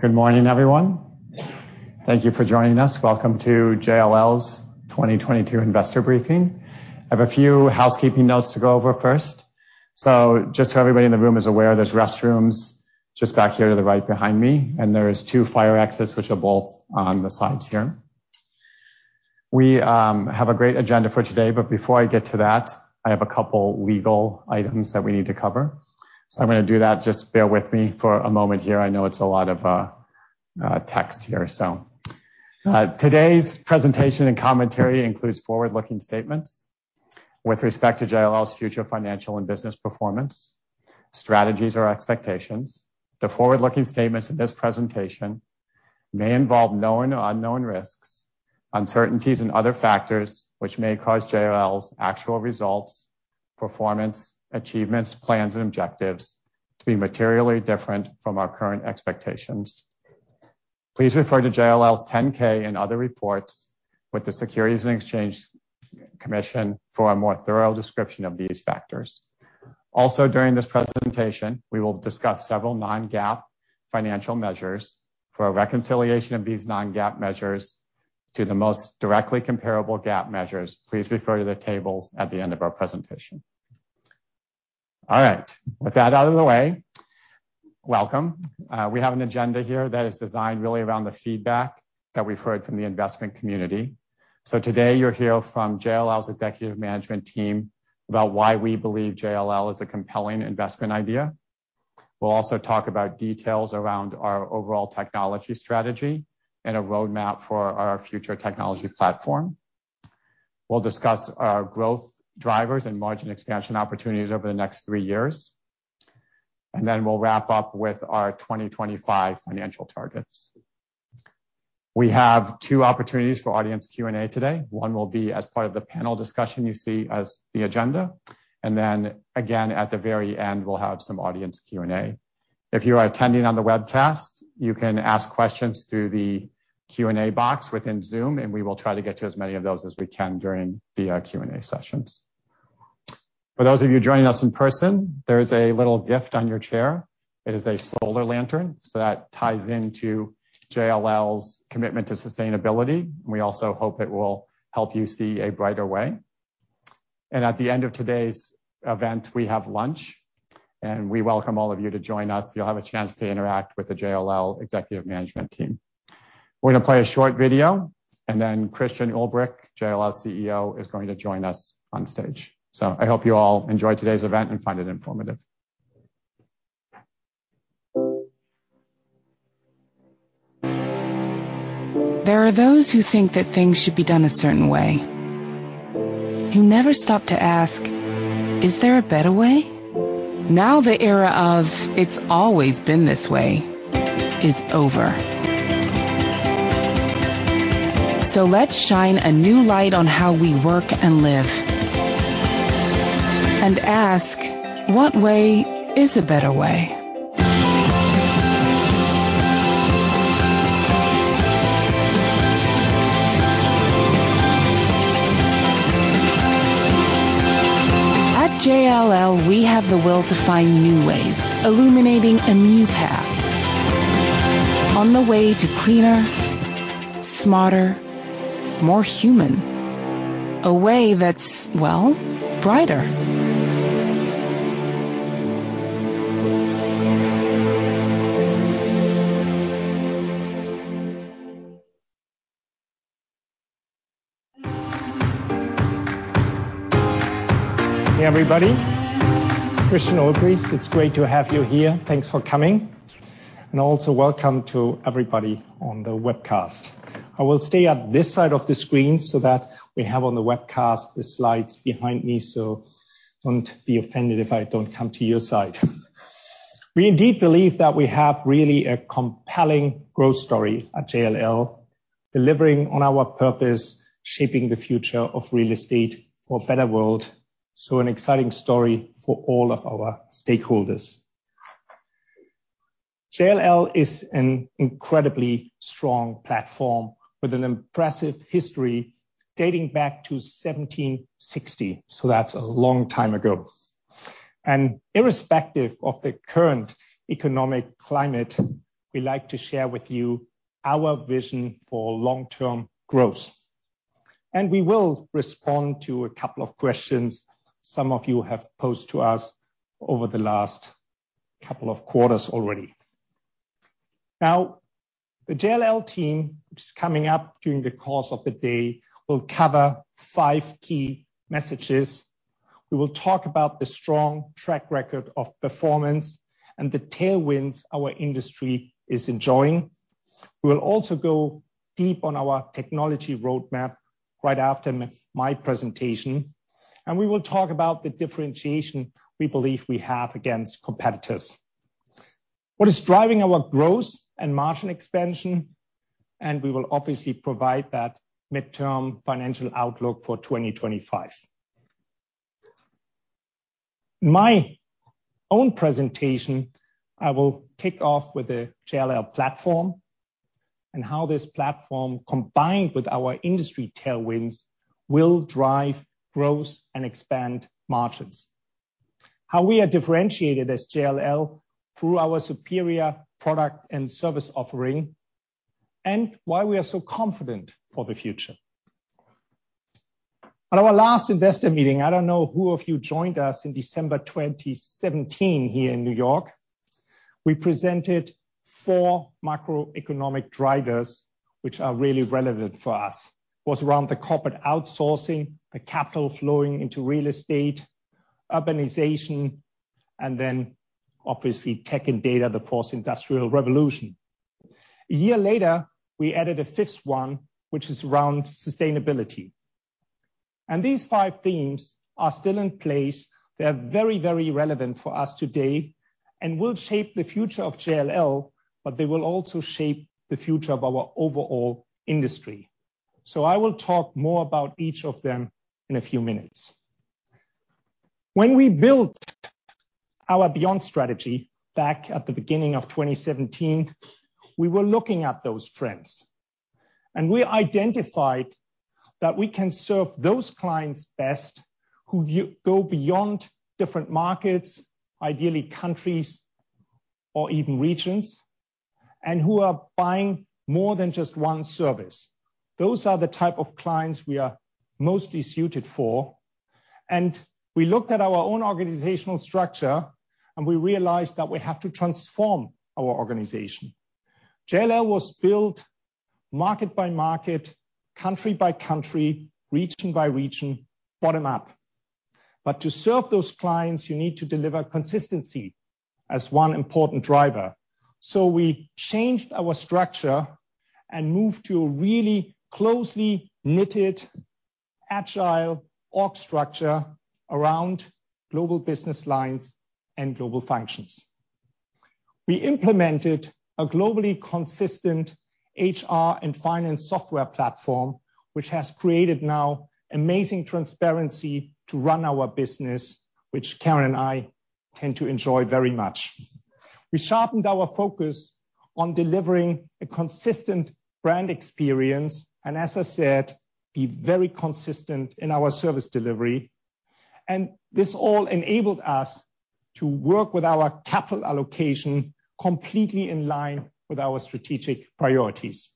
Goodmorning, everyone. Thank you for joining us. Welcome to JLL's 2022 investor briefing. I have a few housekeeping notes to go over first. Just so everybody in the room is aware, there's restrooms just back here to the right behind me, and there is two fire exits, which are both on the sides here. We have a great agenda for today, but before I get to that, I have a couple legal items that we need to cover. I'm gonna do that. Just bear with me for a moment here. I know it's a lot of text here. Today's presentation and commentary includes forward-looking statements with respect to JLL's future financial and business performance, strategies or expectations. The forward-looking statements in this presentation may involve known or unknown risks, uncertainties and other factors which may cause JLL's actual results, performance, achievements, plans, and objectives to be materially different from our current expectations. Please refer to JLL's 10-K and other reports with the Securities and Exchange Commission for a more thorough description of these factors. Also, during this presentation, we will discuss several non-GAAP financial measures. For a reconciliation of these non-GAAP measures to the most directly comparable GAAP measures, please refer to the tables at the end of our presentation. All right. With that out of the way, welcome. We have an agenda here that is designed really around the feedback that we've heard from the investment community. So today you'll hear from JLL's executive management team about why we believe JLL is a compelling investment idea. We'll also talk about details around our overall technology strategy and a roadmap for our future technology platform. We'll discuss our growth drivers and margin expansion opportunities over the next three years, and then we'll wrap up with our 2025 financial targets. We have two opportunities for audience Q&A today. One will be as part of the panel discussion you see as the agenda, and then again at the very end, we'll have some audience Q&A. If you are attending on the webcast, you can ask questions through the Q&A box within Zoom, and we will try to get to as many of those as we can during the Q&A sessions. For those of you joining us in person, there's a little gift on your chair. It is a solar lantern, so that ties into JLL's commitment to sustainability. We also hope it will help you see a brighter way. At the end of today's event, we have lunch, and we welcome all of you to join us. You'll have a chance to interact with the JLL executive management team. We're gonna play a short video, and then Christian Ulbrich, JLL's CEO, is going to join us on stage. I hope you all enjoy today's event and find it informative. There are those who think that things should be done a certain way, who never stop to ask, "Is there a better way?" Now the era of it's always been this way is over. Let's shine a new light on how we work and live and ask, "What way is a better way?" At JLL, we have the will to find new ways, illuminating a new path on the way to cleaner, smarter, more human. A way that's, well, brighter. Hey, everybody. Christian Ulbrich. It's great to have you here. Thanks for coming. Also welcome to everybody on the webcast. I will stay at this side of the screen so that we have on the webcast the slides behind me. Don't be offended if I don't come to your side. We indeed believe that we have really a compelling growth story at JLL, delivering on our purpose, shaping the future of real estate for a better world. An exciting story for all of our stakeholders. JLL is an incredibly strong platform with an impressive history dating back to 1760, so that's a long time ago. Irrespective of the current economic climate, we like to share with you our vision for long-term growth. We will respond to a couple of questions some of you have posed to us over the last couple of quarters already Now, the JLL team, which is coming up during the course of the day, will cover five key messages. We will talk about the strong track record of performance and the tailwinds our industry is enjoying. We will also go deep on our technology roadmap right after my presentation, and we will talk about the differentiation we believe we have against competitors. What is driving our growth and margin expansion, and we will obviously provide that midterm financial outlook for 2025. My own presentation, I will kick off with the JLL platform and how this platform, combined with our industry tailwinds, will drive growth and expand margins. How we are differentiated as JLL through our superior product and service offering, and why we are so confident for the future. At our last investor meeting, I don't know who of you joined us in December 2017 here in New York. We presented four macroeconomic drivers which are really relevant for us. Was around the corporate outsourcing, the capital flowing into real estate, urbanization, and then obviously tech and data, the fourth industrial revolution. A year later, we added a fifth one, which is around sustainability. These five themes are still in place. They are very, very relevant for us today and will shape the future of JLL, but they will also shape the future of our overall industry. I will talk more about each of them in a few minutes. When we built our Beyond strategy back at the beginning of 2017, we were looking at those trends. We identified that we can serve those clients best who go beyond different markets, ideally countries or even regions, and who are buying more than just one service. Those are the type of clients we are mostly suited for. We looked at our own organizational structure, and we realized that we have to transform our organization. JLL was built market by market, country by country, region by region, bottom up. To serve those clients, you need to deliver consistency as one important driver. We changed our structure and moved to a really closely knitted, agile org structure around global business lines and global functions. We implemented a globally consistent HR and finance software platform, which has created now amazing transparency to run our business, which Karen and I tend to enjoy very much. We sharpened our focus on delivering a consistent brand experience and as I said, be very consistent in our service delivery. This all enabled us to work with our capital allocation completely in line with our strategic priorities.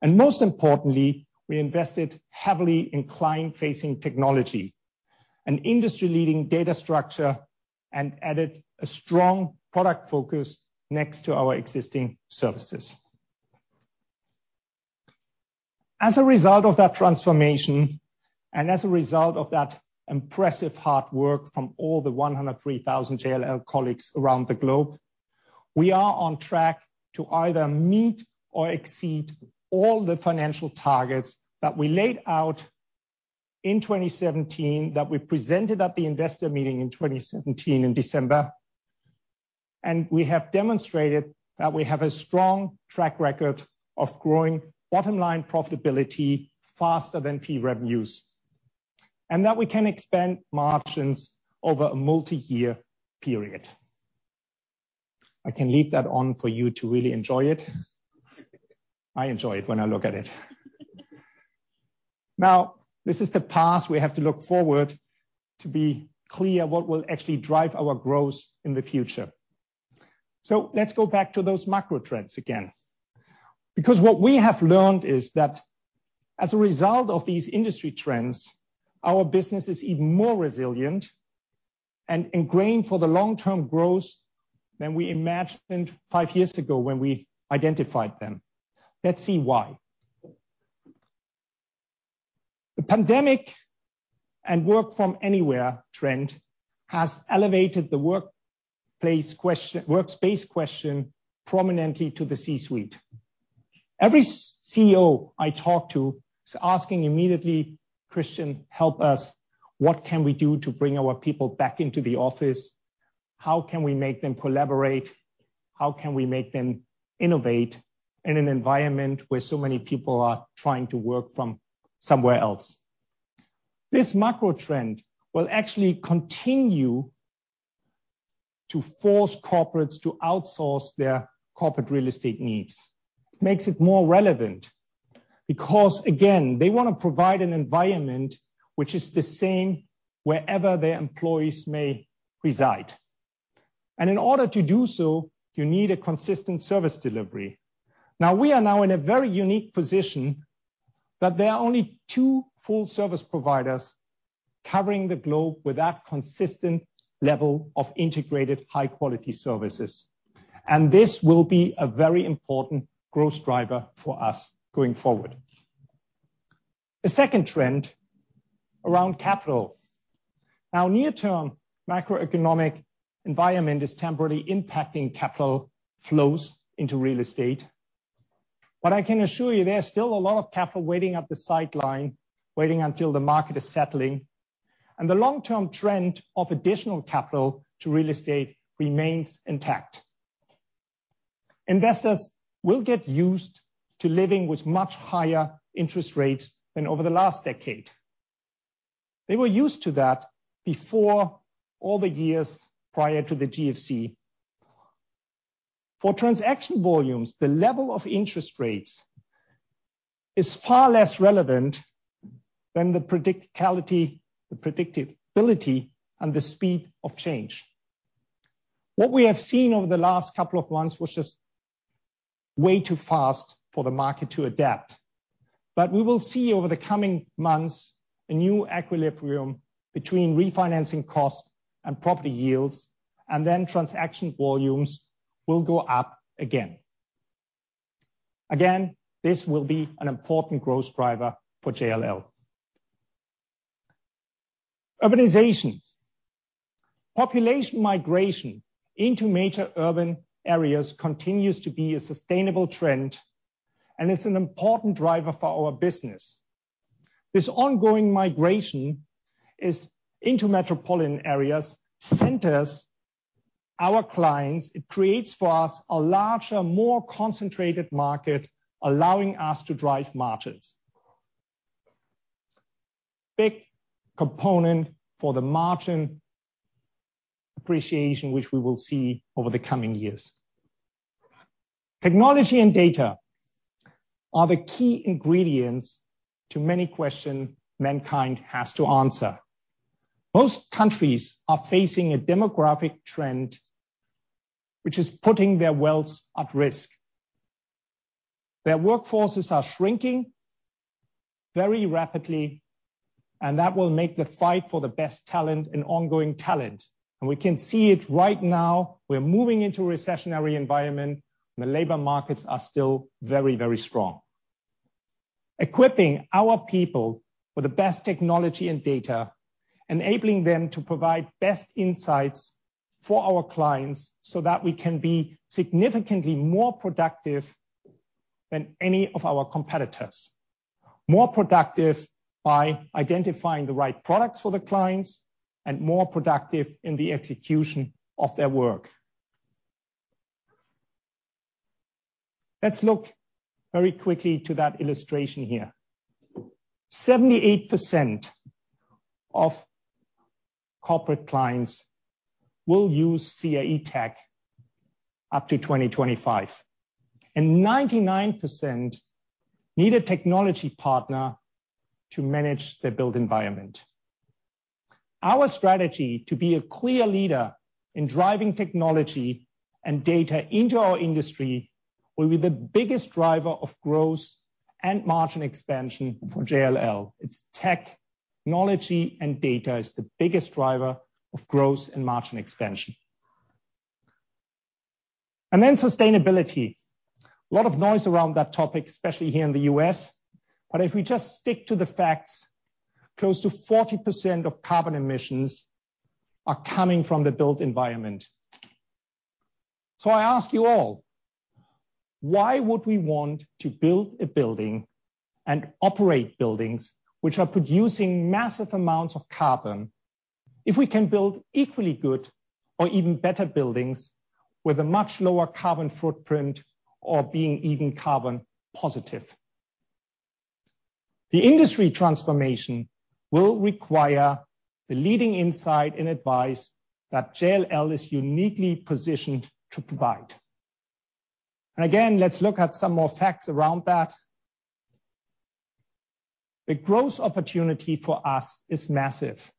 Most importantly, we invested heavily in client-facing technology and industry-leading data structure, and added a strong product focus next to our existing services. As a result of that transformation, and as a result of that impressive hard work from all the 103,000 JLL colleagues around the globe, we are on track to either meet or exceed all the financial targets that we laid out in 2017, that we presented at the investor meeting in 2017 in December. We have demonstrated that we have a strong track record of growing bottom line profitability faster than fee revenues. That we can expand margins over a multiyear period. I can leave that on for you to really enjoy it. I enjoy it when I look at it. Now, this is the past. We have to look forward to be clear what will actually drive our growth in the future. Let's go back to those macro trends again. Because what we have learned is that as a result of these industry trends, our business is even more resilient and ingrained for the long-term growth than we imagined five years ago when we identified them. Let's see why. The pandemic and work from anywhere trend has elevated the workspace question prominently to the C-suite. Every CEO I talk to is asking immediately, "Christian, help us. What can we do to bring our people back into the office? How can we make them collaborate? How can we make them innovate in an environment where so many people are trying to work from somewhere else?" This macro trend will actually continue to force corporates to outsource their corporate real estate needs. Makes it more relevant because, again, they wanna provide an environment which is the same wherever their employees may reside. In order to do so, you need a consistent service delivery. Now, we are now in a very unique position that there are only two full service providers covering the globe with that consistent level of integrated high-quality services. This will be a very important growth driver for us going forward. The second trend around capital. Our near-term macroeconomic environment is temporarily impacting capital flows into real estate. I can assure you there's still a lot of capital waiting at the sideline, waiting until the market is settling, and the long-term trend of additional capital to real estate remains intact. Investors will get used to living with much higher interest rates than over the last decade. They were used to that before all the years prior to the GFC. For transaction volumes, the level of interest rates is far less relevant than the predictability, and the speed of change. What we have seen over the last couple of months was just way too fast for the market to adapt. We will see over the coming months a new equilibrium between refinancing costs and property yields, and then transaction volumes will go up again. Again, this will be an important growth driver for JLL. Urbanization. Population migration into major urban areas continues to be a sustainable trend, and it's an important driver for our business. This ongoing migration is into metropolitan areas, centers our clients. It creates for us a larger, more concentrated market, allowing us to drive margins. Big component for the margin appreciation, which we will see over the coming years. Technology and data are the key ingredients to many questions mankind has to answer. Most countries are facing a demographic trend which is putting their wealth at risk. Their workforces are shrinking very rapidly, and that will make the fight for the best talent an ongoing talent. We can see it right now, we're moving into a recessionary environment, and the labor markets are still very, very strong. Equipping our people with the best technology and data, enabling them to provide best insights for our clients so that we can be significantly more productive than any of our competitors. More productive by identifying the right products for the clients, and more productive in the execution of their work. Let's look very quickly to that illustration here. 78% of corporate clients will use CRE tech up to 2025, and 99% need a technology partner to manage their built environment. Our strategy to be a clear leader in driving technology and data into our industry will be the biggest driver of growth and margin expansion for JLL. It's technology and data is the biggest driver of growth and margin expansion. Sustainability. A lot of noise around that topic, especially here in the U.S. If we just stick to the facts, close to 40% of carbon emissions are coming from the built environment. I ask you all, why would we want to build a building and operate buildings which are producing massive amounts of carbon, if we can build equally good or even better buildings with a much lower carbon footprint or being even carbon positive? The industry transformation will require the leading insight and advice that JLL is uniquely positioned to provide. Again, let's look at some more facts around that. The growth opportunity for us is massive.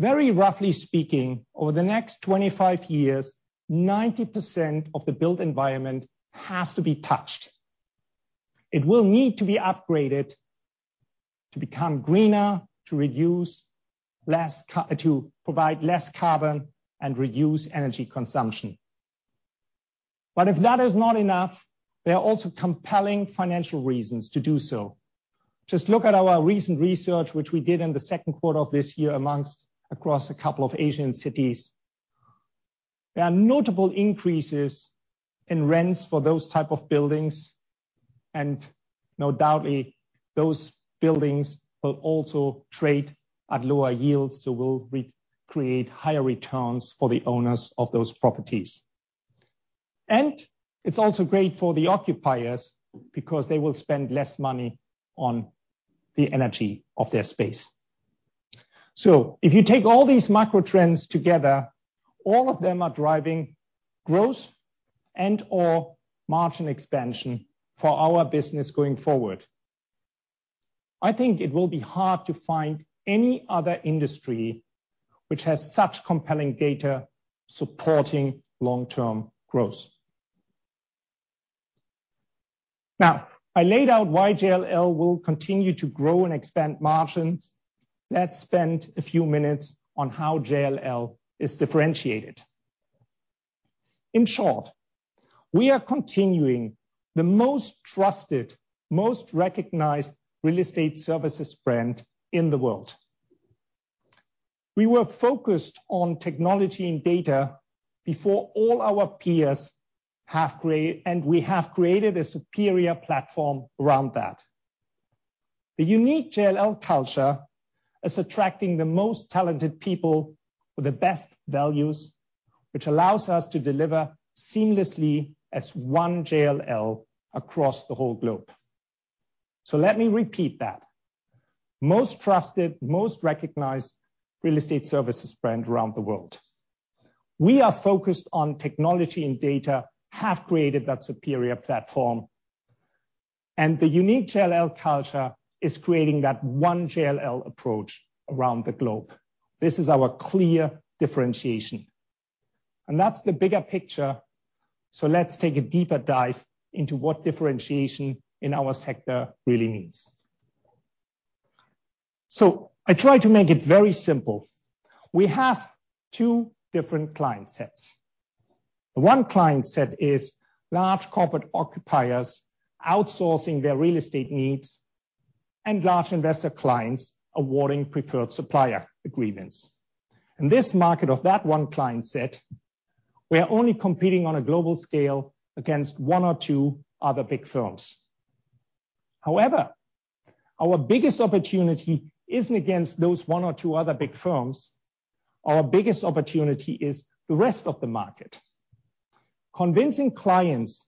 Very roughly speaking, over the next 25 years, 90% of the built environment has to be touched. It will need to be upgraded to become greener, to provide less carbon and reduce energy consumption. If that is not enough, there are also compelling financial reasons to do so. Just look at our recent research, which we did in the second quarter of this year across a couple of Asian cities. There are notable increases in rents for those type of buildings, and undoubtedly those buildings will also trade at lower yields. We'll create higher returns for the owners of those properties. It's also great for the occupiers because they will spend less money on the energy of their space. If you take all these macro trends together, all of them are driving growth and/or margin expansion for our business going forward. I think it will be hard to find any other industry which has such compelling data supporting long-term growth. Now, I laid out why JLL will continue to grow and expand margins. Let's spend a few minutes on how JLL is differentiated. In short, we are continuing the most trusted, most recognized real estate services brand in the world. We were focused on technology and data before all our peers and we have created a superior platform around that. The unique JLL culture is attracting the most talented people with the best values, which allows us to deliver seamlessly as one JLL across the whole globe. Let me repeat that. Most trusted, most recognized real estate services brand around the world. We are focused on technology and data, have created that superior platform. The unique JLL culture is creating that one JLL approach around the globe. This is our clear differentiation. That's the bigger picture, so let's take a deeper dive into what differentiation in our sector really means. I try to make it very simple. We have two different client sets. The one client set is large corporate occupiers outsourcing their real estate needs and large investor clients awarding preferred supplier agreements. In this market of that one client set, we are only competing on a global scale against one or two other big firms. However, our biggest opportunity isn't against those one or two other big firms. Our biggest opportunity is the rest of the market. Convincing clients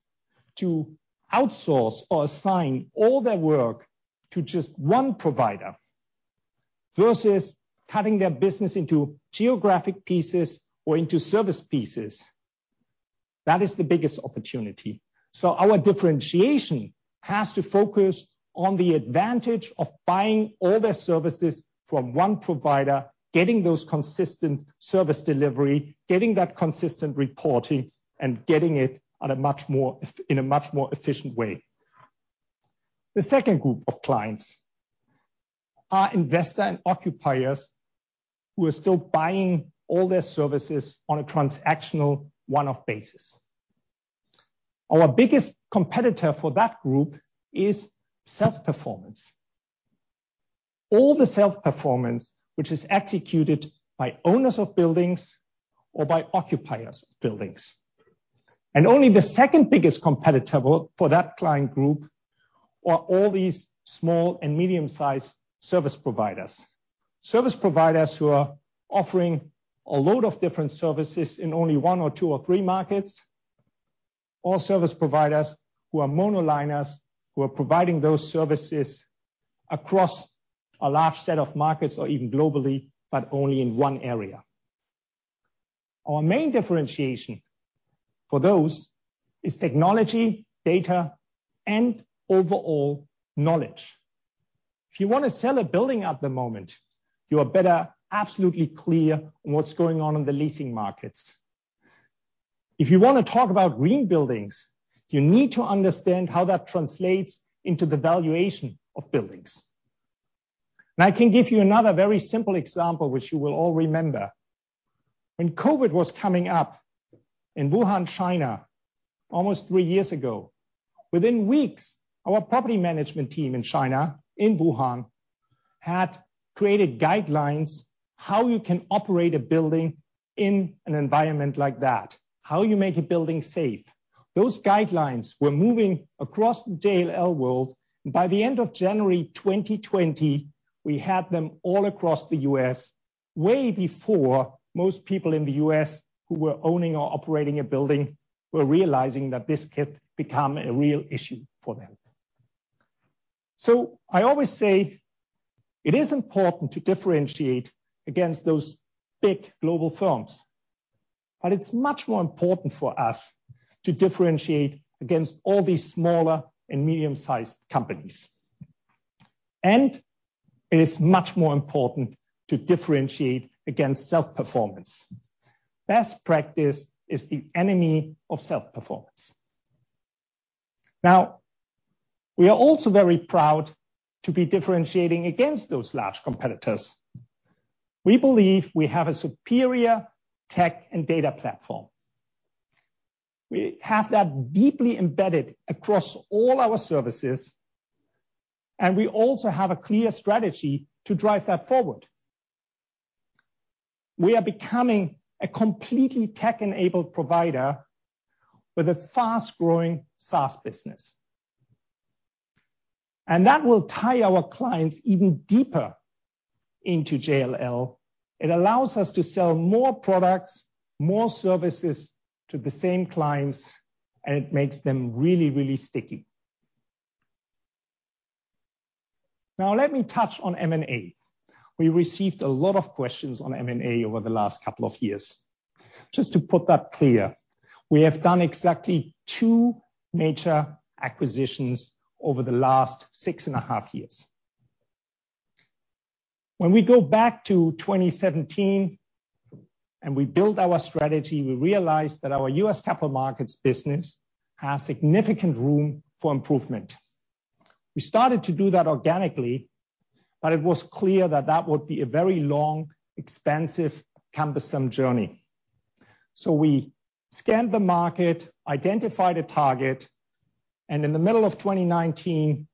to outsource or assign all their work to just one provider versus cutting their business into geographic pieces or into service pieces, that is the biggest opportunity. Our differentiation has to focus on the advantage of buying all their services from one provider, getting those consistent service delivery, getting that consistent reporting, and getting it in a much more efficient way. The second group of clients are investors and occupiers who are still buying all their services on a transactional one-off basis. Our biggest competitor for that group is self-performance. All the self-performance which is executed by owners of buildings or by occupiers of buildings. Only the second biggest competitor for that client group are all these small and medium-sized service providers. Service providers who are offering a lot of different services in only one or two or three markets. All service providers who are mono-liners, who are providing those services across a large set of markets or even globally, but only in one area. Our main differentiation for those is technology, data, and overall knowledge. If you wanna sell a building at the moment, you'd better be absolutely clear on what's going on in the leasing markets. If you wanna talk about green buildings, you need to understand how that translates into the valuation of buildings. Now, I can give you another very simple example which you will all remember. When COVID was coming up in Wuhan, China almost three years ago, within weeks, our property management team in China, in Wuhan, had created guidelines how you can operate a building in an environment like that, how you make a building safe. Those guidelines were moving across the JLL world, and by the end of January 2020, we had them all across the U.S. way before most people in the U.S. who were owning or operating a building were realizing that this could become a real issue for them. I always say it is important to differentiate against those big global firms, but it's much more important for us to differentiate against all these smaller and medium-sized companies. It is much more important to differentiate against self-performance. Best practice is the enemy of self-performance. Now, we are also very proud to be differentiating against those large competitors. We believe we have a superior tech and data platform. We have that deeply embedded across all our services, and we also have a clear strategy to drive that forward. We are becoming a completely tech-enabled provider with a fast-growing SaaS business. That will tie our clients even deeper into JLL. It allows us to sell more products, more services to the same clients, and it makes them really, really sticky. Now let me touch on M&A. We received a lot of questions on M&A over the last couple of years. Just to make that clear, we have done exactly two major acquisitions over the last six and a half years. When we go back to 2017, and we built our strategy, we realized that our US Capital Markets business has significant room for improvement. We started to do that organically, but it was clear that that would be a very long, expensive, cumbersome journey. We scanned the market, identified a target, and in the middle of 2019,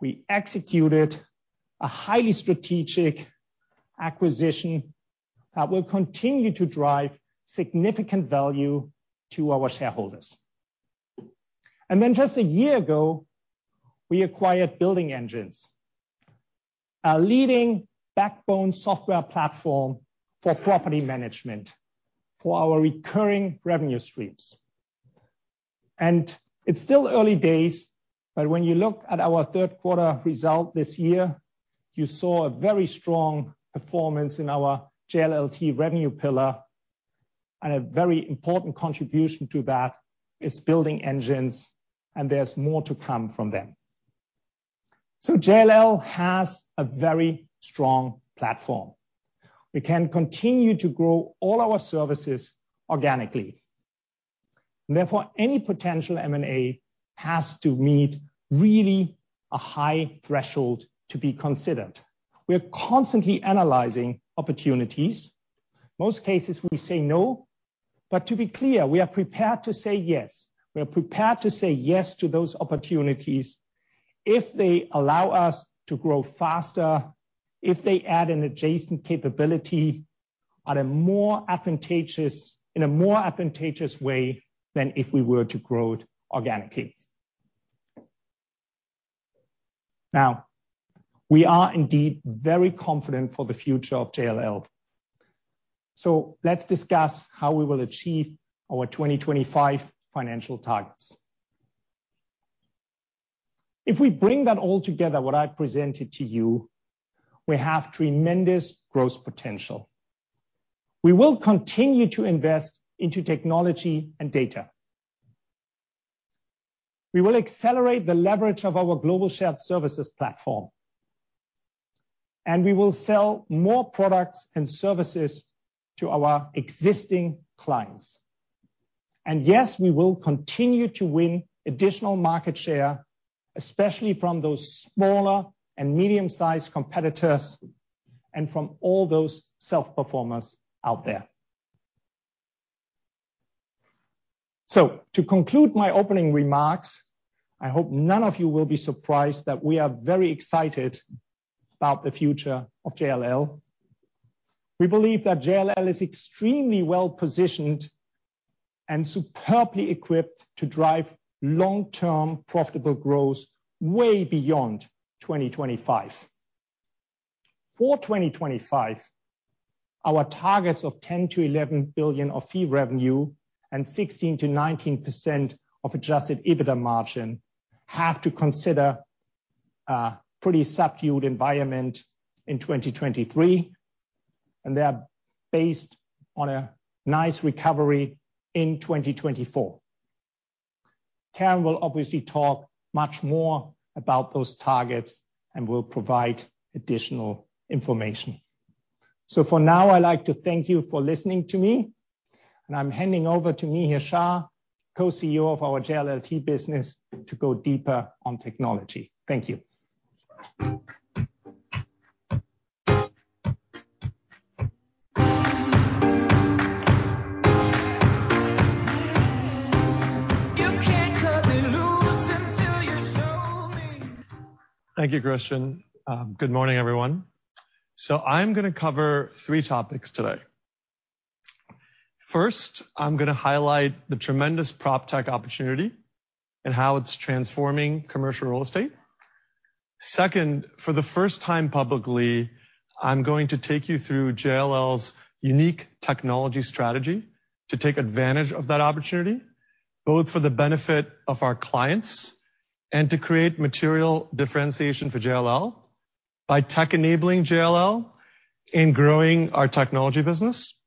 we executed a highly strategic acquisition that will continue to drive significant value to our shareholders. Just a year ago, we acquired Building Engines, our leading backbone software platform for property management for our recurring revenue streams. It's still early days, but when you look at our third quarter result this year, you saw a very strong performance in our JLLT revenue pillar, and a very important contribution to that is Building Engines, and there's more to come from them. JLL has a very strong platform. We can continue to grow all our services organically. Therefore, any potential M&A has to meet really a high threshold to be considered. We are constantly analyzing opportunities. Most cases we say no, but to be clear, we are prepared to say yes. We are prepared to say yes to those opportunities if they allow us to grow faster, if they add an adjacent capability in a more advantageous way than if we were to grow it organically. Now, we are indeed very confident for the future of JLL. Let's discuss how we will achieve our 2025 financial targets. If we bring that all together, what I presented to you, we have tremendous growth potential. We will continue to invest into technology and data. We will accelerate the leverage of our global shared services platform. We will sell more products and services to our existing clients. Yes, we will continue to win additional market share, especially from those smaller and medium-sized competitors and from all those self-performers out there. To conclude my opening remarks, I hope none of you will be surprised that we are very excited about the future of JLL. We believe that JLL is extremely well-positioned and superbly equipped to drive long-term profitable growth way beyond 2025. For 2025, our targets of $10 billion-$11 billion of fee revenue and 16%-19% Adjusted EBITDA margin have to consider a pretty subdued environment in 2023. They are based on a nice recovery in 2024. Karen will obviously talk much more about those targets and will provide additional information. For now, I'd like to thank you for listening to me. I'm handing over to Mihir Shah, co-CEO of our JLLT business to go deeper on technology. Thank you. Thank you, Christian. Good morning, everyone. I'm gonna cover three topics today. First, I'm gonna highlight the tremendous proptech opportunity and how it's transforming commercial real estate. Second, for the first time publicly, I'm going to take you through JLL's unique technology strategy to take advantage of that opportunity, both for the benefit of our clients and to create material differentiation for JLL by tech enabling JLL in growing our technology business.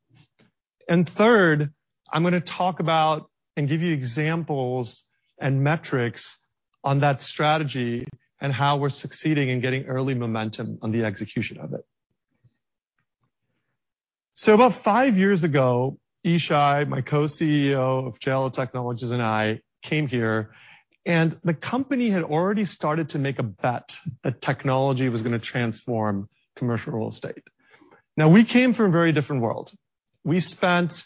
Third, I'm gonna talk about and give you examples and metrics on that strategy and how we're succeeding in getting early momentum on the execution of it. About five years ago, Ishai, my co-CEO of JLL Technologies, and I came here, and the company had already started to make a bet that technology was gonna transform commercial real estate. Now, we came from a very different world. We spent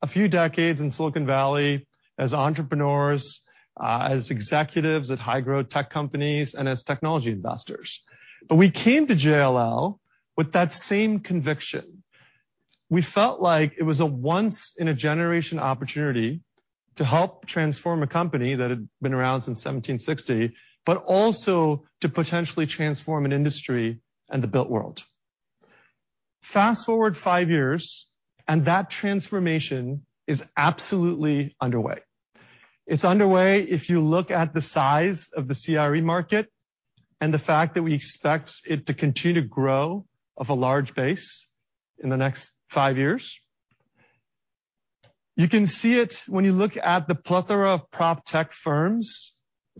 a few decades in Silicon Valley as entrepreneurs, as executives at high-growth tech companies and as technology investors. We came to JLL with that same conviction. We felt like it was a once in a generation opportunity to help transform a company that had been around since 1760, but also to potentially transform an industry and the built world. Fast-forward five years, and that transformation is absolutely underway. It's underway if you look at the size of the CRE market and the fact that we expect it to continue to grow off a large base in the next five years. You can see it when you look at the plethora of proptech firms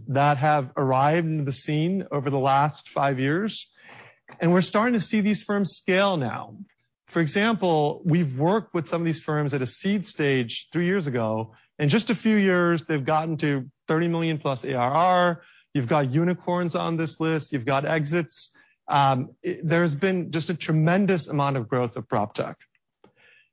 that have arrived on the scene over the last five years, and we're starting to see these firms scale now. For example, we've worked with some of these firms at a seed stage three years ago. In just a few years, they've gotten to $30 million plus ARR. You've got unicorns on this list. You've got exits. There's been just a tremendous amount of growth of proptech.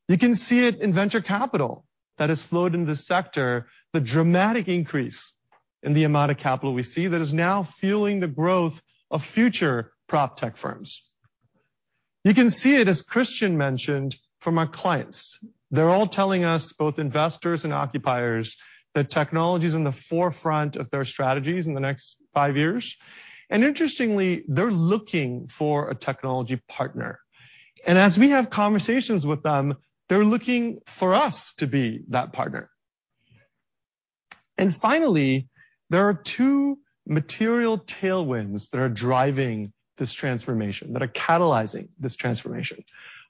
You can see it in venture capital that has flowed into the sector, the dramatic increase in the amount of capital we see that is now fueling the growth of future proptech firms. You can see it, as Christian mentioned, from our clients. They're all telling us, both investors and occupiers, that technology is in the forefront of their strategies in the next five years. Interestingly, they're looking for a technology partner. As we have conversations with them, they're looking for us to be that partner. Finally, there are two material tailwinds that are driving this transformation, that are catalyzing this transformation.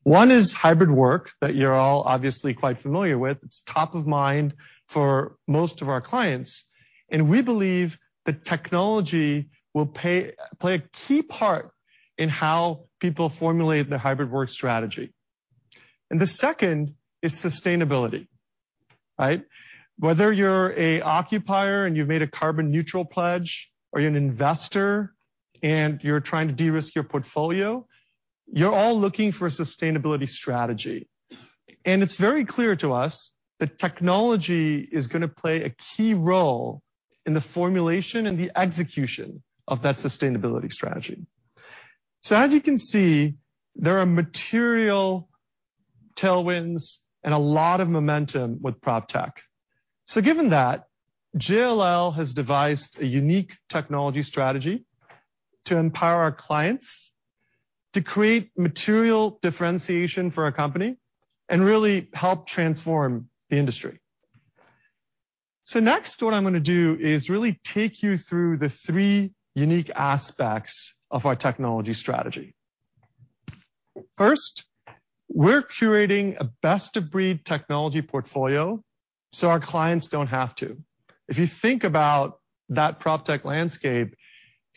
One is hybrid work that you're all obviously quite familiar with. It's top of mind for most of our clients, and we believe that technology will play a key part in how people formulate their hybrid work strategy. The second is sustainability, right? Whether you're an occupier and you've made a carbon neutral pledge or you're an investor and you're trying to de-risk your portfolio, you're all looking for a sustainability strategy. It's very clear to us that technology is gonna play a key role in the formulation and the execution of that sustainability strategy. As you can see, there are material tailwinds and a lot of momentum with proptech. Given that, JLL has devised a unique technology strategy to empower our clients to create material differentiation for our company and really help transform the industry. Next, what I'm gonna do is really take you through the three unique aspects of our technology strategy. First, we're curating a best-of-breed technology portfolio, so our clients don't have to. If you think about that PropTech landscape,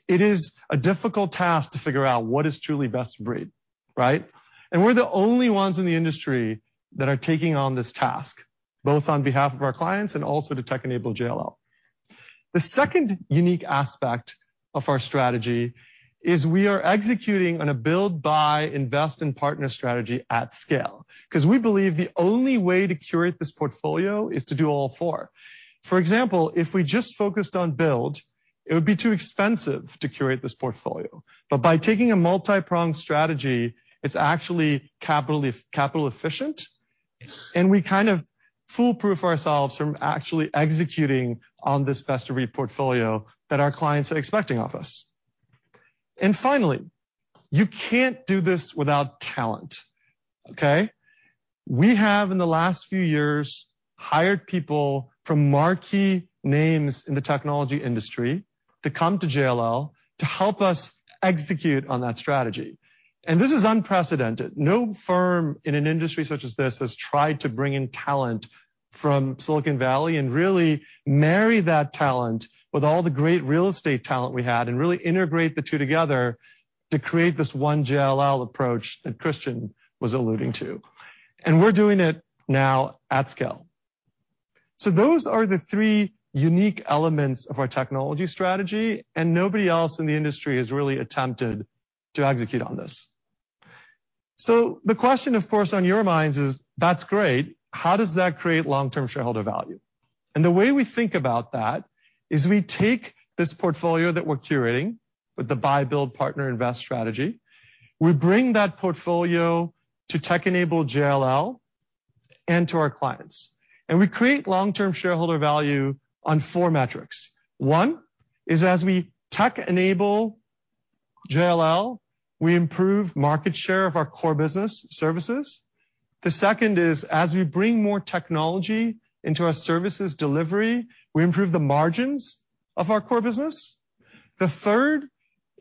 it is a difficult task to figure out what is truly best of breed, right? We're the only ones in the industry that are taking on this task, both on behalf of our clients and also to tech-enable JLL. The second unique aspect of our strategy is we are executing on a build, buy, invest and partner strategy at scale, 'cause we believe the only way to curate this portfolio is to do all four. For example, if we just focused on build, it would be too expensive to curate this portfolio. By taking a multi-pronged strategy, it's actually capital efficient, and we kind of foolproof ourselves from actually executing on this best-of-breed portfolio that our clients are expecting of us. You can't do this without talent, okay? We have, in the last few years, hired people from marquee names in the technology industry to come to JLL to help us execute on that strategy. This is unprecedented. No firm in an industry such as this has tried to bring in talent from Silicon Valley and really marry that talent with all the great real estate talent we had, and really integrate the two together to create this one JLL approach that Christian was alluding to. We're doing it now at scale. Those are the three unique elements of our technology strategy, and nobody else in the industry has really attempted to execute on this. The question, of course, on your minds is, "That's great. How does that create long-term shareholder value?" The way we think about that is we take this portfolio that we're curating with the buy, build, partner, invest strategy. We bring that portfolio to tech-enabled JLL and to our clients. We create long-term shareholder value on four metrics. One is, as we tech enable JLL, we improve market share of our core business services. The second is, as we bring more technology into our services delivery, we improve the margins of our core business. The third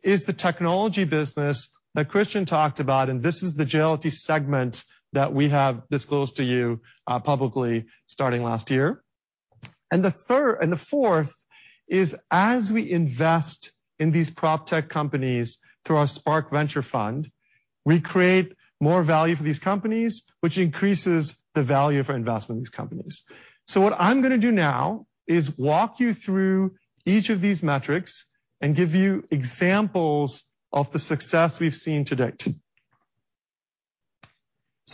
is the technology business that Christian talked about, and this is the JLLT segment that we have disclosed to you publicly starting last year. The fourth is, as we invest in these PropTech companies through our Spark venture fund, we create more value for these companies, which increases the value of our investment in these companies. What I'm gonna do now is walk you through each of these metrics and give you examples of the success we've seen to date.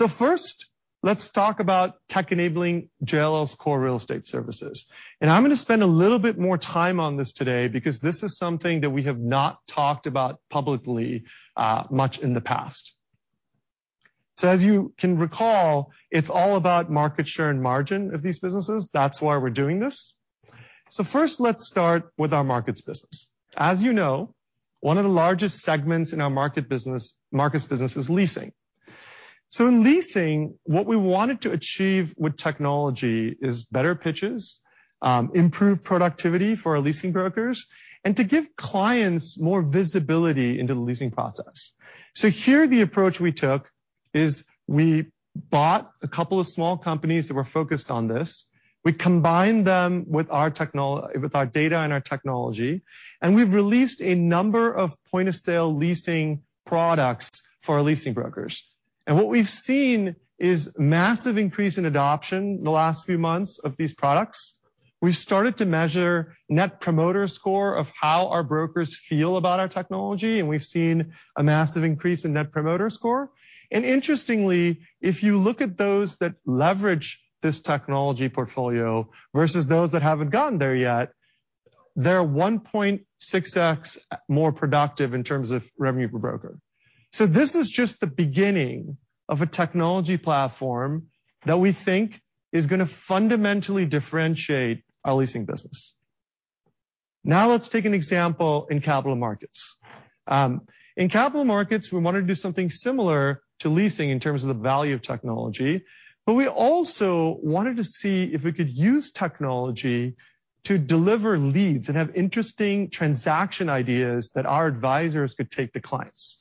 First, let's talk about tech enabling JLL's core real estate services. I'm gonna spend a little bit more time on this today because this is something that we have not talked about publicly much in the past. As you can recall, it's all about market share and margin of these businesses. That's why we're doing this. First, let's start with our markets business. As you know, one of the largest segments in our markets business is leasing. In leasing, what we wanted to achieve with technology is better pitches, improve productivity for our leasing brokers, and to give clients more visibility into the leasing process. Here, the approach we took is we bought a couple of small companies that were focused on this. We combined them with our data and our technology, and we've released a number of point-of-sale leasing products for our leasing brokers. What we've seen is massive increase in adoption in the last few months of these products. We've started to measure net promoter score of how our brokers feel about our technology, and we've seen a massive increase in net promoter score. Interestingly, if you look at those that leverage this technology portfolio versus those that haven't gotten there yet, they're 1.6x more productive in terms of revenue per broker. This is just the beginning of a technology platform that we think is gonna fundamentally differentiate our leasing business. Now let's take an example in Capital Markets. In Capital Markets, we wanna do something similar to leasing in terms of the value of technology, but we also wanted to see if we could use technology to deliver leads and have interesting transaction ideas that our advisors could take to clients.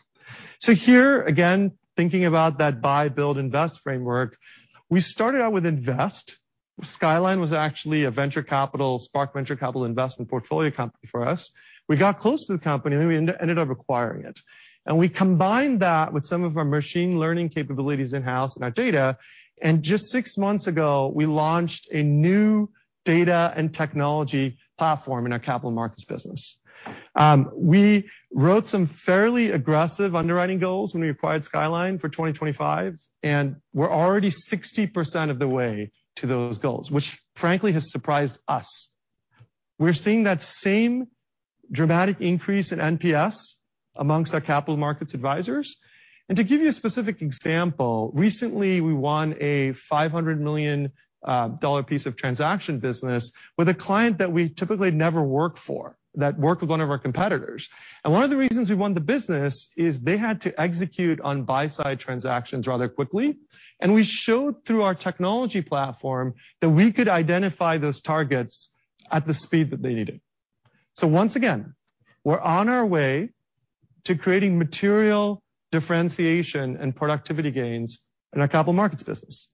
Here, again, thinking about that buy, build, invest framework, we started out with invest. Skyline AI was actually a JLL Spark venture capital investment portfolio company for us. We got close to the company, then we ended up acquiring it. We combined that with some of our machine learning capabilities in-house and our data, and just six months ago, we launched a new data and technology platform in our Capital Markets business. We wrote some fairly aggressive underwriting goals when we acquired Skyline AI for 2025, and we're already 60% of the way to those goals, which frankly has surprised us. We're seeing that same dramatic increase in NPS among our Capital Markets advisors. To give you a specific example, recently we won a $500 million dollar piece of transaction business with a client that we typically never worked for, that worked with one of our competitors. One of the reasons we won the business is they had to execute on buy-side transactions rather quickly, and we showed through our technology platform that we could identify those targets at the speed that they needed. Once again, we're on our way to creating material differentiation and productivity gains in our Capital Markets business.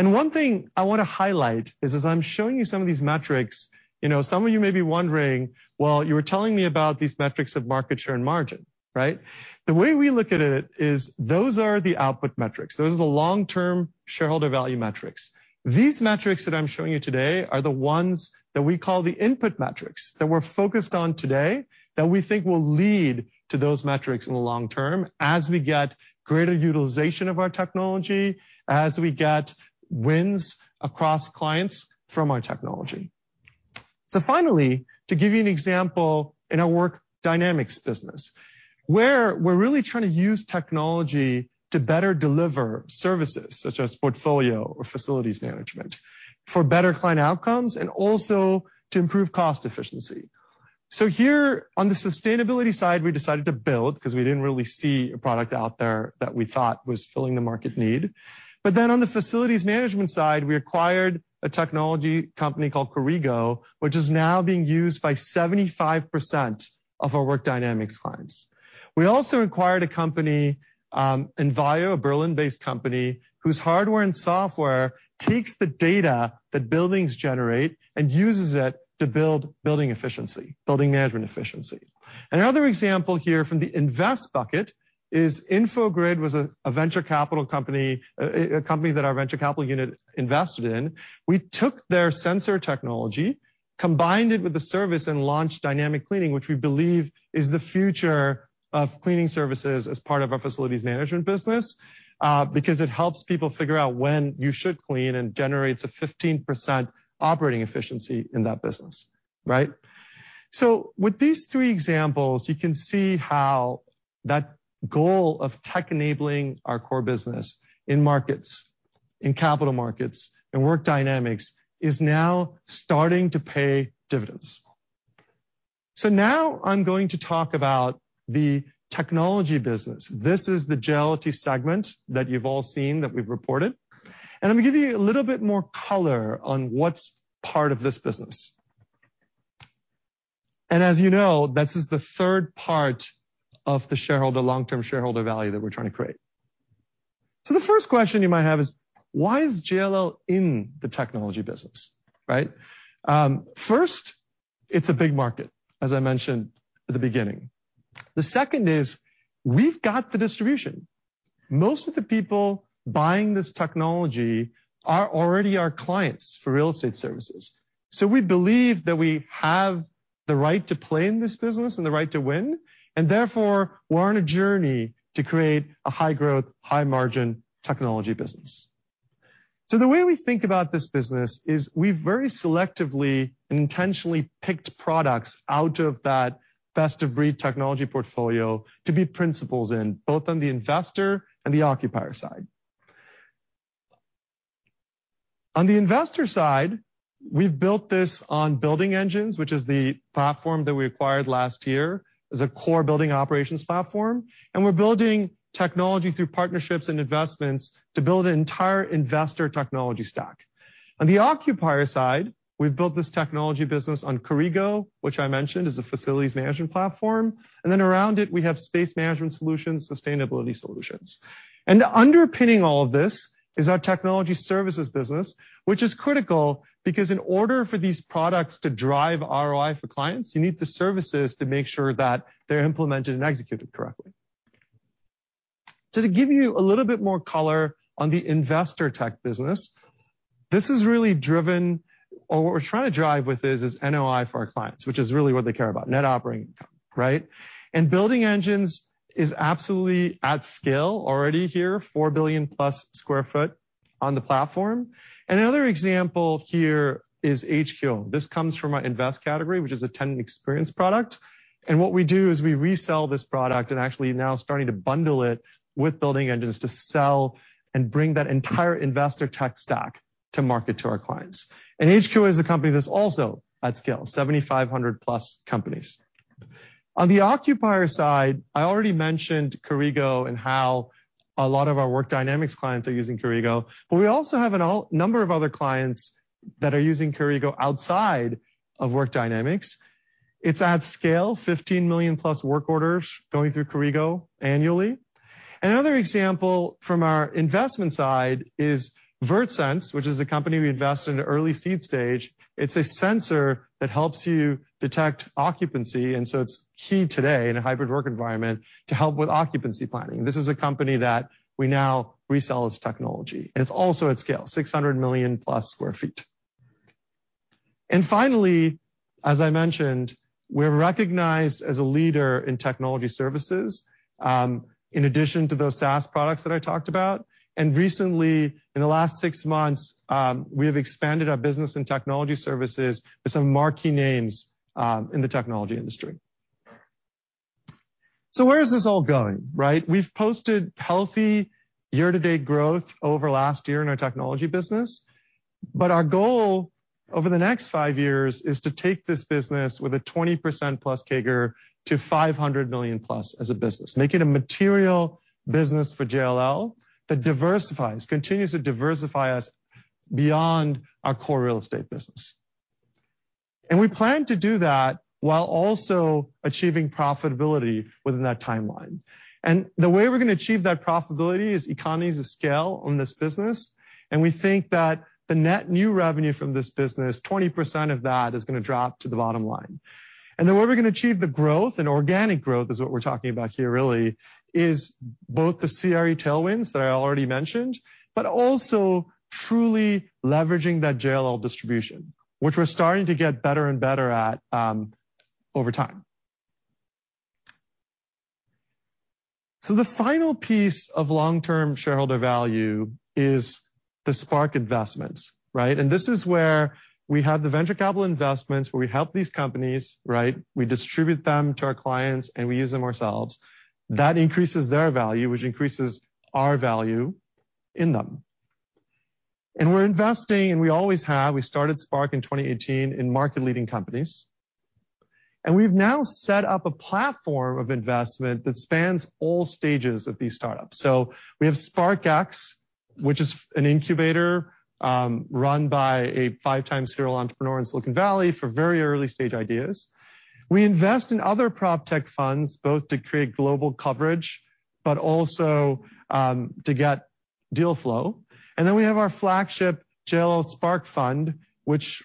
One thing I wanna highlight is, as I'm showing you some of these metrics, you know, some of you may be wondering, well, you were telling me about these metrics of market share and margin, right? The way we look at it is those are the output metrics. Those are the long-term shareholder value metrics. These metrics that I'm showing you today are the ones that we call the input metrics that we're focused on today that we think will lead to those metrics in the long term as we get greater utilization of our technology, as we get wins across clients from our technology. Finally, to give you an example in our Work Dynamics business, where we're really trying to use technology to better deliver services such as portfolio or facilities management for better client outcomes and also to improve cost efficiency. Here on the sustainability side, we decided to build because we didn't really see a product out there that we thought was filling the market need. On the facilities management side, we acquired a technology company called Corrigo, which is now being used by 75% of our Work Dynamics clients. We also acquired a company, Envio, a Berlin-based company whose hardware and software takes the data that buildings generate and uses it to build building management efficiency. Another example here from the invest bucket is Infogrid, a company that our venture capital unit invested in. We took their sensor technology, combined it with the service, and launched dynamic cleaning, which we believe is the future of cleaning services as part of our facilities management business, because it helps people figure out when you should clean and generates a 15% operating efficiency in that business, right? With these three examples, you can see how that goal of tech enabling our core business in Markets, in Capital Markets and Work Dynamics is now starting to pay dividends. Now I'm going to talk about the technology business. This is the JLLT segment that you've all seen that we've reported, and I'm gonna give you a little bit more color on what's part of this business. As you know, this is the third part of the long-term shareholder value that we're trying to create. The first question you might have is: Why is JLL in the technology business, right? First, it's a big market, as I mentioned at the beginning. The second is we've got the distribution. Most of the people buying this technology are already our clients for real estate services. We believe that we have the right to play in this business and the right to win, and therefore, we're on a journey to create a high-growth, high-margin technology business. The way we think about this business is we've very selectively and intentionally picked products out of that best-of-breed technology portfolio to be principals in, both on the investor and the occupier side. On the investor side, we've built this on Building Engines, which is the platform that we acquired last year as a core building operations platform, and we're building technology through partnerships and investments to build an entire investor technology stack. On the occupier side, we've built this technology business on Corrigo, which I mentioned is a facilities management platform. We have space management solutions, sustainability solutions. Underpinning all of this is our technology services business, which is critical because in order for these products to drive ROI for clients, you need the services to make sure that they're implemented and executed correctly. To give you a little bit more color on the investor tech business, this is really what we're trying to drive with this is NOI for our clients, which is really what they care about, net operating income, right? Building Engines is absolutely at scale already here, 4 billion+ sq ft on the platform. Another example here is HqO. This comes from our investment category, which is a tenant experience product. What we do is we resell this product and actually now starting to bundle it with Building Engines to sell and bring that entire investor tech stack to market to our clients. HqO is a company that's also at scale, 7,500+ companies. On the occupier side, I already mentioned Corrigo and how a lot of our Work Dynamics clients are using Corrigo, but we also have a number of other clients that are using Corrigo outside of Work Dynamics. It's at scale, 15 million+ work orders going through Corrigo annually. Another example from our investment side is VergeSense, which is a company we invest in early seed stage. It's a sensor that helps you detect occupancy, and it's key today in a hybrid work environment to help with occupancy planning. This is a company that we now resell its technology, and it's also at scale, 600 million+ sq ft. Finally, as I mentioned, we're recognized as a leader in technology services in addition to those SaaS products that I talked about. Recently in the last six months, we have expanded our business and technology services with some marquee names in the technology industry. Where is this all going, right? We've posted healthy year-to-date growth over last year in our technology business. Our goal over the next five years is to take this business with a 20%+ CAGR to $500 million+ as a business, make it a material business for JLL that diversifies, continues to diversify us beyond our core real estate business. We plan to do that while also achieving profitability within that timeline. The way we're gonna achieve that profitability is economies of scale on this business. We think that the net new revenue from this business, 20% of that is gonna drop to the bottom line. The way we're gonna achieve the growth, and organic growth is what we're talking about here really, is both the CRE tailwinds that I already mentioned, but also truly leveraging that JLL distribution, which we're starting to get better and better at, over time. The final piece of long-term shareholder value is the Spark investments, right? This is where we have the venture capital investments, where we help these companies, right? We distribute them to our clients, and we use them ourselves. That increases their value, which increases our value in them. We're investing, and we always have. We started Spark in 2018 in market leading companies. We've now set up a platform of investment that spans all stages of these startups. We have Spark X, which is an incubator run by a five-time serial entrepreneur in Silicon Valley for very early-stage ideas. We invest in other proptech funds, both to create global coverage but also to get deal flow. Then we have our flagship JLL Spark fund,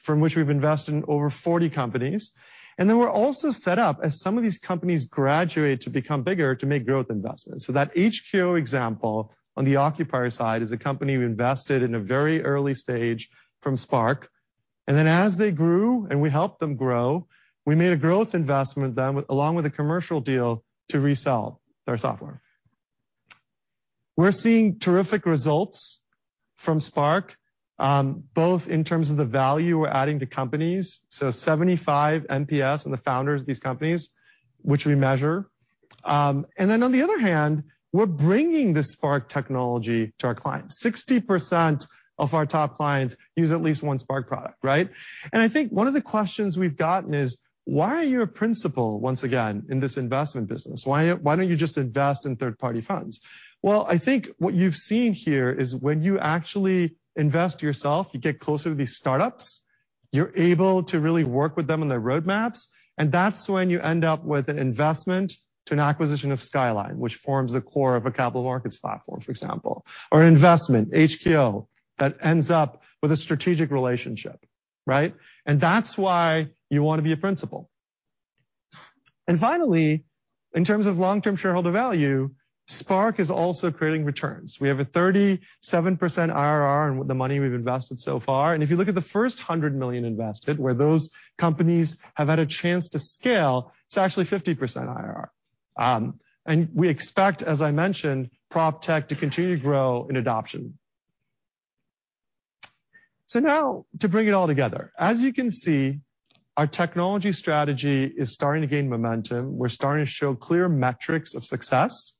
from which we've invested in over 40 companies. Then we're also set up as some of these companies graduate to become bigger to make growth investments. That HqO example on the occupier side is a company we invested in a very early stage from Spark. As they grew, and we helped them grow, we made a growth investment with them along with a commercial deal to resell their software. We're seeing terrific results from Spark, both in terms of the value we're adding to companies, so 75 NPS on the founders of these companies, which we measure. On the other hand, we're bringing this Spark technology to our clients. 60% of our top clients use at least one Spark product, right? I think one of the questions we've gotten is, "Why are you a principal once again in this investment business? Why don't you just invest in third-party funds?" Well, I think what you've seen here is when you actually invest yourself, you get closer to these startups, you're able to really work with them on their roadmaps, and that's when you end up with an investment to an acquisition of Skyline, which forms the core of a Capital Markets platform, for example. An investment, HqO, that ends up with a strategic relationship, right? That's why you want to be a principal. Finally, in terms of long-term shareholder value, Spark is also creating returns. We have a 37% IRR on the money we've invested so far. If you look at the first $100 million invested, where those companies have had a chance to scale, it's actually 50% IRR. We expect, as I mentioned, proptech to continue to grow in adoption. Now to bring it all together, as you can see, our technology strategy is starting to gain momentum. We're starting to show clear metrics of success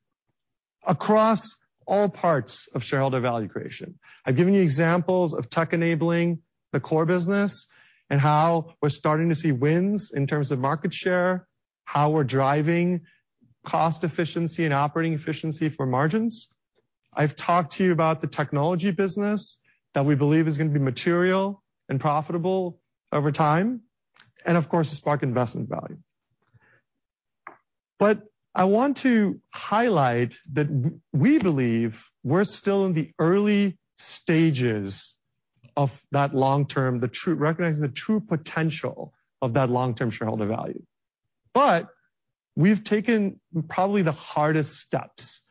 across all parts of shareholder value creation. I've given you examples of tech enabling the core business and how we're starting to see wins in terms of market share, how we're driving cost efficiency and operating efficiency for margins. I've talked to you about the technology business that we believe is gonna be material and profitable over time, and of course, the Spark investment value. I want to highlight that we believe we're still in the early stages of that long-term, recognizing the true potential of that long-term shareholder value. We've taken probably the hardest steps.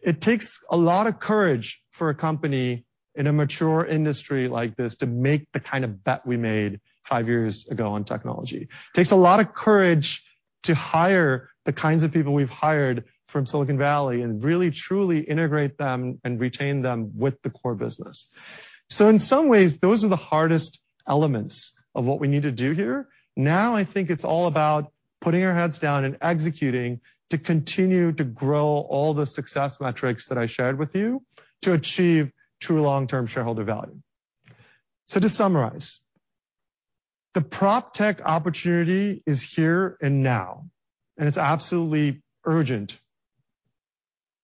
It takes a lot of courage for a company in a mature industry like this to make the kind of bet we made five years ago on technology. It takes a lot of courage to hire the kinds of people we've hired from Silicon Valley and really truly integrate them and retain them with the core business. In some ways, those are the hardest elements of what we need to do here. Now, I think it's all about putting our heads down and executing to continue to grow all the success metrics that I shared with you to achieve true long-term shareholder value. To summarize, the proptech opportunity is here and now, and it's absolutely urgent.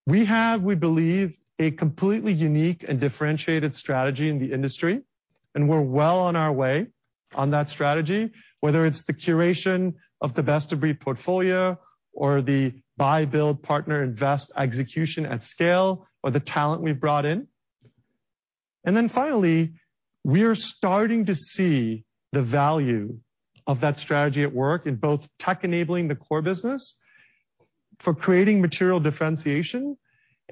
We have, we believe, a completely unique and differentiated strategy in the industry, and we're well on our way on that strategy, whether it's the curation of the best-of-breed portfolio or the buy, build, partner, invest, execution at scale, or the talent we've brought in. Then finally, we are starting to see the value of that strategy at work in both tech enabling the core business for creating material differentiation.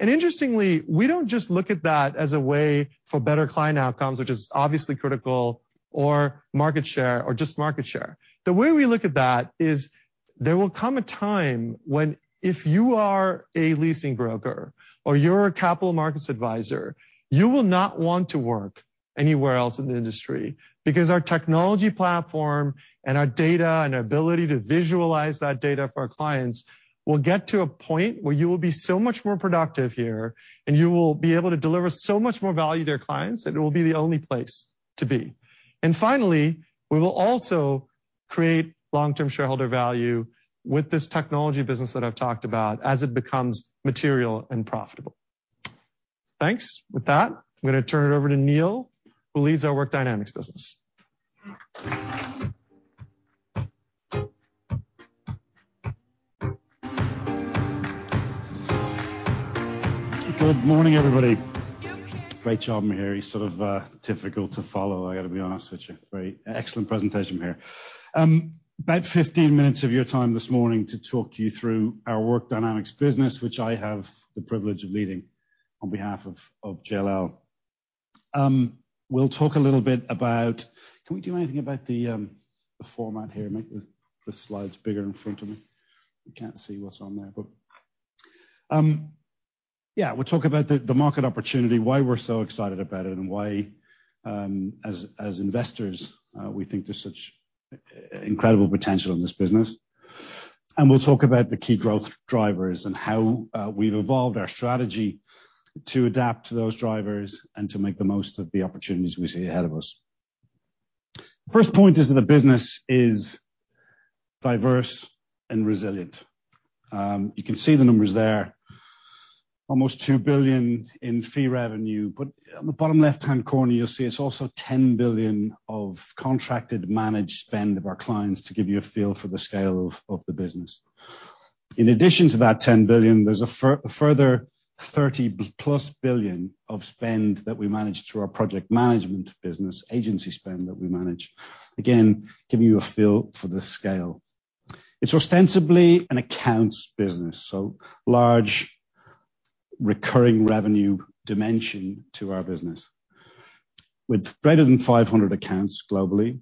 Interestingly, we don't just look at that as a way for better client outcomes, which is obviously critical, or market share, or just market share. The way we look at that is there will come a time when if you are a leasing broker or you're a Capital Markets advisor, you will not want to work anywhere else in the industry because our technology platform and our data and ability to visualize that data for our clients will get to a point where you will be so much more productive here, and you will be able to deliver so much more value to your clients, and it will be the only place to be. Finally, we will also create long-term shareholder value with this technology business that I've talked about as it becomes material and profitable. Thanks. With that, I'm gonna turn it over to Neil, who leads our Work Dynamics business. Good morning, everybody. Great job, Mihir. You're sort of difficult to follow, I gotta be honest with you. Very excellent presentation, Mihir. About 15 minutes of your time this morning to walk you through our Work Dynamics business, which I have the privilege of leading on behalf of JLL. Can we do anything about the format here? Make the slides bigger in front of me. We can't see what's on there, but. Yeah, we'll talk about the market opportunity, why we're so excited about it, and why, as investors, we think there's such incredible potential in this business. We'll talk about the key growth drivers and how we've evolved our strategy to adapt to those drivers and to make the most of the opportunities we see ahead of us. First point is that the business is diverse and resilient. You can see the numbers there. Almost $2 billion in fee revenue. On the bottom left-hand corner, you'll see it's also $10 billion of contracted managed spend of our clients to give you a feel for the scale of the business. In addition to that $10 billion, there's a further $30 billion-plus of spend that we manage through our project management business, agency spend that we manage. Again, giving you a feel for the scale. It's ostensibly an accounts business, so large recurring revenue dimension to our business. With greater than 500 accounts globally,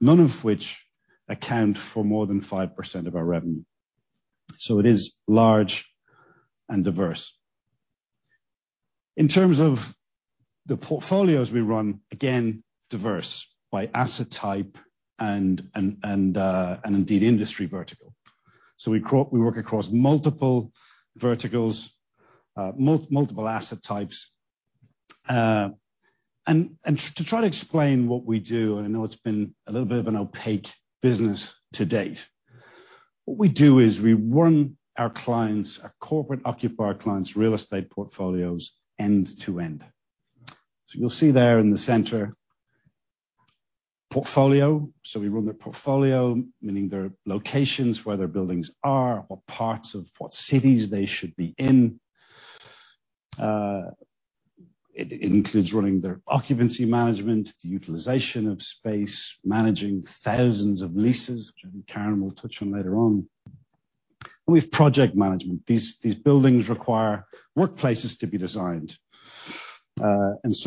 none of which account for more than 5% of our revenue. It is large and diverse. In terms of the portfolios we run, again, diverse by asset type and and indeed industry vertical. We work across multiple verticals, multiple asset types. To try to explain what we do, and I know it's been a little bit of an opaque business to date. What we do is we run our clients, our corporate occupier clients' real estate portfolios end to end. You'll see there in the center, portfolio. We run their portfolio, meaning their locations, where their buildings are, what parts of what cities they should be in. It includes running their occupancy management, the utilization of space, managing thousands of leases, which I think Karen will touch on later on. We have project management. These buildings require workplaces to be designed.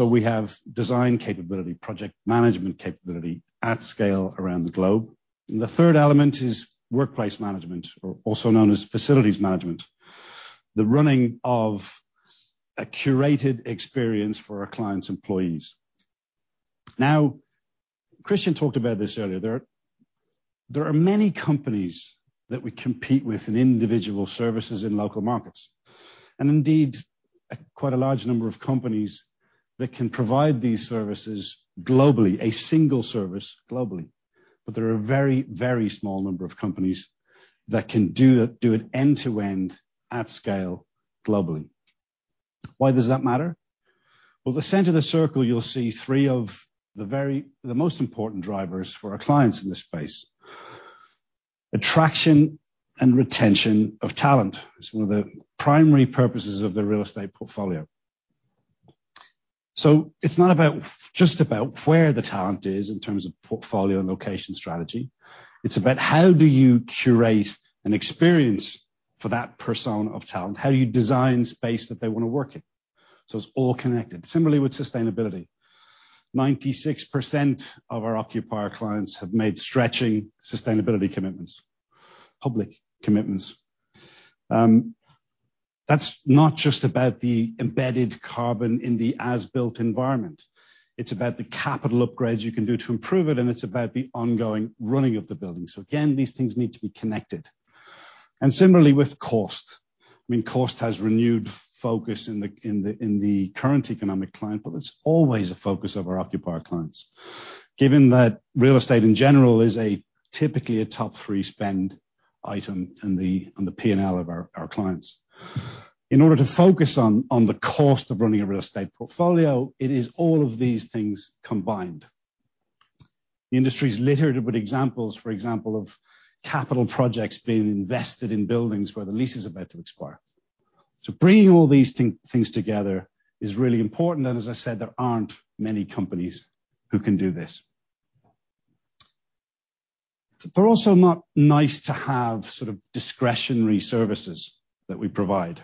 We have design capability, project management capability at scale around the globe. The third element is workplace management or also known as facilities management. The running of a curated experience for our clients' employees. Now, Christian talked about this earlier. There are many companies that we compete with in individual services in local markets, and indeed quite a large number of companies that can provide these services globally, a single service globally. There are a very small number of companies that can do it end to end at scale globally. Why does that matter? Well, the center of the circle, you'll see three of the most important drivers for our clients in this space. Attraction and retention of talent is one of the primary purposes of the real estate portfolio. It's not just about where the talent is in terms of portfolio and location strategy. It's about how do you curate an experience for that persona of talent, how you design space that they wanna work in. It's all connected. Similarly with sustainability. 96% of our occupier clients have made stretching sustainability commitments, public commitments. That's not just about the embedded carbon in the as-built environment. It's about the capital upgrades you can do to improve it, and it's about the ongoing running of the building. Again, these things need to be connected. Similarly, with cost. I mean, cost has renewed focus in the current economic climate, but it's always a focus of our occupier clients. Given that real estate in general is typically a top three spend item on the P&L of our clients. In order to focus on the cost of running a real estate portfolio, it is all of these things combined. The industry is littered with examples, for example, of capital projects being invested in buildings where the lease is about to expire. Bringing all these things together is really important and as I said, there aren't many companies who can do this. They're also not nice to have sort of discretionary services that we provide.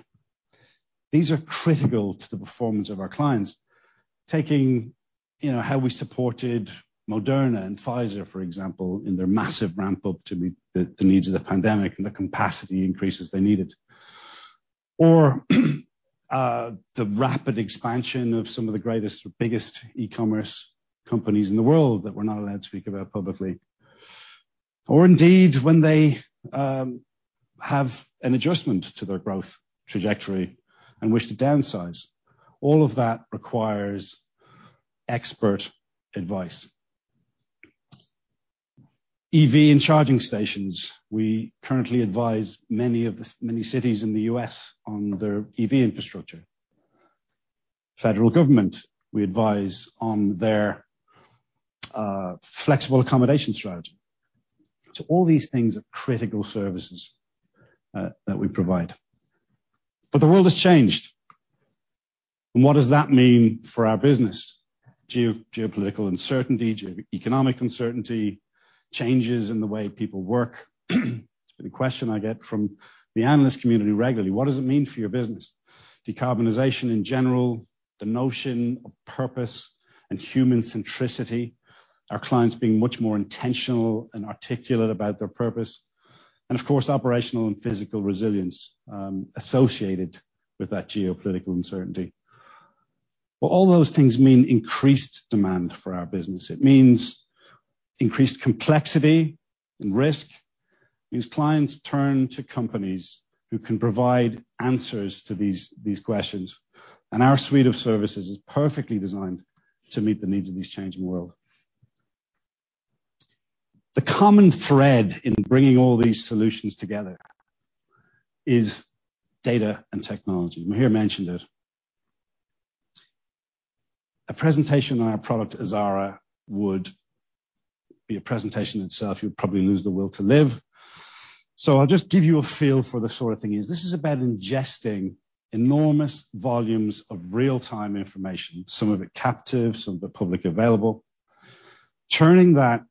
These are critical to the performance of our clients. Taking, you know, how we supported Moderna and Pfizer, for example, in their massive ramp up to meet the needs of the pandemic and the capacity increases they needed. The rapid expansion of some of the greatest, biggest e-commerce companies in the world that we're not allowed to speak about publicly. Indeed, when they have an adjustment to their growth trajectory and wish to downsize. All of that requires expert advice. EV and charging stations. We currently advise many cities in the U.S. on their EV infrastructure. Federal government, we advise on their flexible accommodation strategy. All these things are critical services that we provide. The world has changed. What does that mean for our business? Geopolitical uncertainty, economic uncertainty, changes in the way people work. It's been a question I get from the analyst community regularly. What does it mean for your business? Decarbonization in general, the notion of purpose and human centricity, our clients being much more intentional and articulate about their purpose. Of course, operational and physical resilience associated with that geopolitical uncertainty. Well, all those things mean increased demand for our business. It means increased complexity and risk. It means clients turn to companies who can provide answers to these questions. Our suite of services is perfectly designed to meet the needs of this changing world. The common thread in bringing all these solutions together is data and technology. Mihir mentioned it. A presentation on our product Azara would be a presentation itself. You'd probably lose the will to live. I'll just give you a feel for the sort of thing it is. This is about ingesting enormous volumes of real-time information, some of it captive, some of it publicly available. Turning that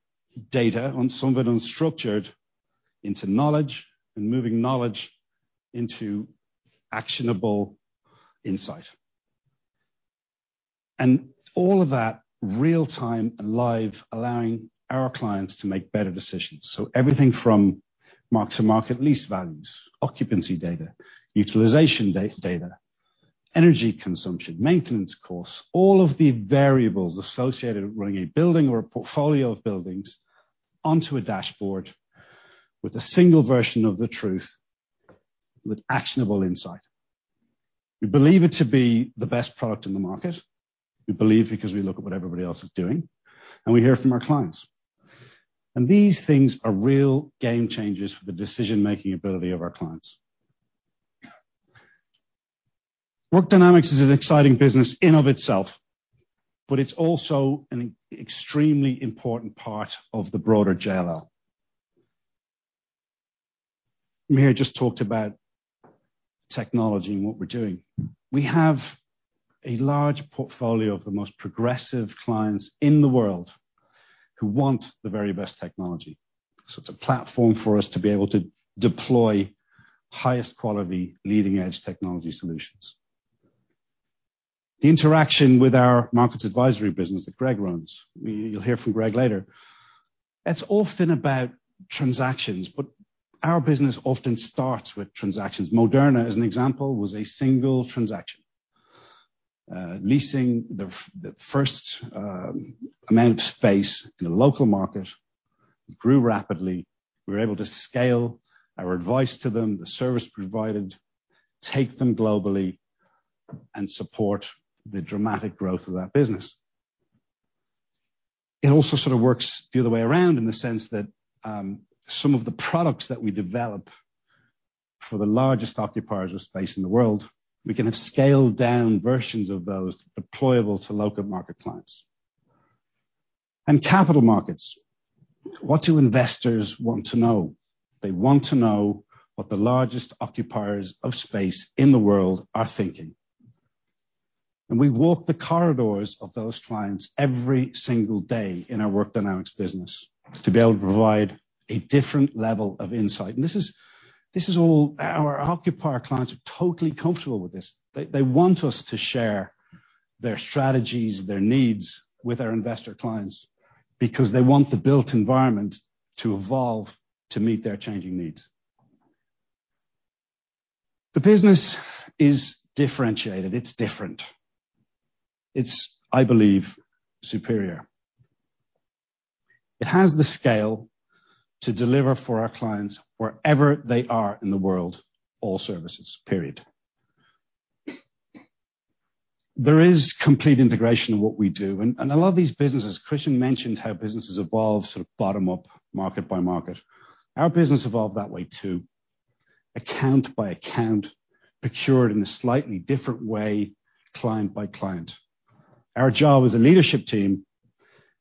data, some of it unstructured, into knowledge and moving knowledge into actionable insight. All of that real-time and live, allowing our clients to make better decisions. Everything from mark-to-market lease values, occupancy data, utilization data, energy consumption, maintenance costs, all of the variables associated with running a building or a portfolio of buildings onto a dashboard with a single version of the truth with actionable insight. We believe it to be the best product in the market. We believe because we look at what everybody else is doing, and we hear from our clients. These things are real game changers for the decision-making ability of our clients. Work Dynamics is an exciting business in and of itself, but it's also an extremely important part of the broader JLL. Mihir just talked about technology and what we're doing. We have a large portfolio of the most progressive clients in the world who want the very best technology. It's a platform for us to be able to deploy highest quality, leading-edge technology solutions. The interaction with our Markets Advisory business that Greg runs, you'll hear from Greg later. It's often about transactions, but our business often starts with transactions. Moderna, as an example, was a single transaction. Leasing the first amount of space in a local market. It grew rapidly. We were able to scale our advice to them, the service provided, take them globally, and support the dramatic growth of that business. It also sort of works the other way around in the sense that, some of the products that we develop for the largest occupiers of space in the world, we can have scaled-down versions of those deployable to local market clients. Capital Markets. What do investors want to know? They want to know what the largest occupiers of space in the world are thinking. We walk the corridors of those clients every single day in our Work Dynamics business to be able to provide a different level of insight. This is all our occupier clients are totally comfortable with this. They want us to share their strategies, their needs with our investor clients because they want the built environment to evolve to meet their changing needs. The business is differentiated, it's different. It's, I believe, superior. It has the scale to deliver for our clients wherever they are in the world, all services, period. There is complete integration in what we do. A lot of these businesses, Christian mentioned how businesses evolve sort of bottom-up, market by market. Our business evolved that way too. Account by account, procured in a slightly different way, client by client. Our job as a leadership team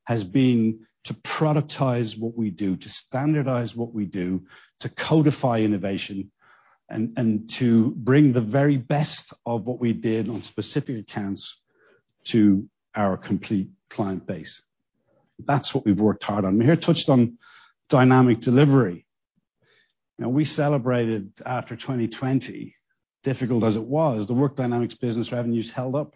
has been to productize what we do, to standardize what we do, to codify innovation and to bring the very best of what we did on specific accounts to our complete client base. That's what we've worked hard on. Mihir touched on dynamic delivery. Now, we celebrated after 2020, difficult as it was, the Work Dynamics business revenues held up.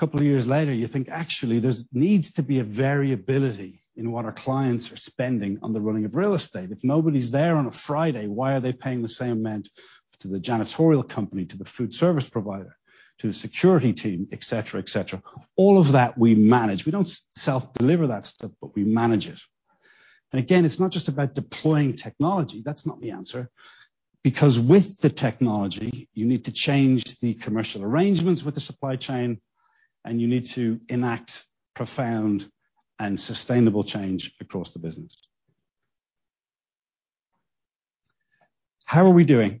A couple of years later, you think, "Actually, there's needs to be a variability in what our clients are spending on the running of real estate." If nobody's there on a Friday, why are they paying the same amount to the janitorial company, to the food service provider, to the security team, et cetera, et cetera? All of that we manage. We don't self-deliver that stuff, but we manage it. Again, it's not just about deploying technology. That's not the answer. Because with the technology, you need to change the commercial arrangements with the supply chain, and you need to enact profound and sustainable change across the business. How are we doing?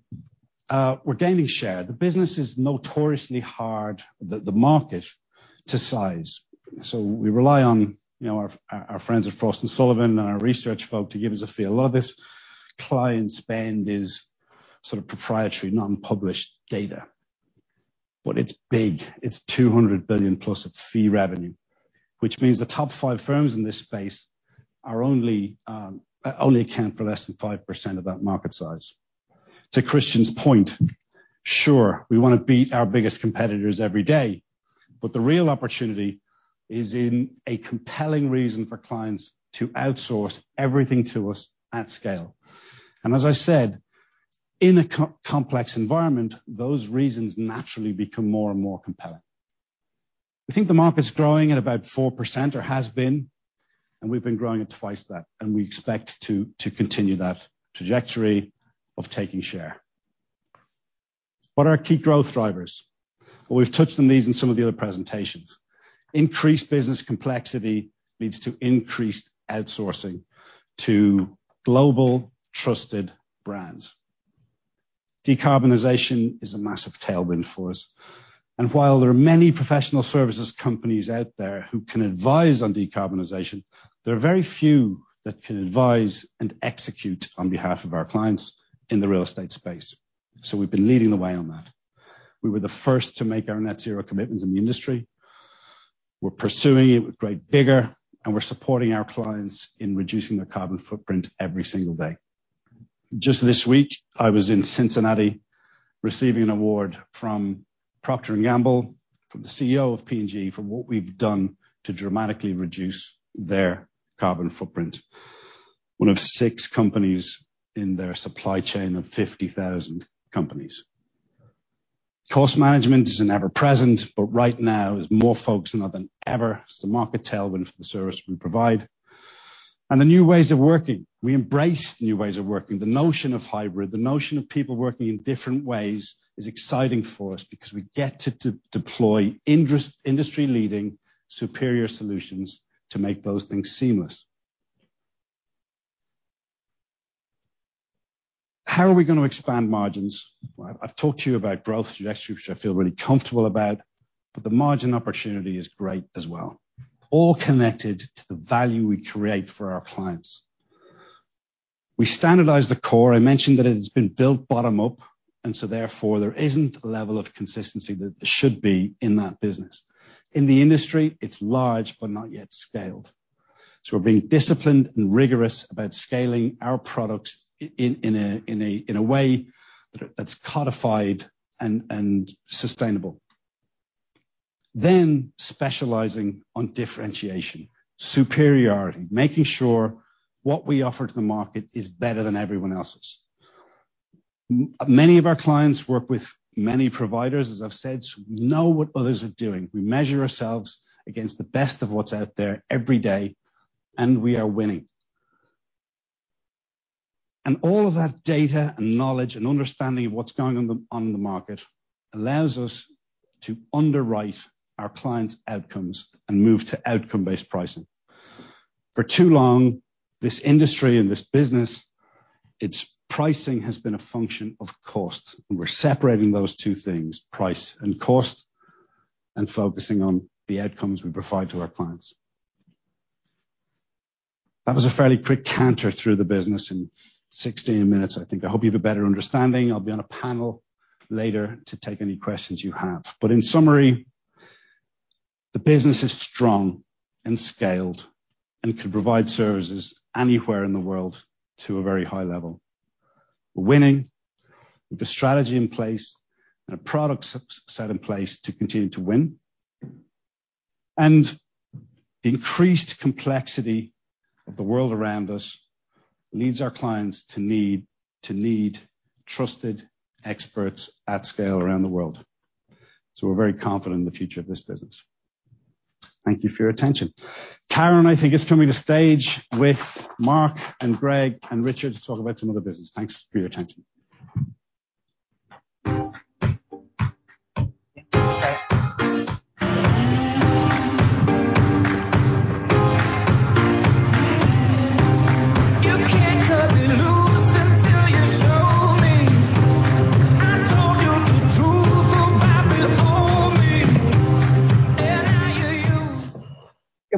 We're gaining share. The business is notoriously hard, the market to size. So we rely on, you know, our friends at Frost & Sullivan and our research folk to give us a feel. A lot of this client spend is sort of proprietary, non-published data, but it's big. It's $200 billion-plus of fee revenue. Which means the top five firms in this space are only account for less than 5% of that market size. To Christian's point, sure, we wanna beat our biggest competitors every day, but the real opportunity is in a compelling reason for clients to outsource everything to us at scale. As I said, in a complex environment, those reasons naturally become more and more compelling. We think the market's growing at about 4% or has been, and we've been growing at twice that, and we expect to continue that trajectory of taking share. What are our key growth drivers? Well, we've touched on these in some of the other presentations. Increased business complexity leads to increased outsourcing to global trusted brands. Decarbonization is a massive tailwind for us. While there are many professional services companies out there who can advise on decarbonization, there are very few that can advise and execute on behalf of our clients in the real estate space. We've been leading the way on that. We were the first to make our net zero commitments in the industry. We're pursuing it with great vigor, and we're supporting our clients in reducing their carbon footprint every single day. Just this week, I was in Cincinnati receiving an award from Procter & Gamble, from the CEO of P&G, for what we've done to dramatically reduce their carbon footprint. One of six companies in their supply chain of 50,000 companies. Cost management is ever-present, but right now is more focused now than ever. It's the market tailwind for the service we provide. The new ways of working. We embrace the new ways of working. The notion of hybrid, the notion of people working in different ways is exciting for us because we get to deploy industry-leading, superior solutions to make those things seamless. How are we gonna expand margins? Well, I've talked to you about growth trajectory, which I feel really comfortable about, but the margin opportunity is great as well, all connected to the value we create for our clients. We standardize the core. I mentioned that it has been built bottom up, and so therefore there isn't the level of consistency that there should be in that business. In the industry, it's large but not yet scaled. We're being disciplined and rigorous about scaling our products in a way that's codified and sustainable. Then specializing on differentiation, superiority, making sure what we offer to the market is better than everyone else's. Many of our clients work with many providers, as I've said, so we know what others are doing. We measure ourselves against the best of what's out there every day, and we are winning. All of that data and knowledge and understanding of what's going on in the market allows us to underwrite our clients' outcomes and move to outcome-based pricing. For too long, this industry and this business, its pricing has been a function of cost. We're separating those two things, price and cost, and focusing on the outcomes we provide to our clients. That was a fairly quick canter through the business in 16 minutes, I think. I hope you have a better understanding. I'll be on a panel later to take any questions you have. In summary- The business is strong and scaled and can provide services anywhere in the world to a very high level. Winning with a strategy in place and a product set in place to continue to win. The increased complexity of the world around us leads our clients to need trusted experts at scale around the world. We're very confident in the future of this business. Thank you for your attention. Karen, I think, is coming to stage with Mark and Greg and Richard to talk about some other business. Thanks for your attention.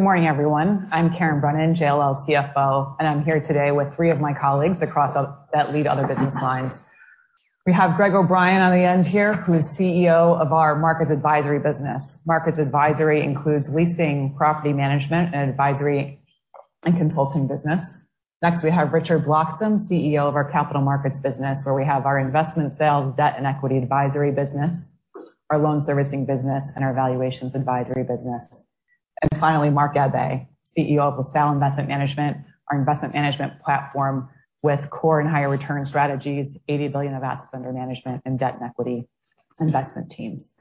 Good morning, everyone. I'm Karen Brennan, JLL CFO, and I'm here today with three of my colleagues across that lead other business lines. We have Greg O'Brien on the end here, who is CEO of our Markets Advisory business. Markets Advisory includes leasing, property management, and advisory and consulting business. Next, we have Richard Bloxam, CEO of our Capital Markets business, where we have our investment sales, debt and equity advisory business, our loan servicing business, and our valuations advisory business. Finally, Mark Gabbay, CEO of LaSalle Investment Management, our investment management platform with core and higher return strategies, $80 billion of assets under management and debt and equity investment teams.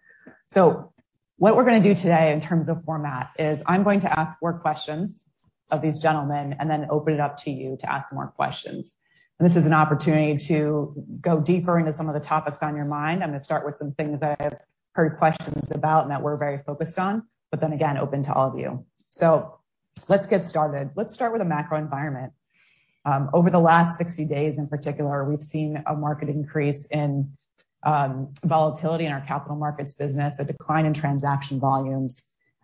What we're gonna do today in terms of format is I'm going to ask four questions of these gentlemen and then open it up to you to ask more questions. This is an opportunity to go deeper into some of the topics on your mind. I'm gonna start with some things I have heard questions about and that we're very focused on, but then again, open to all of you. Let's get started. Let's start with the macro environment. Over the last 60 days in particular, we've seen a market increase in volatility in our Capital Markets business, a decline in transaction volumes,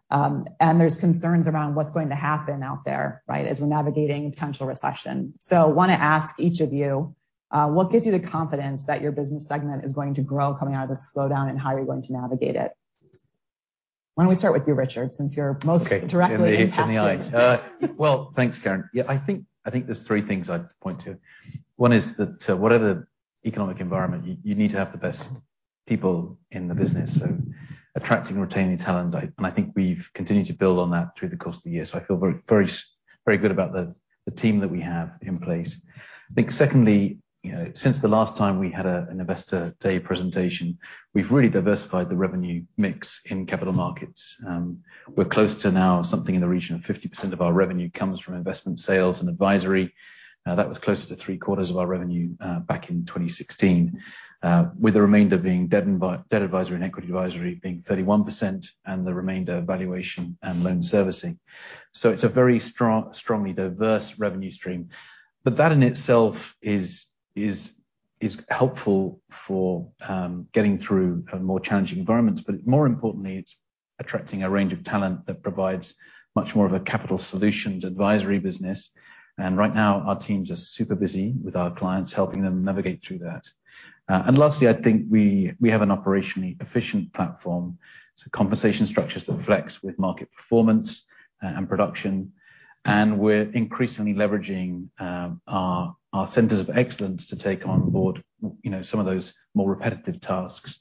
and there's concerns around what's going to happen out there, right, as we're navigating a potential recession. Wanna ask each of you, what gives you the confidence that your business segment is going to grow coming out of this slowdown, and how are you going to navigate it? Why don't we start with you, Richard Bloxam, since you're most directly impacted. Hit me in the eyes. Well, thanks, Karen. Yeah, I think there's three things I'd point to. One is that whatever economic environment, you need to have the best people in the business, so attracting and retaining talent. I think we've continued to build on that through the course of the year. I feel very good about the team that we have in place. I think secondly, you know, since the last time we had an investor day presentation, we've really diversified the revenue mix in Capital Markets. We're close to now something in the region of 50% of our revenue comes from investment sales and advisory. That was closer to three-quarters of our revenue back in 2016. With the remainder being debt advisory and equity advisory being 31%, and the remainder valuation and loan servicing. It's a very strong, strongly diverse revenue stream. That in itself is helpful for getting through more challenging environments. More importantly, it's attracting a range of talent that provides much more of a capital solutions advisory business. Right now, our teams are super busy with our clients, helping them navigate through that. Lastly, I think we have an operationally efficient platform. Compensation structures that flex with market performance and production. We're increasingly leveraging our centers of excellence to take on board, you know, some of those more repetitive tasks.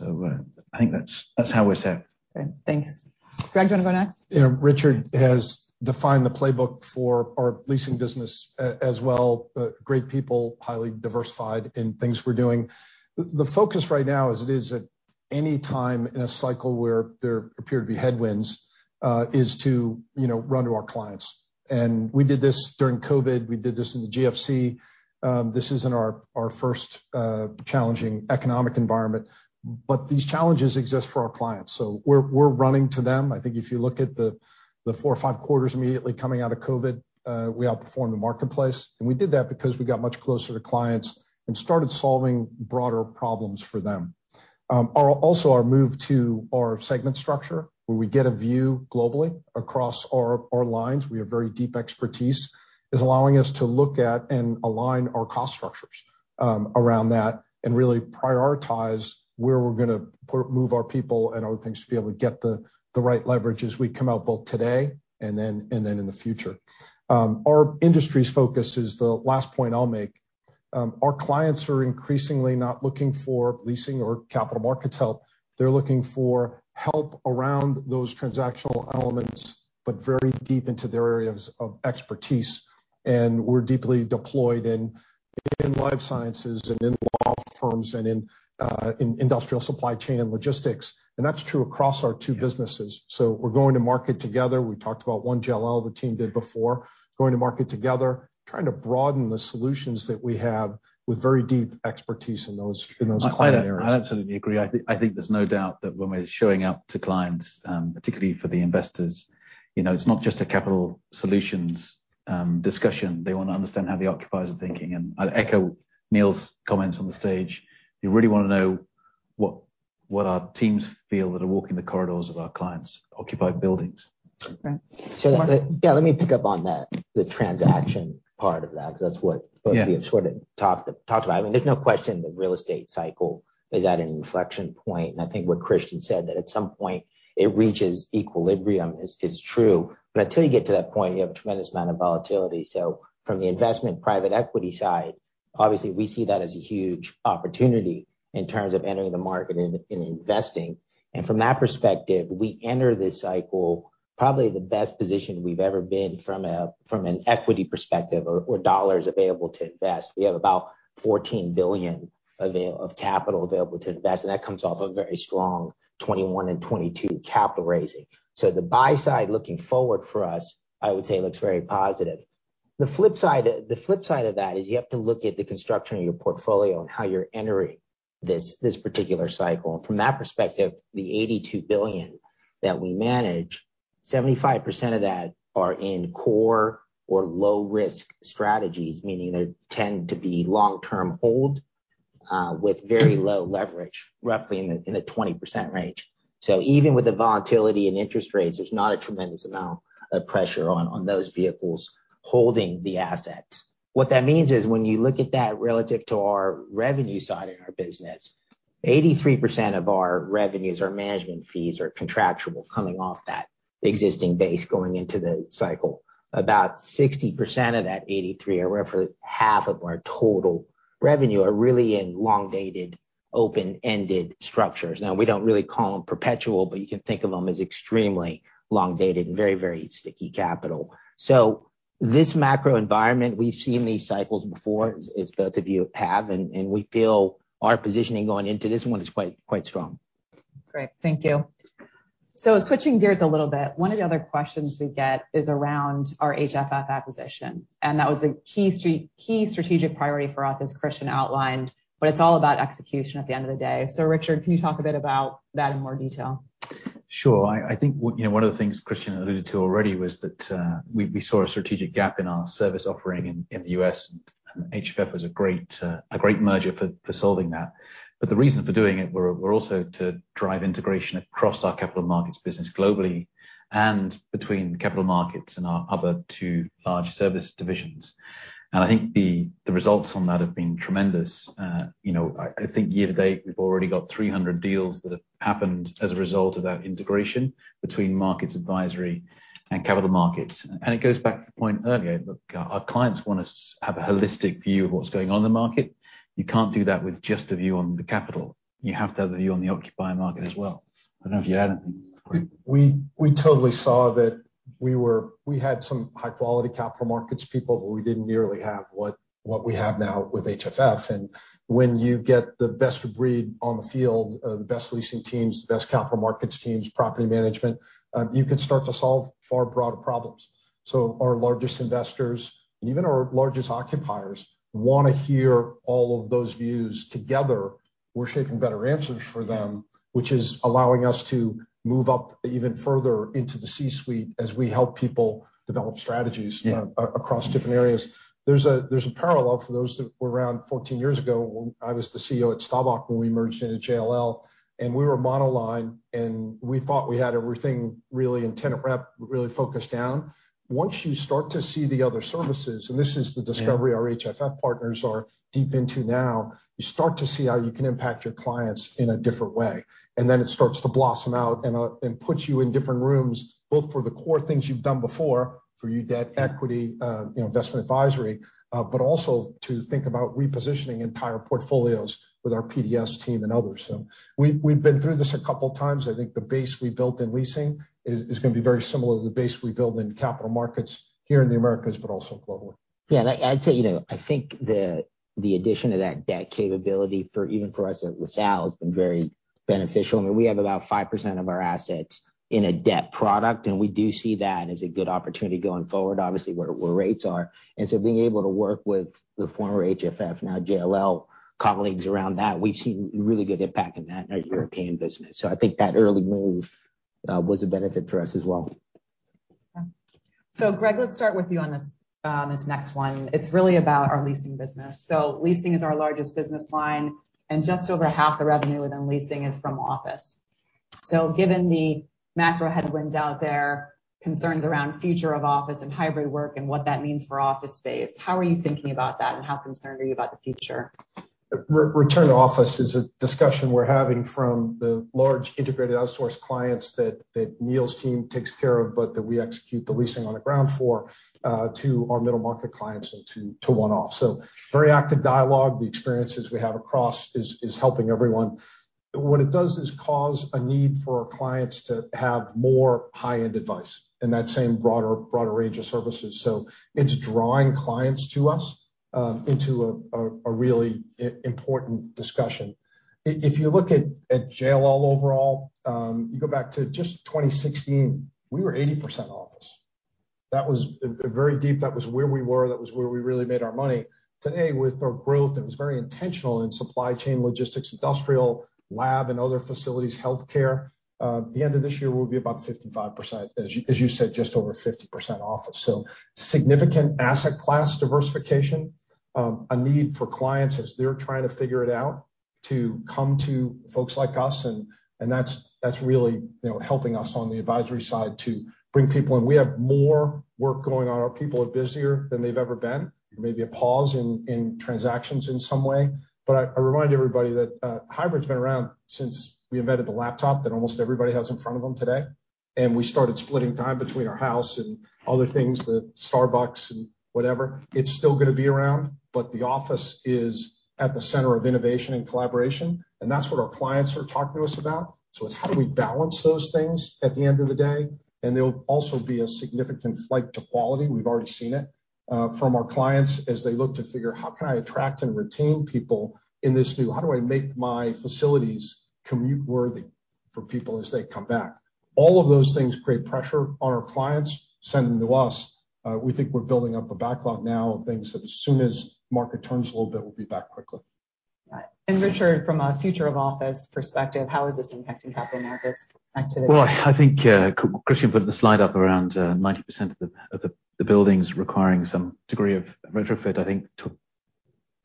I think that's how we're set. Okay, thanks. Greg, do you wanna go next? Yeah. Richard has defined the playbook for our leasing business as well. Great people, highly diversified in things we're doing. The focus right now, as it is at any time in a cycle where there appear to be headwinds, is to, you know, run to our clients. We did this during COVID. We did this in the GFC. This isn't our first challenging economic environment, but these challenges exist for our clients, so we're running to them. I think if you look at the four or five quarters immediately coming out of COVID, we outperformed the marketplace. We did that because we got much closer to clients and started solving broader problems for them. Our move to our segment structure, where we get a view globally across our lines, we have very deep expertise, is allowing us to look at and align our cost structures around that and really prioritize where we're gonna move our people and other things to be able to get the right leverage as we come out both today and then in the future. Our industry's focus is the last point I'll make. Our clients are increasingly not looking for leasing or Capital Markets help. They're looking for help around those transactional elements, but very deep into their areas of expertise. We're deeply deployed in life sciences and in law firms and in industrial supply chain and logistics. That's true across our two businesses. We're going to market together. We talked about one that the JLL team did before. Going to market together, trying to broaden the solutions that we have with very deep expertise in those client areas. I absolutely agree. I think there's no doubt that when we're showing up to clients, particularly for the investors, you know, it's not just a capital solutions discussion. They wanna understand how the occupiers are thinking. I'd echo Neil's comments on the stage. They really wanna know what our teams feel that are walking the corridors of our clients' occupied buildings. Yeah, let me pick up on that, the transaction part of that, because that's what. Yeah. We have sort of talked about. I mean, there's no question the real estate cycle is at an inflection point, and I think what Christian said, that at some point it reaches equilibrium is true. But until you get to that point, you have a tremendous amount of volatility. From the investment private equity side, obviously we see that as a huge opportunity in terms of entering the market and investing. From that perspective, we enter this cycle probably the best position we've ever been from an equity perspective or dollars available to invest. We have about $14 billion of capital available to invest, and that comes off a very strong 2021 and 2022 capital raising. The buy side looking forward for us, I would say, looks very positive. The flip side of that is you have to look at the construction of your portfolio and how you're entering this particular cycle. From that perspective, the $82 billion that we manage, 75% of that are in core or low-risk strategies, meaning they tend to be long-term hold with very low leverage, roughly in the 20% range. Even with the volatility in interest rates, there's not a tremendous amount of pressure on those vehicles holding the assets. What that means is when you look at that relative to our revenue side in our business, 83% of our revenues or management fees are contractual coming off that existing base going into the cycle. About 60% of that 83%, or roughly half of our total revenue are really in long-dated, open-ended structures. Now we don't really call them perpetual, but you can think of them as extremely long-dated and very, very sticky capital. This macro environment, we've seen these cycles before, as both of you have, and we feel our positioning going into this one is quite strong. Great. Thank you. Switching gears a little bit, one of the other questions we get is around our HFF acquisition, and that was a key strategic priority for us, as Christian outlined, but it's all about execution at the end of the day. Richard, can you talk a bit about that in more detail? Sure. I think one, you know, one of the things Christian alluded to already was that, we saw a strategic gap in our service offering in the U.S., and HFF was a great merger for solving that. The reason for doing it were also to drive integration across our Capital Markets business globally and between Capital Markets and our other two large service divisions. I think the results on that have been tremendous. You know, I think year to date, we've already got 300 deals that have happened as a result of that integration between Markets Advisory and Capital Markets. It goes back to the point earlier. Look, our clients want us to have a holistic view of what's going on in the market. You can't do that with just a view on the capital. You have to have the view on the occupier market as well. I don't know if you add anything. We totally saw that we had some high-quality Capital Markets people, but we didn't nearly have what we have now with HFF. When you get the best of breed on the field, the best leasing teams, the best Capital Markets teams, property management, you can start to solve far broader problems. Our largest investors and even our largest occupiers wanna hear all of those views together. We're shaping better answers for them, which is allowing us to move up even further into the C-suite as we help people develop strategies. Yeah. Across different areas. There's a parallel for those that were around 14 years ago. I was the CEO at Staubach when we merged into JLL, and we were monoline, and we thought we had everything really in tenant rep, really focused down. Once you start to see the other services, and this is the discovery our HFF partners are deep into now, you start to see how you can impact your clients in a different way. It starts to blossom out and put you in different rooms, both for the core things you've done before for your debt/equity, you know, investment advisory, but also to think about repositioning entire portfolios with our PDS team and others. We've been through this a couple times. I think the base we built in leasing is gonna be very similar to the base we built in Capital Markets here in the Americas, but also globally. Yeah. I'd say, you know, I think the addition of that debt capability, even for us at LaSalle, has been very beneficial. I mean, we have about 5% of our assets in a debt product, and we do see that as a good opportunity going forward, obviously, where rates are. Being able to work with the former HFF, now JLL colleagues around that, we've seen really good impact in that in our European business. I think that early move was a benefit for us as well. Yeah. Greg, let's start with you on this next one. It's really about our leasing business. Leasing is our largest business line, and just over half the revenue within leasing is from office. Given the macro headwinds out there, concerns around future of office and hybrid work and what that means for office space, how are you thinking about that, and how concerned are you about the future? Return to office is a discussion we're having from the large integrated outsourced clients that Neil's team takes care of, but that we execute the leasing on the ground for, to our middle market clients and to one-off. Very active dialogue. The experiences we have across is helping everyone. What it does is cause a need for our clients to have more high-end advice in that same broader range of services. It's drawing clients to us into a really important discussion. If you look at JLL overall, you go back to just 2016, we were 80% office. That was very deep. That was where we were. That was where we really made our money. Today, with our growth that was very intentional in supply chain logistics, industrial lab and other facilities, healthcare, the end of this year, we'll be about 55%. As you said, just over 50% office. Significant asset class diversification. A need for clients as they're trying to figure it out. To come to folks like us, and that's really, you know, helping us on the advisory side to bring people in. We have more work going on. Our people are busier than they've ever been. There may be a pause in transactions in some way, but I remind everybody that hybrid's been around since we invented the laptop that almost everybody has in front of them today. We started splitting time between our house and other things, the Starbucks and whatever. It's still gonna be around, but the office is at the center of innovation and collaboration, and that's what our clients are talking to us about. It's how do we balance those things at the end of the day? There'll also be a significant flight to quality. We've already seen it from our clients as they look to figure, how can I attract and retain people in this new? How do I make my facilities commute-worthy for people as they come back? All of those things create pressure on our clients, send them to us. We think we're building up a backlog now of things that as soon as market turns a little bit, we'll be back quickly. Got it. Richard, from a future of office perspective, how is this impacting Capital Markets activity? Well, I think Christian put the slide up around 90% of the buildings requiring some degree of retrofit. I think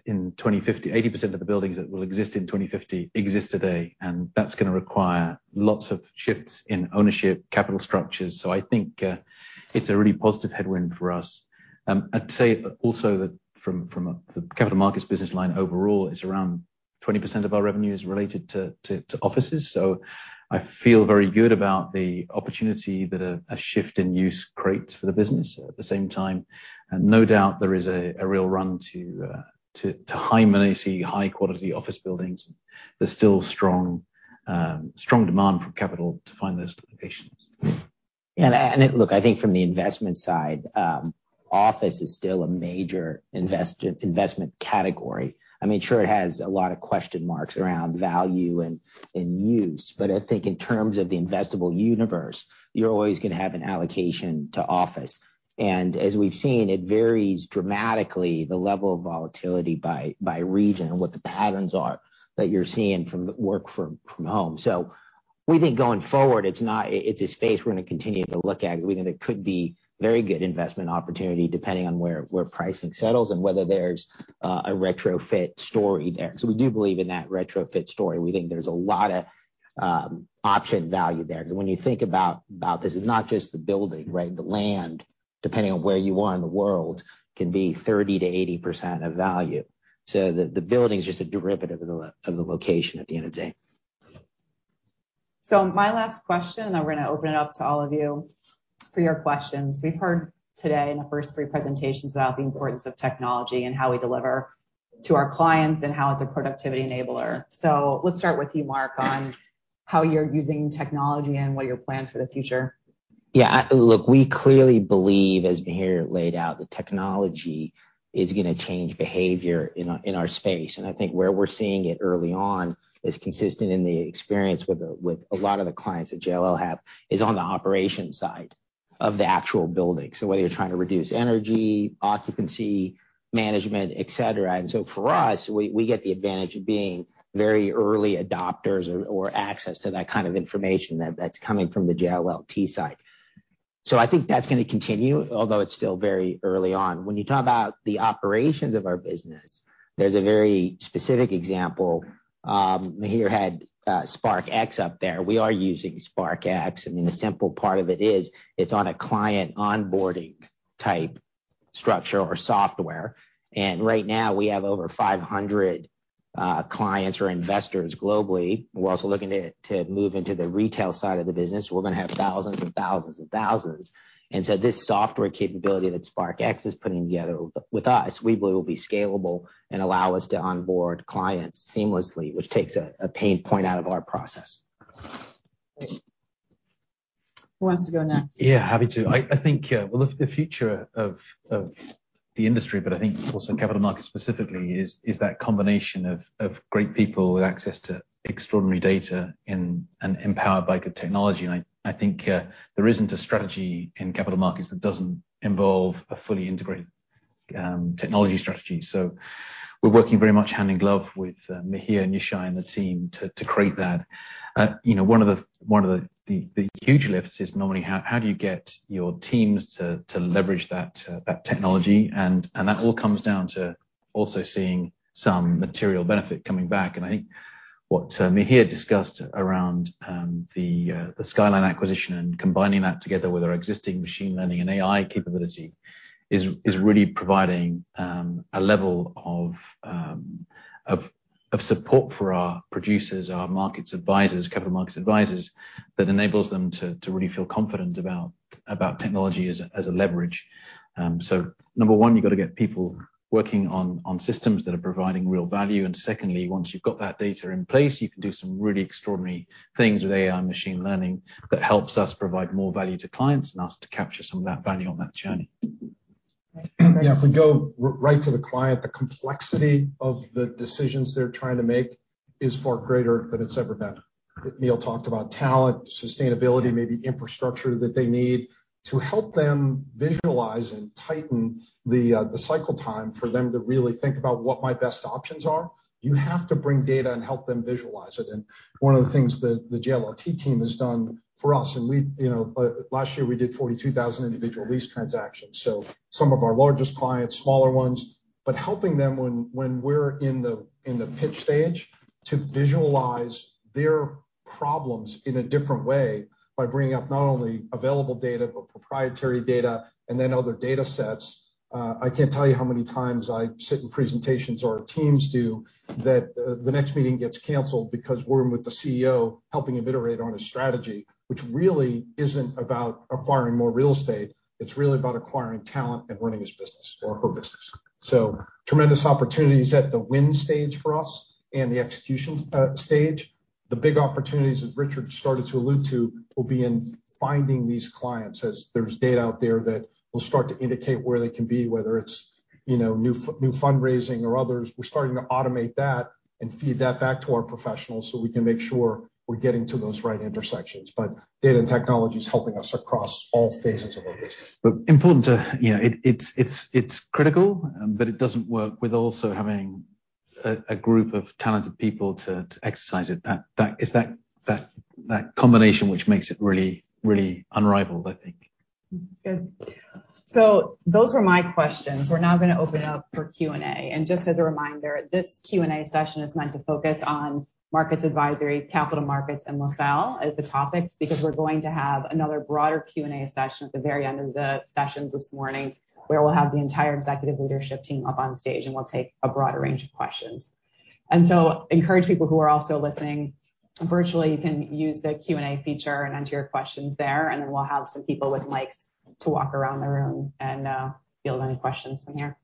in 2050 80% of the buildings that will exist in 2050 exist today, and that's gonna require lots of shifts in ownership, capital structures. I think it's a really positive headwind for us. I'd say also that from the Capital Markets business line overall is around 20% of our revenue is related to offices. I feel very good about the opportunity that a shift in use creates for the business. At the same time, no doubt there is a real run to high quality office buildings. There's still strong demand from capital to find those locations. Look, I think from the investment side, office is still a major investment category. I mean, sure, it has a lot of question marks around value and use, but I think in terms of the investable universe, you're always gonna have an allocation to office. As we've seen, it varies dramatically the level of volatility by region and what the patterns are that you're seeing from work from home. We think going forward, it's a space we're gonna continue to look at because we think it could be very good investment opportunity depending on where pricing settles and whether there's a retrofit story there. We do believe in that retrofit story. We think there's a lot of option value there. When you think about this, it's not just the building, right? The land, depending on where you are in the world, can be 30%-80% of value. The building's just a derivative of the location at the end of the day. My last question, and then we're gonna open it up to all of you for your questions. We've heard today in the first three presentations about the importance of technology and how we deliver to our clients and how it's a productivity enabler. Let's start with you, Mark, on how you're using technology and what are your plans for the future. Yeah. Look, we clearly believe, as Mihir laid out, that technology is gonna change behavior in our space. I think where we're seeing it early on is consistent in the experience with a lot of the clients that JLL have, is on the operations side of the actual building. Whether you're trying to reduce energy, occupancy management, et cetera. For us, we get the advantage of being very early adopters or access to that kind of information that's coming from the JLLT side. I think that's gonna continue, although it's still very early on. When you talk about the operations of our business, there's a very specific example. Mihir had SparkX up there. We are using SparkX. I mean, the simple part of it is it's on a client onboarding type structure or software. Right now, we have over 500 clients or investors globally. We're also looking to move into the retail side of the business. We're gonna have thousands and thousands and thousands. This software capability that Spark X is putting together with us, we believe will be scalable and allow us to onboard clients seamlessly, which takes a pain point out of our process. Who wants to go next? Yeah, happy to. I think, well, the future of the industry, but I think also Capital Markets specifically, is that combination of great people with access to extraordinary data and empowered by good technology. I think there isn't a strategy in Capital Markets that doesn't involve a fully integrated technology strategy. We're working very much hand in glove with Mihir and Yishai and the team to create that. You know, one of the huge lifts is normally how do you get your teams to leverage that technology? That all comes down to also seeing some material benefit coming back. I think what Mihir discussed around the Skyline acquisition and combining that together with our existing machine learning and AI capability is really providing a level of support for our producers, our Markets advisors, Capital Markets advisors, that enables them to really feel confident about technology as a leverage. Number one, you've got to get people working on systems that are providing real value. Secondly, once you've got that data in place, you can do some really extraordinary things with AI and machine learning that helps us provide more value to clients and us to capture some of that value on that journey. Yeah. If we go right to the client, the complexity of the decisions they're trying to make is far greater than it's ever been. Neil talked about talent, sustainability, maybe infrastructure that they need. To help them visualize and tighten the cycle time for them to really think about what my best options are, you have to bring data and help them visualize it. One of the things that the JLLT team has done for us, and we, you know, last year we did 42,000 individual lease transactions, so some of our largest clients, smaller ones. Helping them when we're in the pitch stage to visualize their problems in a different way by bringing up not only available data, but proprietary data and then other data sets. I can't tell you how many times I sit in presentations, or teams do, that the next meeting gets canceled because we're in with the CEO helping him iterate on his strategy, which really isn't about acquiring more real estate. It's really about acquiring talent and winning his business or her business. Tremendous opportunities at the win stage for us and the execution stage. The big opportunities that Richard started to allude to will be in finding these clients as there's data out there that will start to indicate where they can be, whether it's, you know, new fundraising or others. We're starting to automate that and feed that back to our professionals so we can make sure we're getting to those right intersections. Data and technology is helping us across all phases of our business. It's important to, you know, it's critical, but it doesn't work without also having a group of talented people to exercise it. It's that combination which makes it really unrivaled, I think. Good. Those were my questions. We're now gonna open up for Q&A. Just as a reminder, this Q&A session is meant to focus on Markets Advisory, Capital Markets, and LaSalle as the topics, because we're going to have another broader Q&A session at the very end of the sessions this morning where we'll have the entire executive leadership team up on stage, and we'll take a broader range of questions. Encourage people who are also listening virtually, you can use the Q&A feature and enter your questions there, and then we'll have some people with mics to walk around the room and field any questions from here.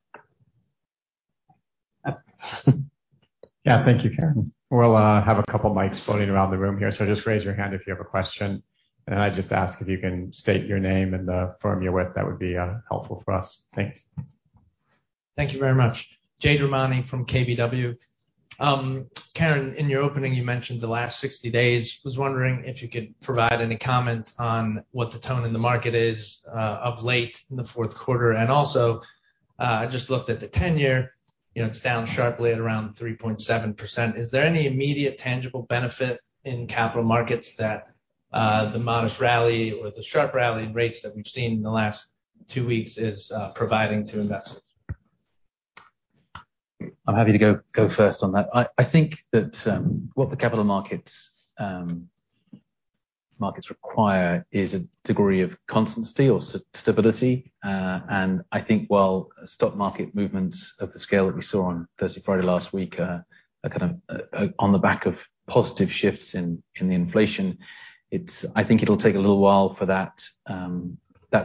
Yeah. Thank you, Karen. We'll have a couple mics floating around the room here, so just raise your hand if you have a question. I'd just ask if you can state your name and the firm you're with, that would be helpful for us. Thanks. Thank you very much. Jade Rahmani from KBW. Karen, in your opening, you mentioned the last 60 days. Was wondering if you could provide any comment on what the tone in the market is of late in the fourth quarter. Also, I just looked at the 10-year. You know, it's down sharply at around 3.7%. Is there any immediate tangible benefit in Capital Markets that the modest rally or the sharp rally in rates that we've seen in the last two weeks is providing to investors? I'm happy to go first on that. I think that what the Capital Markets require is a degree of constancy or stability. I think while stock market movements of the scale that we saw on Thursday, Friday last week are kind of on the back of positive shifts in the inflation, I think it'll take a little while for that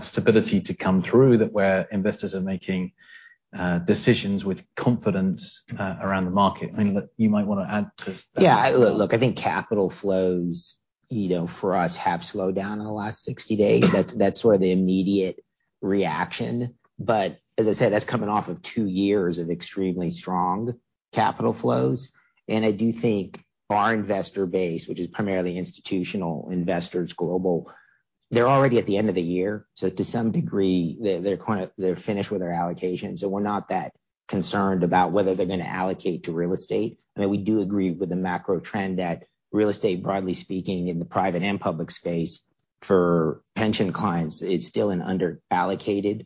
stability to come through that where investors are making decisions with confidence around the market. Anything that you might wanna add to that? Yeah. Look, I think capital flows, you know, for us, have slowed down in the last 60 days. That's sort of the immediate reaction. As I said, that's coming off of two years of extremely strong capital flows. I do think our investor base, which is primarily institutional investors, global, they're already at the end of the year, so to some degree, they're finished with their allocations. We're not that concerned about whether they're gonna allocate to real estate. I mean, we do agree with the macro trend that real estate, broadly speaking, in the private and public space for pension clients is still an under-allocated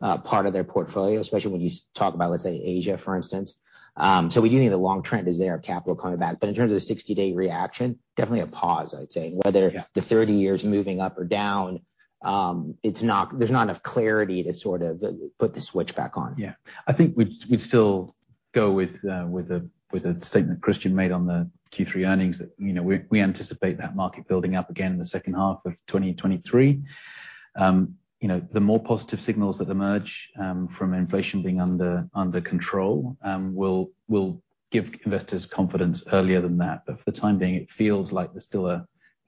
part of their portfolio, especially when you talk about, let's say, Asia, for instance. We do think the long trend is there of capital coming back. In terms of the 60-day reaction, definitely a pause, I'd say. Yeah. Whether the 30-year is moving up or down, there's not enough clarity to sort of put the switch back on. Yeah. I think we'd still go with the statement Christian made on the Q3 earnings that, you know, we anticipate that market building up again in the second half of 2023. You know, the more positive signals that emerge from inflation being under control will give investors confidence earlier than that. For the time being, it feels like there's still a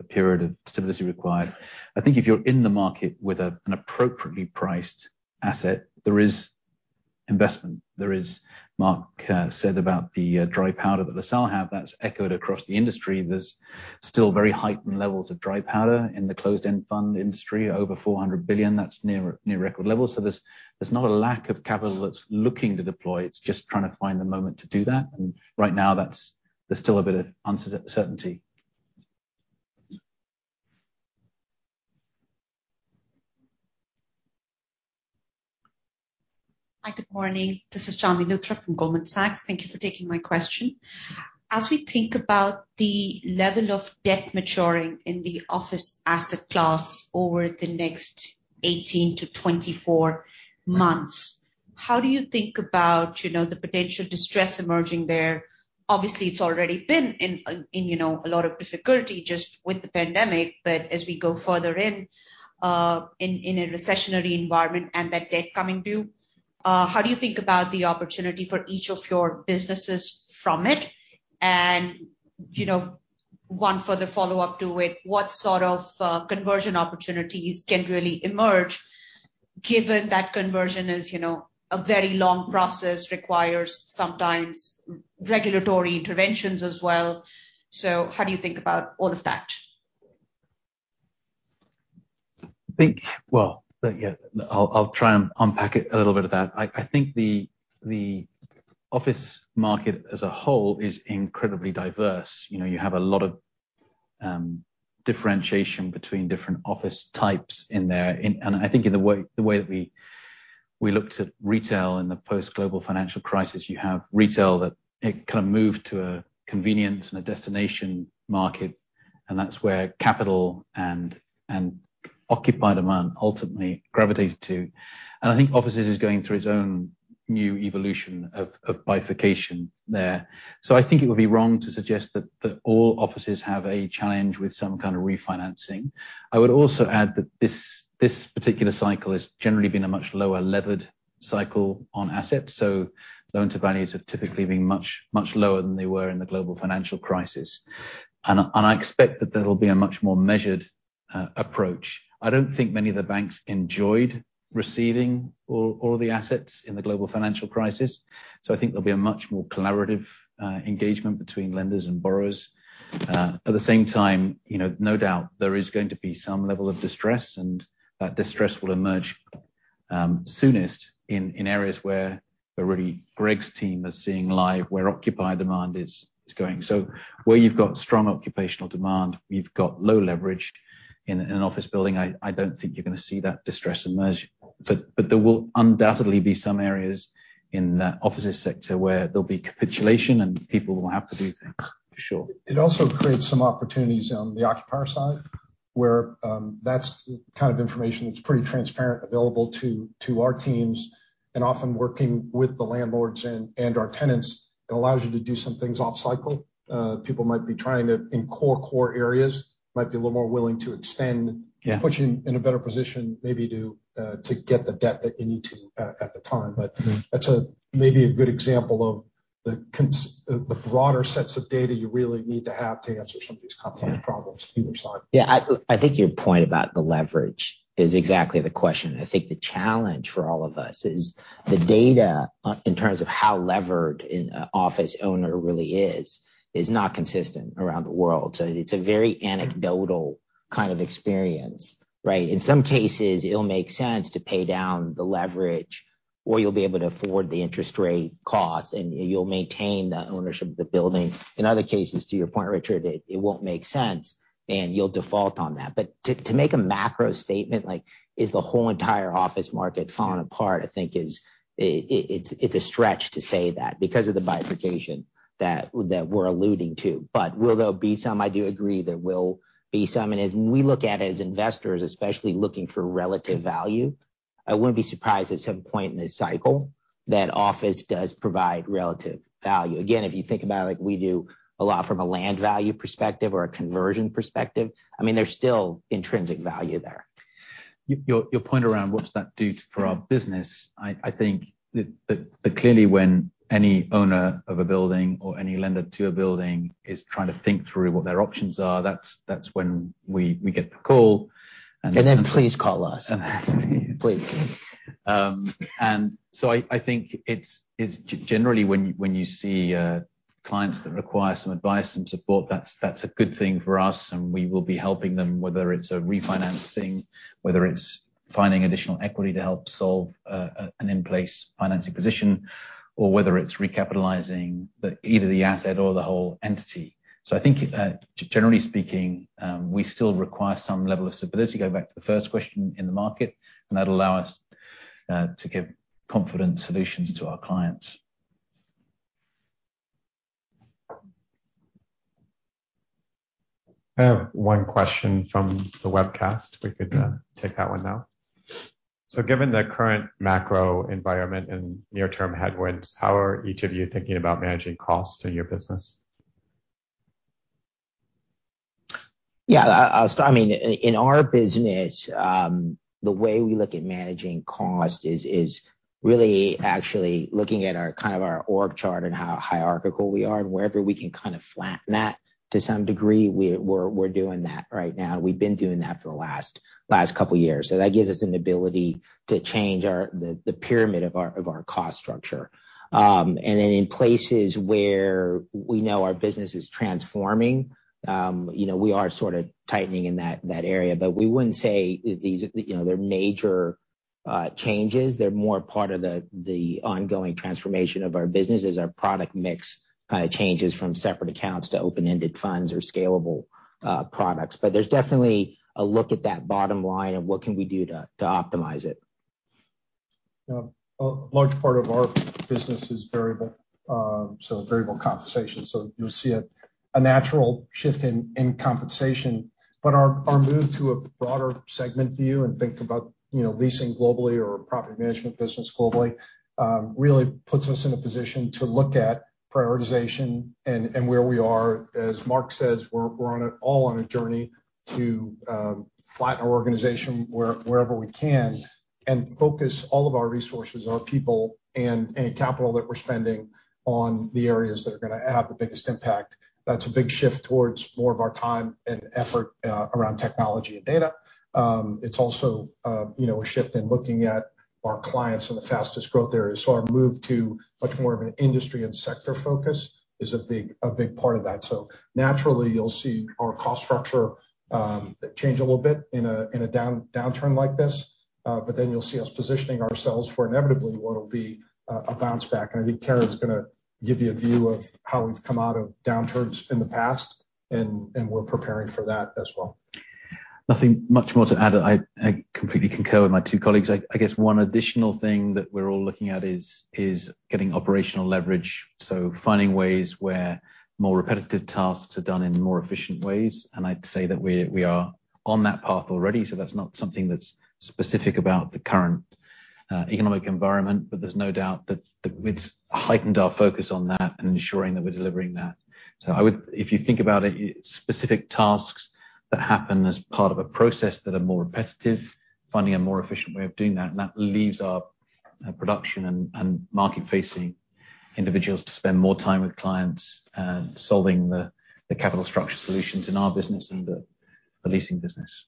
period of stability required. I think if you're in the market with an appropriately priced asset, there is investment. There is. Mark said about the dry powder that LaSalle have. That's echoed across the industry. There's still very heightened levels of dry powder in the closed-end fund industry, over $400 billion. That's near record levels. There's not a lack of capital that's looking to deploy. It's just trying to find the moment to do that. Right now that's. There's still a bit of uncertainty. Hi. Good morning. This is Chandni Luthra from Goldman Sachs. Thank you for taking my question. As we think about the level of debt maturing in the office asset class over the next 18-24 months, how do you think about, you know, the potential distress emerging there? Obviously, it's already been in, you know, a lot of difficulty just with the pandemic, but as we go further in a recessionary environment and that debt coming due, how do you think about the opportunity for each of your businesses from it? And, you know, one further follow-up to it, what sort of conversion opportunities can really emerge given that conversion is, you know, a very long process, requires sometimes regulatory interventions as well. How do you think about all of that? I think, well, yeah, I'll try and unpack it, a little bit of that. I think the office market as a whole is incredibly diverse. You know, you have a lot of differentiation between different office types in there. I think in the way that we looked at retail in the post-Global Financial Crisis, you have retail that it kind of moved to a convenience and a destination market, and that's where capital and occupied demand ultimately gravitated to. I think offices is going through its own new evolution of bifurcation there. I think it would be wrong to suggest that all offices have a challenge with some kind of refinancing. I would also add that this particular cycle has generally been a much lower levered cycle on assets. Loan to values have typically been much, much lower than they were in the global financial crisis. I expect that there will be a much more measured approach. I don't think many of the banks enjoyed receiving all the assets in the global financial crisis, so I think there'll be a much more collaborative engagement between lenders and borrowers. At the same time, you know, no doubt there is going to be some level of distress, and that distress will emerge soonest in areas where really Greg's team is seeing live, where occupied demand is going. Where you've got strong occupational demand, you've got low leverage in an office building, I don't think you're gonna see that distress emerge. There will undoubtedly be some areas in that offices sector where there'll be capitulation and people will have to do things, for sure. It also creates some opportunities on the occupier side, where that's the kind of information that's pretty transparent, available to our teams, and often working with the landlords and our tenants. It allows you to do some things off cycle. People might be trying to in core areas, might be a little more willing to extend. Yeah. put you in a better position maybe to get the debt that you need to at the time. But Mm-hmm. That's a maybe a good example of the broader sets of data you really need to have to answer some of these complex problems either side. Yeah. I think your point about the leverage is exactly the question. I think the challenge for all of us is the data, in terms of how levered an office owner really is not consistent around the world. It's a very anecdotal kind of experience, right? In some cases, it'll make sense to pay down the leverage, or you'll be able to afford the interest rate cost, and you'll maintain the ownership of the building. In other cases, to your point, Richard, it won't make sense, and you'll default on that. To make a macro statement like, "Is the whole entire office market falling apart," I think it's a stretch to say that because of the bifurcation that we're alluding to. Will there be some? I do agree there will be some. As we look at it as investors, especially looking for relative value, I wouldn't be surprised at some point in this cycle that office does provide relative value. Again, if you think about it, we do a lot from a land value perspective or a conversion perspective. I mean, there's still intrinsic value there. Your point around what does that do for our business? I think that clearly when any owner of a building or any lender to a building is trying to think through what their options are, that's when we get the call and. Please call us. Please. I think it's generally when you see clients that require some advice and support, that's a good thing for us, and we will be helping them, whether it's a refinancing, whether it's finding additional equity to help solve an in-place financing position, or whether it's recapitalizing, either the asset or the whole entity. I think generally speaking we still require some level of stability, going back to the first question in the market, and that'll allow us to give confident solutions to our clients. I have one question from the webcast. We could take that one now. Given the current macro environment and near-term headwinds, how are each of you thinking about managing cost in your business? Yeah. I'll start. I mean, in our business, the way we look at managing cost is really actually looking at our kind of org chart and how hierarchical we are, and wherever we can kind of flatten that to some degree, we're doing that right now. We've been doing that for the last couple years. That gives us an ability to change the pyramid of our cost structure. Then in places where we know our business is transforming, you know, we are sort of tightening in that area. We wouldn't say these are, you know, they're major changes. They're more part of the ongoing transformation of our business as our product mix changes from separate accounts to open-ended funds or scalable products. There's definitely a look at that bottom line of what we can do to optimize it. Yeah. A large part of our business is variable, so variable compensation. You'll see a natural shift in compensation. Our move to a broader segment view and think about, you know, leasing globally or property management business globally really puts us in a position to look at prioritization and where we are. As Mark says, we're all on a journey to flatten our organization wherever we can and focus all of our resources, our people, and any capital that we're spending on the areas that are gonna have the biggest impact. That's a big shift towards more of our time and effort around technology and data. It's also, you know, a shift in looking at our clients in the fastest growth areas. Our move to much more of an industry and sector focus is a big part of that. Naturally, you'll see our cost structure change a little bit in a downturn like this. You'll see us positioning ourselves for inevitably what will be a bounce back. I think Karen's gonna give you a view of how we've come out of downturns in the past, and we're preparing for that as well. Nothing much more to add. I completely concur with my two colleagues. I guess one additional thing that we're all looking at is getting operational leverage, so finding ways where more repetitive tasks are done in more efficient ways. I'd say that we are on that path already, so that's not something that's specific about the current economic environment, but there's no doubt that it's heightened our focus on that and ensuring that we're delivering that. I would, if you think about it, specific tasks that happen as part of a process that are more repetitive, finding a more efficient way of doing that, and that leaves our production and market facing individuals to spend more time with clients and solving the capital structure solutions in our business and the leasing business.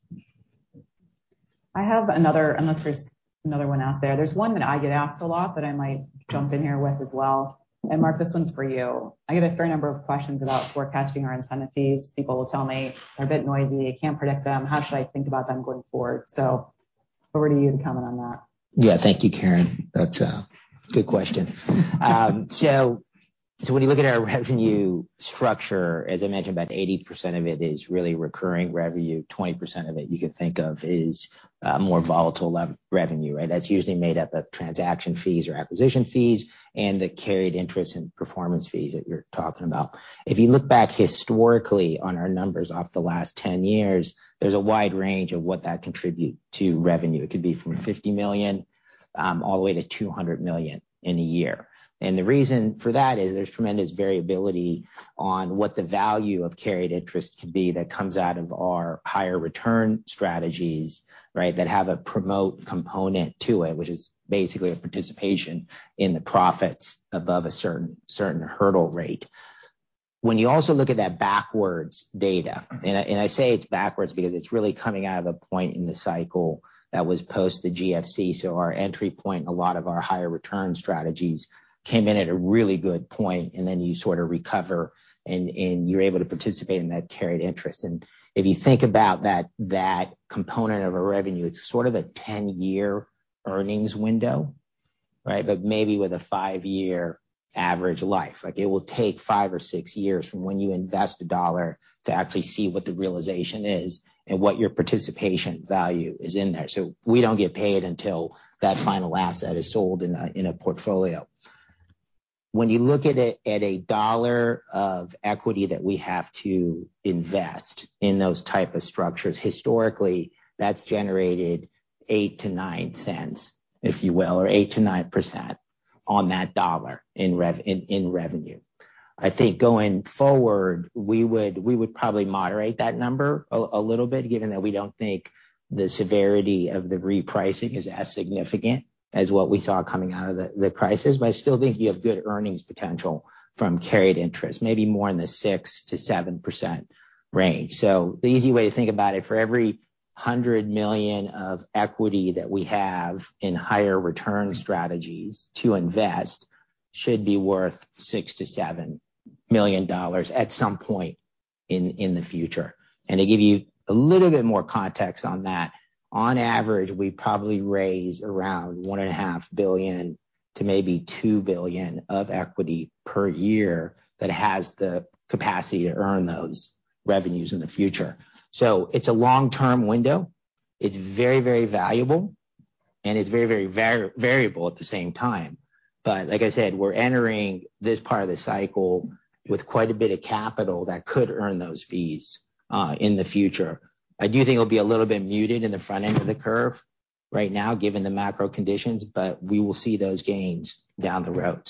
I have another, unless there's another one out there. There's one that I get asked a lot that I might jump in here with as well. And Mark, this one's for you. I get a fair number of questions about forecasting our incentive fees. People will tell me they're a bit noisy. I can't predict them. How should I think about them going forward? Over to you to comment on that. Thank you, Karen. That's a good question. When you look at our revenue structure, as I mentioned, about 80% of it is really recurring revenue. 20% of it you could think of is more volatile revenue, right? That's usually made up of transaction fees or acquisition fees and the carried interest and performance fees that you're talking about. If you look back historically on our numbers of the last 10 years, there's a wide range of what that contribute to revenue. It could be from $50 million all the way to $200 million in a year. The reason for that is there's tremendous variability on what the value of carried interest could be that comes out of our higher return strategies, right, that have a promote component to it, which is basically a participation in the profits above a certain hurdle rate. When you also look at that backwards data, and I say it's backwards because it's really coming out of a point in the cycle that was post the GFC. Our entry point, a lot of our higher return strategies came in at a really good point, and then you sort of recover and you're able to participate in that carried interest. If you think about that component of a revenue, it's sort of a 10-year earnings window, right? But maybe with a five-year average life. Like, it will take five or years from when you invest a dollar to actually see what the realization is and what your participation value is in there. We don't get paid until that final asset is sold in a portfolio. When you look at it at a dollar of equity that we have to invest in those type of structures, historically, that's generated $0.08 to $0.09 cents, if you will, or 8%-9% on that dollar in revenue. I think going forward, we would probably moderate that number a little bit, given that we don't think the severity of the repricing is as significant as what we saw coming out of the crisis. I still think you have good earnings potential from carried interest, maybe more in the 6%-7% range. The easy way to think about it, for every $100 million of equity that we have in higher return strategies to invest should be worth $6-$7 million at some point in the future. To give you a little bit more context on that, on average, we probably raise around $1.5-$2 billion of equity per year that has the capacity to earn those revenues in the future. It's a long-term window. It's very, very valuable, and it's very, very variable at the same time. Like I said, we're entering this part of the cycle with quite a bit of capital that could earn those fees in the future. I do think it'll be a little bit muted in the front end of the curve right now, given the macro conditions, but we will see those gains down the road.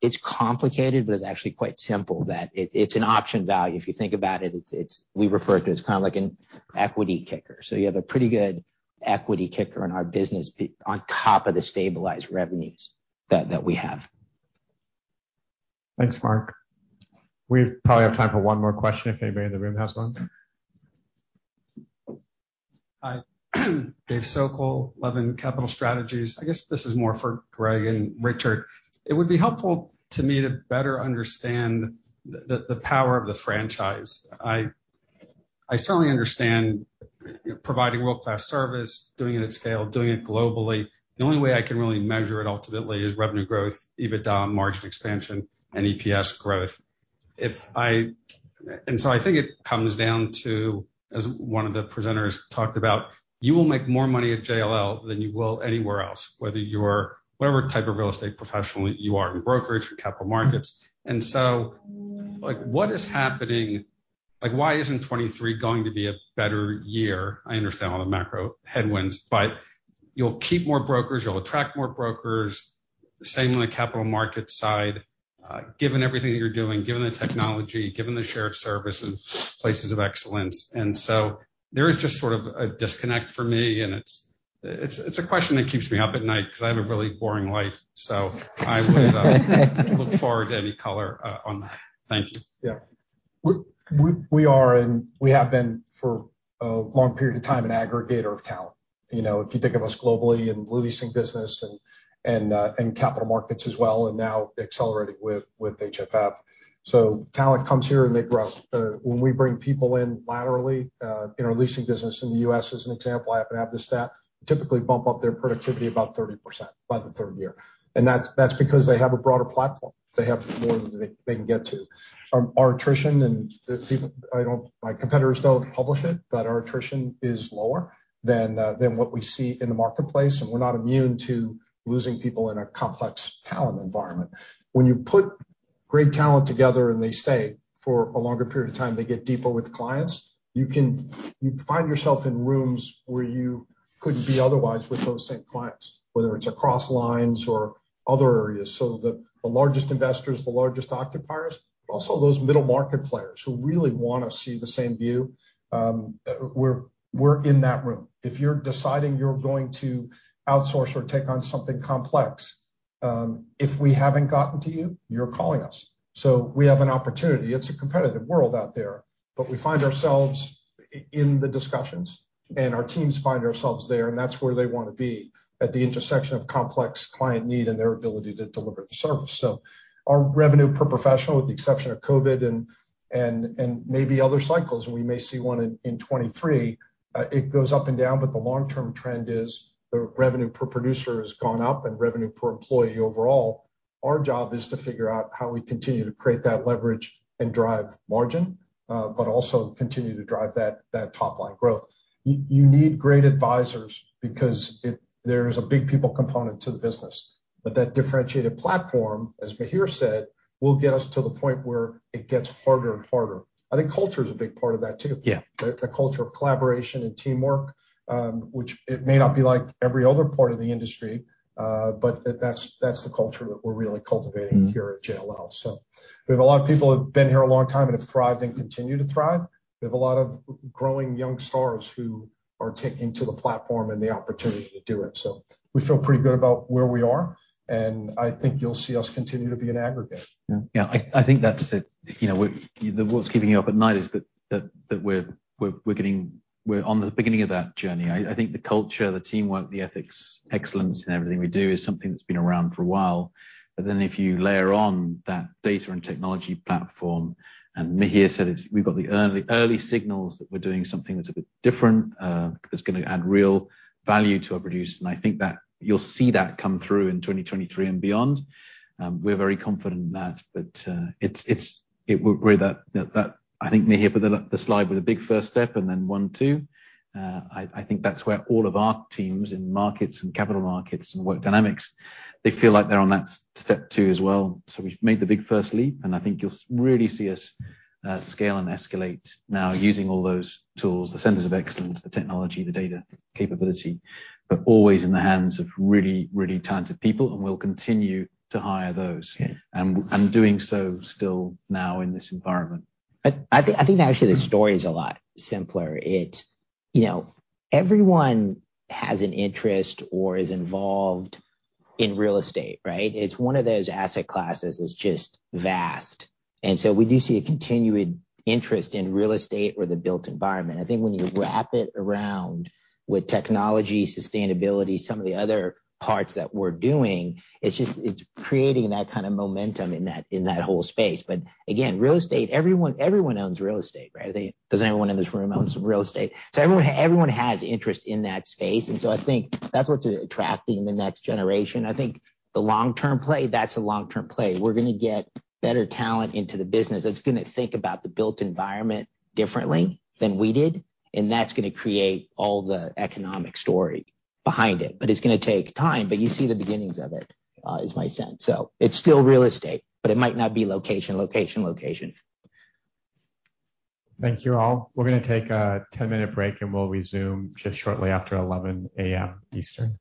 It's complicated, but it's actually quite simple, it's an option value. If you think about it's we refer to it as kind of like an equity kicker. You have a pretty good equity kicker in our business on top of the stabilized revenues that we have. Thanks, Mark. We probably have time for one more question if anybody in the room has one. Hi. Dave Socol, Levin Capital Strategies. I guess this is more for Greg and Richard. It would be helpful to me to better understand the power of the franchise. I certainly understand providing world-class service, doing it at scale, doing it globally. The only way I can really measure it ultimately is revenue growth, EBITDA, margin expansion, and EPS growth. I think it comes down to, as one of the presenters talked about, you will make more money at JLL than you will anywhere else, whatever type of real estate professional you are in brokerage or Capital Markets. Like, what is happening? Like, why isn't 2023 going to be a better year? I understand all the macro headwinds, but you'll keep more brokers, you'll attract more brokers. Same on the capital market side. Given everything you're doing, given the technology, given the share of service and places of excellence. There is just sort of a disconnect for me, and it's a question that keeps me up at night because I have a really boring life. I would look forward to any color on that. Thank you. Yeah. We are and we have been for a long period of time an aggregator of talent. You know, if you think of us globally in leasing business and Capital Markets as well, and now accelerating with HFF. Talent comes here and they grow. When we bring people in laterally, in our leasing business in the U.S. as an example, I happen to have the stat, typically bump up their productivity about 30% by the third year. And that's because they have a broader platform. They have more that they can get to. Our attrition. My competitors don't publish it, but our attrition is lower than what we see in the marketplace, and we're not immune to losing people in a complex talent environment. When you put great talent together and they stay for a longer period of time, they get deeper with clients. You can, you find yourself in rooms where you couldn't be otherwise with those same clients, whether it's across lines or other areas. The largest investors, the largest occupiers, but also those middle-market players who really wanna see the same view, we're in that room. If you're deciding you're going to outsource or take on something complex, if we haven't gotten to you're calling us. We have an opportunity. It's a competitive world out there, but we find ourselves in the discussions, and our teams find themselves there, and that's where they wanna be, at the intersection of complex client need and their ability to deliver the service. Our revenue per professional, with the exception of COVID and maybe other cycles, and we may see one in 2023, it goes up and down, but the long-term trend is the revenue per producer has gone up and revenue per employee overall. Our job is to figure out how we continue to create that leverage and drive margin, but also continue to drive that top line growth. You need great advisors because there's a big people component to the business. That differentiated platform, as Mihir said, will get us to the point where it gets harder and harder. I think culture is a big part of that too. Yeah. The culture of collaboration and teamwork, which it may not be like every other part of the industry, but that's the culture that we're really cultivating. Mm-hmm. Here at JLL. We have a lot of people who have been here a long time and have thrived and continue to thrive. We have a lot of growing young stars who are taking to the platform and the opportunity to do it. We feel pretty good about where we are, and I think you'll see us continue to be an aggregator. I think that's, you know, what's keeping you up at night is that we're on the beginning of that journey. I think the culture, the teamwork, the ethics, excellence in everything we do is something that's been around for a while. Then if you layer on that data and technology platform, and Mihir said it's, we've got the early signals that we're doing something that's a bit different, that's gonna add real value to our products, and I think that you'll see that come through in 2023 and beyond. We're very confident in that, but it's where that, I think Mihir put it on the slide with a big first step and then one, two. I think that's where all of our teams in Markets and Capital Markets and Work Dynamics, they feel like they're on that step two as well. We've made the big first leap, and I think you'll really see us scale and escalate now using all those tools, the centers of excellence, the technology, the data capability, but always in the hands of really talented people, and we'll continue to hire those. Yeah. doing so still now in this environment. I think actually the story is a lot simpler. It's, you know, everyone has an interest or is involved in real estate, right? It's one of those asset classes that's just vast. We do see a continued interest in real estate or the built environment. I think when you wrap it around with technology, sustainability, some of the other parts that we're doing, it's just, it's creating that kind of momentum in that whole space. Again, real estate, everyone owns real estate, right? I think doesn't everyone in this room own some real estate? Everyone has interest in that space, and so I think that's what's attracting the next generation. I think the long-term play, that's a long-term play. We're gonna get better talent into the business that's gonna think about the built environment differently than we did, and that's gonna create all the economic story behind it. It's gonna take time, but you see the beginnings of it, is my sense. It's still real estate, but it might not be location, location. Thank you all. We're gonna take a 10-minute break, and we'll resume just shortly after 11 A.M. Eastern.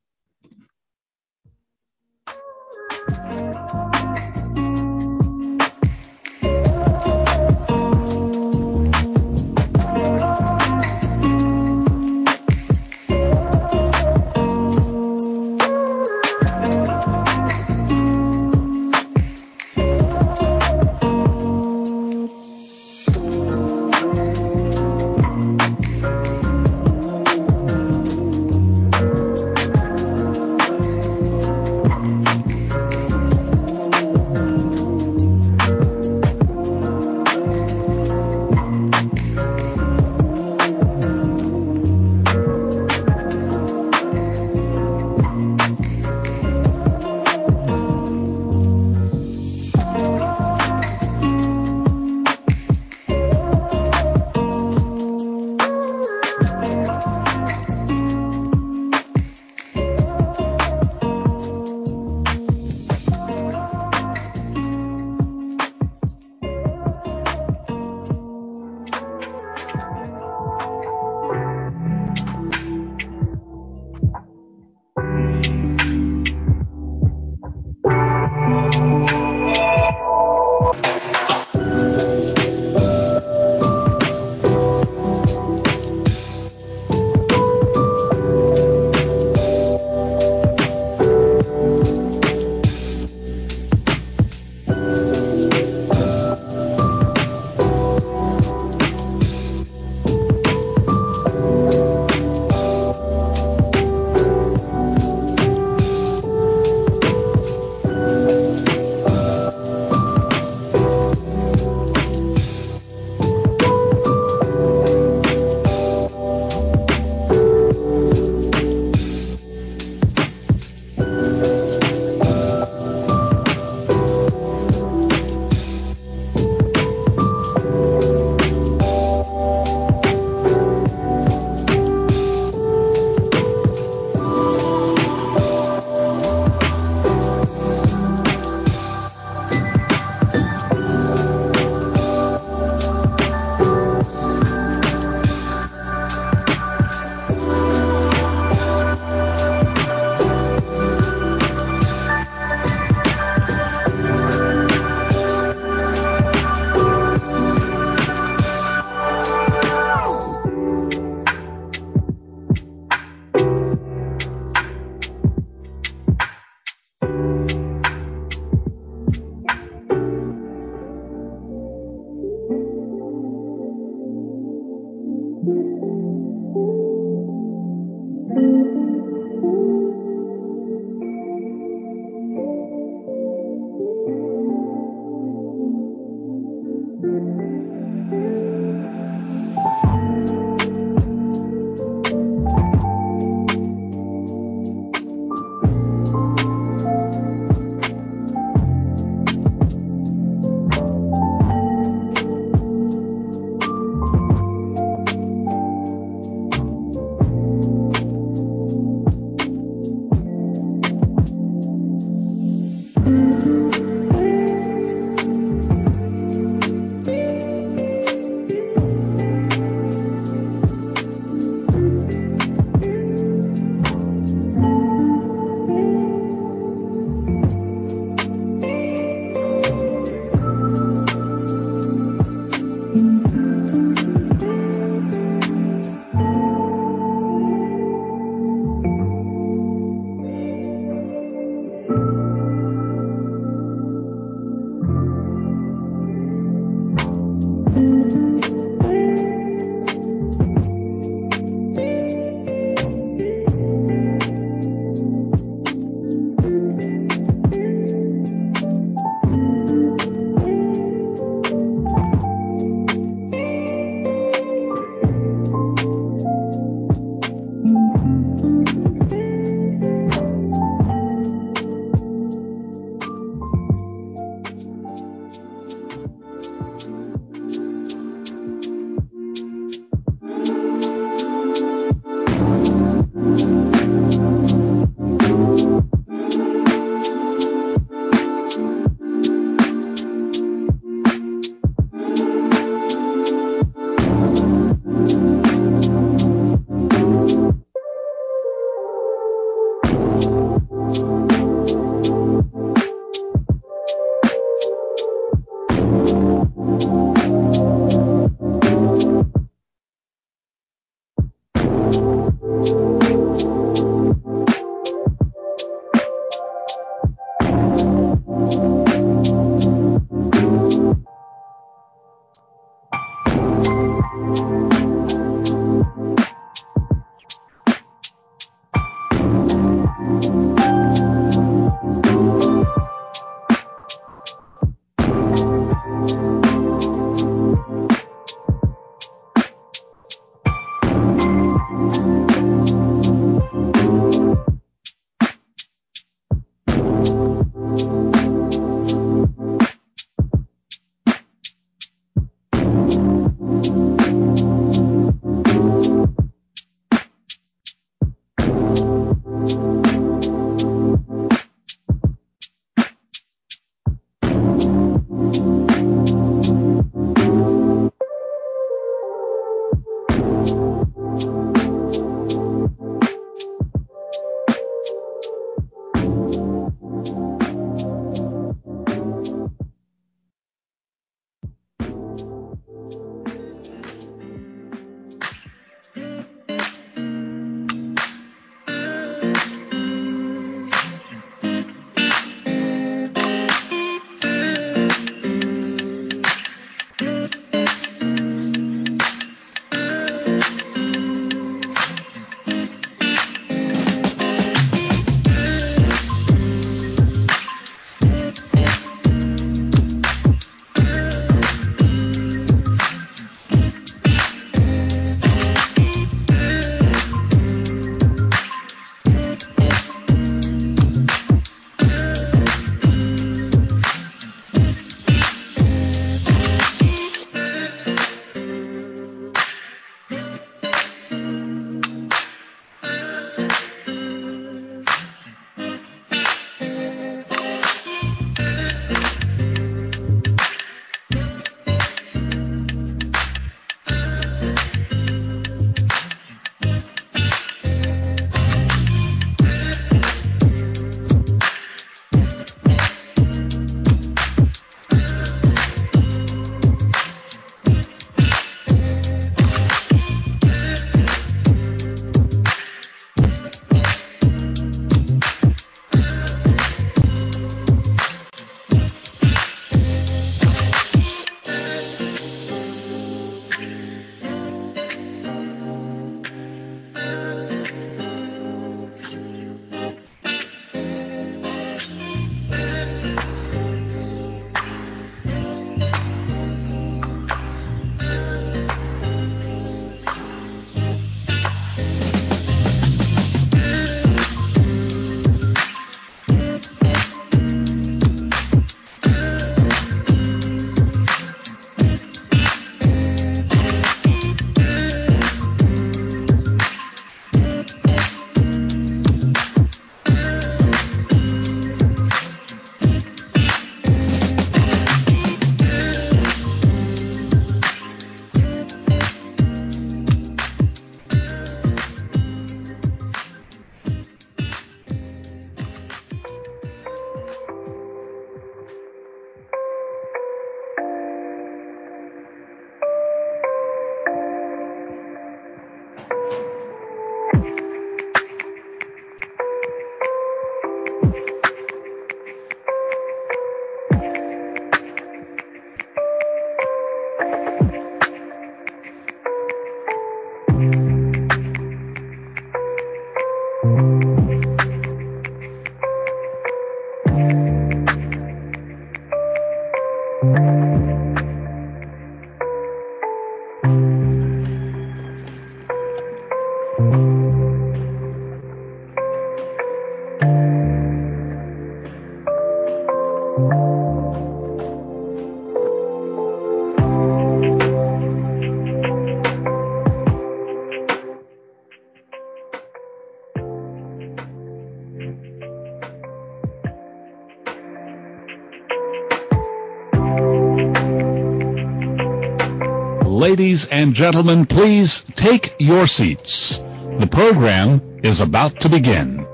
Ladies and gentlemen, please take your seats. The program is about to begin. Okay.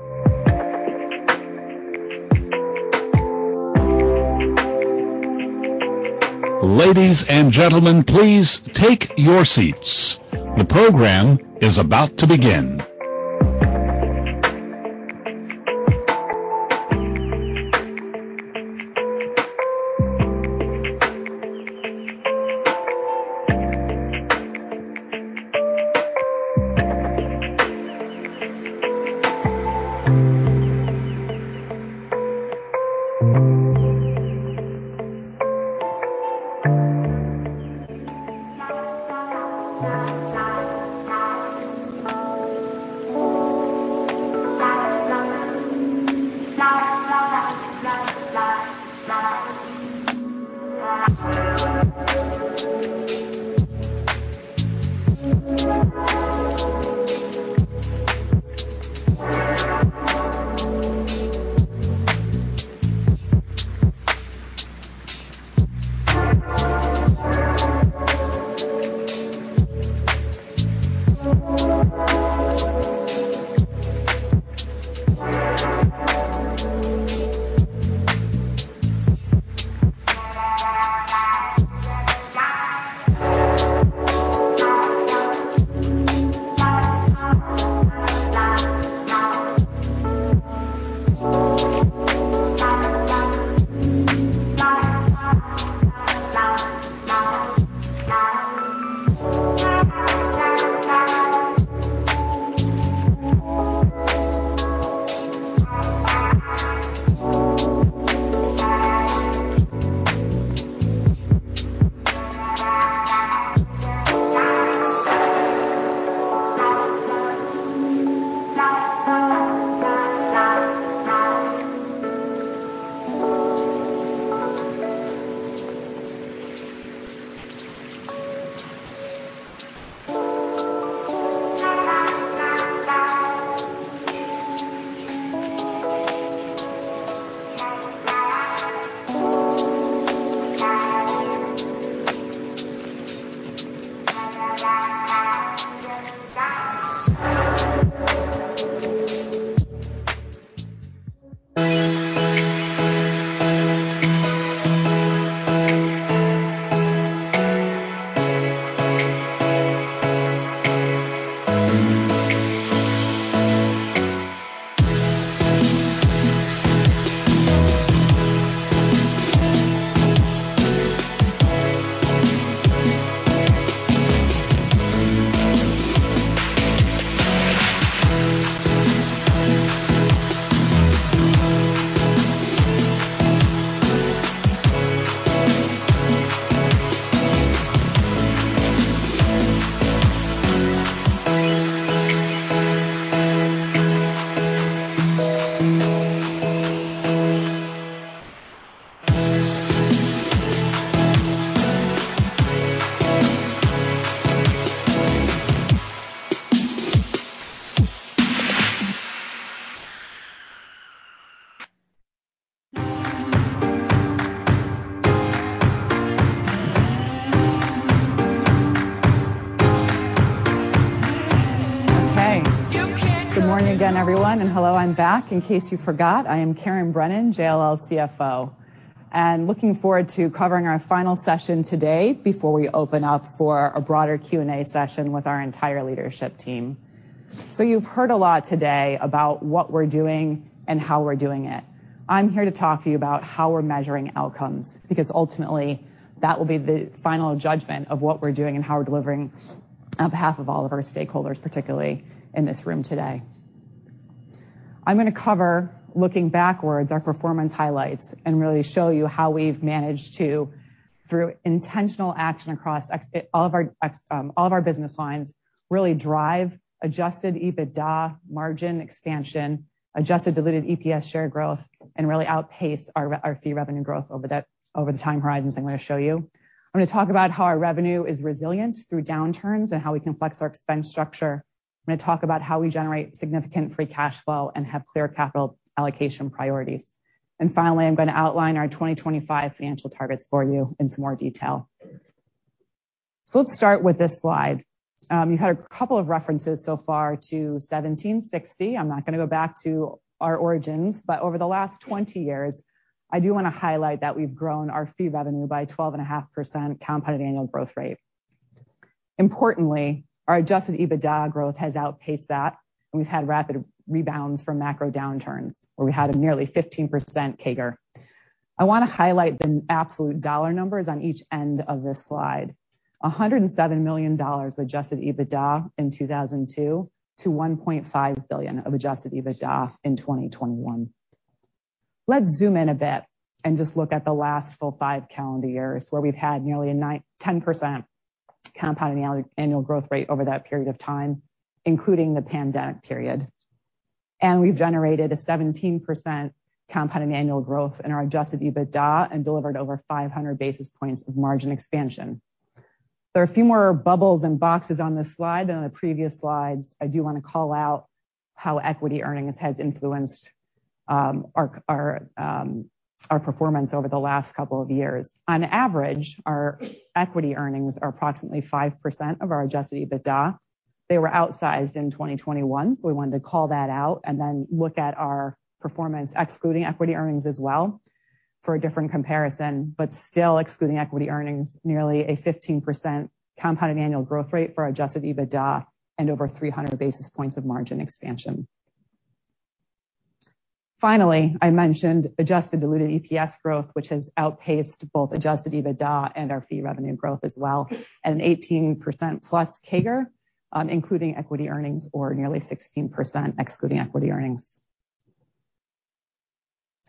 Good morning again, everyone, and hello. I'm back. In case you forgot, I am Karen Brennan, JLL CFO. Looking forward to covering our final session today before we open up for a broader Q&A session with our entire leadership team. You've heard a lot today about what we're doing and how we're doing it. I'm here to talk to you about how we're measuring outcomes, because ultimately that will be the final judgment of what we're doing and how we're delivering on behalf of all of our stakeholders, particularly in this room today. I'm gonna cover, looking backwards, our performance highlights and really show you how we've managed to, through intentional action across all of our business lines, really drive Adjusted EBITDA margin expansion, adjusted diluted EPS share growth, and really outpace our fee revenue growth over that, over the time horizons I'm gonna show you. I'm gonna talk about how our revenue is resilient through downturns and how we can flex our expense structure. I'm gonna talk about how we generate significant free cash flow and have clear capital allocation priorities. Finally, I'm gonna outline our 2025 financial targets for you in some more detail. Let's start with this slide. You've had a couple of references so far to 1760. I'm not gonna go back to our origins, but over the last 20 years, I do wanna highlight that we've grown our fee revenue by 12.5% compounded annual growth rate. Importantly, our Adjusted EBITDA growth has outpaced that, and we've had rapid rebounds from macro downturns, where we had a nearly 15% CAGR. I wanna highlight the absolute dollar numbers on each end of this slide. $107 million of Adjusted EBITDA in 2002 to $1.5 billion of Adjusted EBITDA in 2021. Let's zoom in a bit and just look at the last full five calendar years, where we've had nearly a 10% compounded annual growth rate over that period of time, including the pandemic period. We've generated a 17% compounded annual growth in our Adjusted EBITDA and delivered over 500 basis points of margin expansion. There are a few more bubbles and boxes on this slide than on the previous slides. I do wanna call out how equity earnings has influenced our performance over the last couple of years. On average, our equity earnings are approximately 5% of our Adjusted EBITDA. They were outsized in 2021, so we wanted to call that out and then look at our performance excluding equity earnings as well for a different comparison. Still excluding equity earnings, nearly a 15% compounded annual growth rate for Adjusted EBITDA and over 300 basis points of margin expansion. Finally, I mentioned adjusted diluted EPS growth, which has outpaced both Adjusted EBITDA and our fee revenue growth as well, at an 18%+ CAGR, including equity earnings or nearly 16% excluding equity earnings.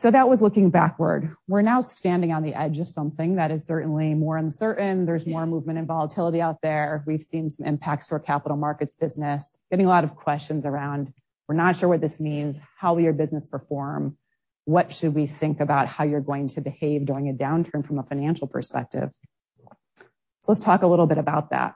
That was looking backward. We're now standing on the edge of something that is certainly more uncertain. There's more movement and volatility out there. We've seen some impacts to our Capital Markets business, getting a lot of questions around, we're not sure what this means. How will your business perform? What should we think about how you're going to behave during a downturn from a financial perspective? Let's talk a little bit about that.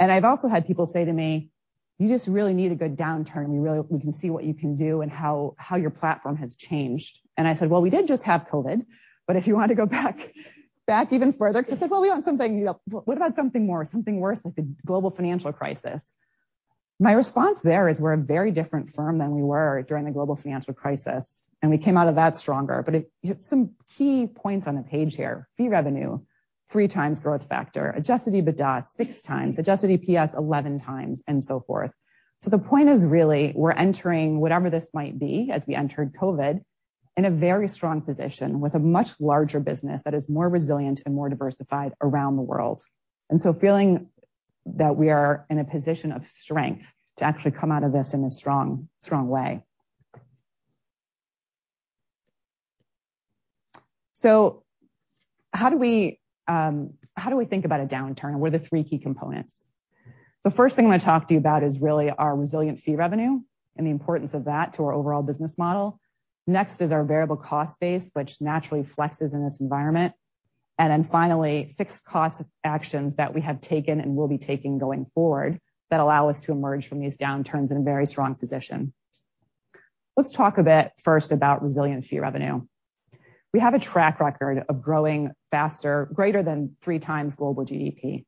I've also had people say to me, "You just really need a good downturn. We can see what you can do and how your platform has changed." I said, "Well, we did just have COVID, but if you want to go back even further." 'Cause they said, "Well, we want something. What about something more, something worse, like the global financial crisis?" My response there is we're a very different firm than we were during the global financial crisis, and we came out of that stronger. Some key points on the page here. Fee revenue, 3x growth factor. Adjusted EBITDA, 6x. Adjusted EPS, 11x, and so forth. The point is really we're entering whatever this might be as we entered COVID, in a very strong position with a much larger business that is more resilient and more diversified around the world. Feeling that we are in a position of strength to actually come out of this in a strong way. How do we think about a downturn? What are the three key components? The first thing I'm gonna talk to you about is really our resilient fee revenue and the importance of that to our overall business model. Next is our variable cost base, which naturally flexes in this environment. Fixed cost actions that we have taken and will be taking going forward allow us to emerge from these downturns in a very strong position. Let's talk a bit first about resilient fee revenue. We have a track record of growing faster, greater than three times global GDP.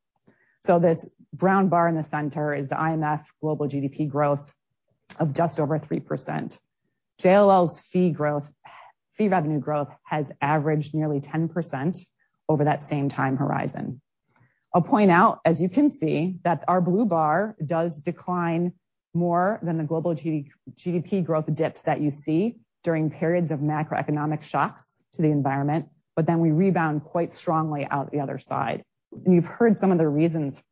This brown bar in the center is the IMF global GDP growth of just over 3%. JLL's fee growth, fee revenue growth has averaged nearly 10% over that same time horizon. I'll point out, as you can see, that our blue bar does decline more than the global GDP growth dips that you see during periods of macroeconomic shocks to the environment, but then we rebound quite strongly out the other side. You've heard some of the reasons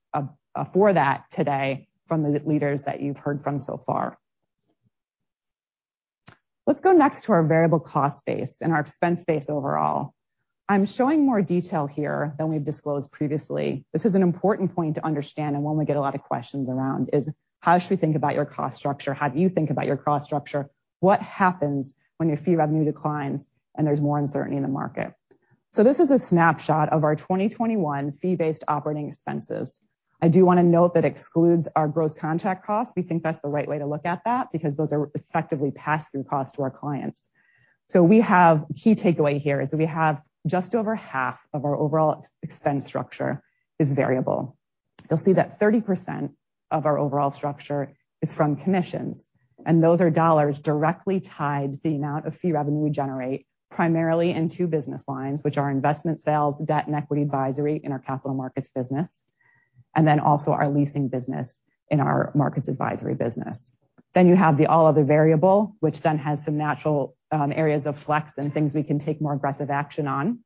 for that today from the leaders that you've heard from so far. Let's go next to our variable cost base and our expense base overall. I'm showing more detail here than we've disclosed previously. This is an important point to understand and one we get a lot of questions around is how should we think about your cost structure? How do you think about your cost structure? What happens when your fee revenue declines and there's more uncertainty in the market? This is a snapshot of our 2021 fee-based operating expenses. I do wanna note that excludes our gross contract costs. We think that's the right way to look at that because those are effectively pass-through costs to our clients. The key takeaway here is we have just over half of our overall expense structure is variable. You'll see that 30% of our overall structure is from commissions, and those are dollars directly tied to the amount of fee revenue we generate, primarily in two business lines, which are investment sales, debt, and equity advisory in our Capital Markets business, and then also our leasing business in our Markets Advisory business. Then you have the all other variable, which then has some natural areas of flex and things we can take more aggressive action on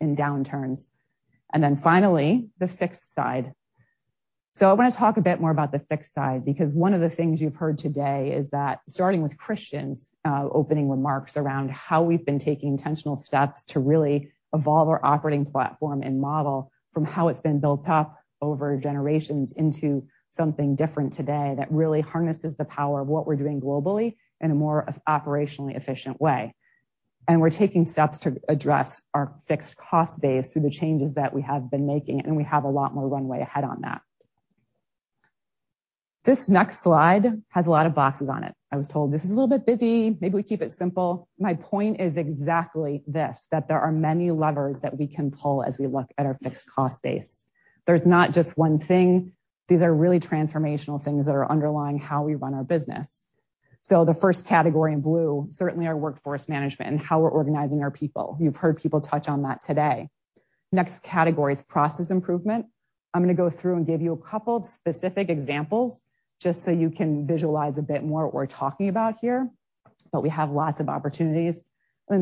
in downturns. Then finally, the fixed side. I want to talk a bit more about the fixed side, because one of the things you've heard today is that starting with Christian's opening remarks around how we've been taking intentional steps to really evolve our operating platform and model from how it's been built up over generations into something different today that really harnesses the power of what we're doing globally in a more operationally efficient way. We're taking steps to address our fixed cost base through the changes that we have been making, and we have a lot more runway ahead on that. This next slide has a lot of boxes on it. I was told this is a little bit busy. Maybe we keep it simple. My point is exactly this, that there are many levers that we can pull as we look at our fixed cost base. There's not just one thing. These are really transformational things that are underlying how we run our business. The first category in blue, certainly our workforce management and how we're organizing our people. You've heard people touch on that today. Next category is process improvement. I'm gonna go through and give you a couple of specific examples just so you can visualize a bit more what we're talking about here, but we have lots of opportunities.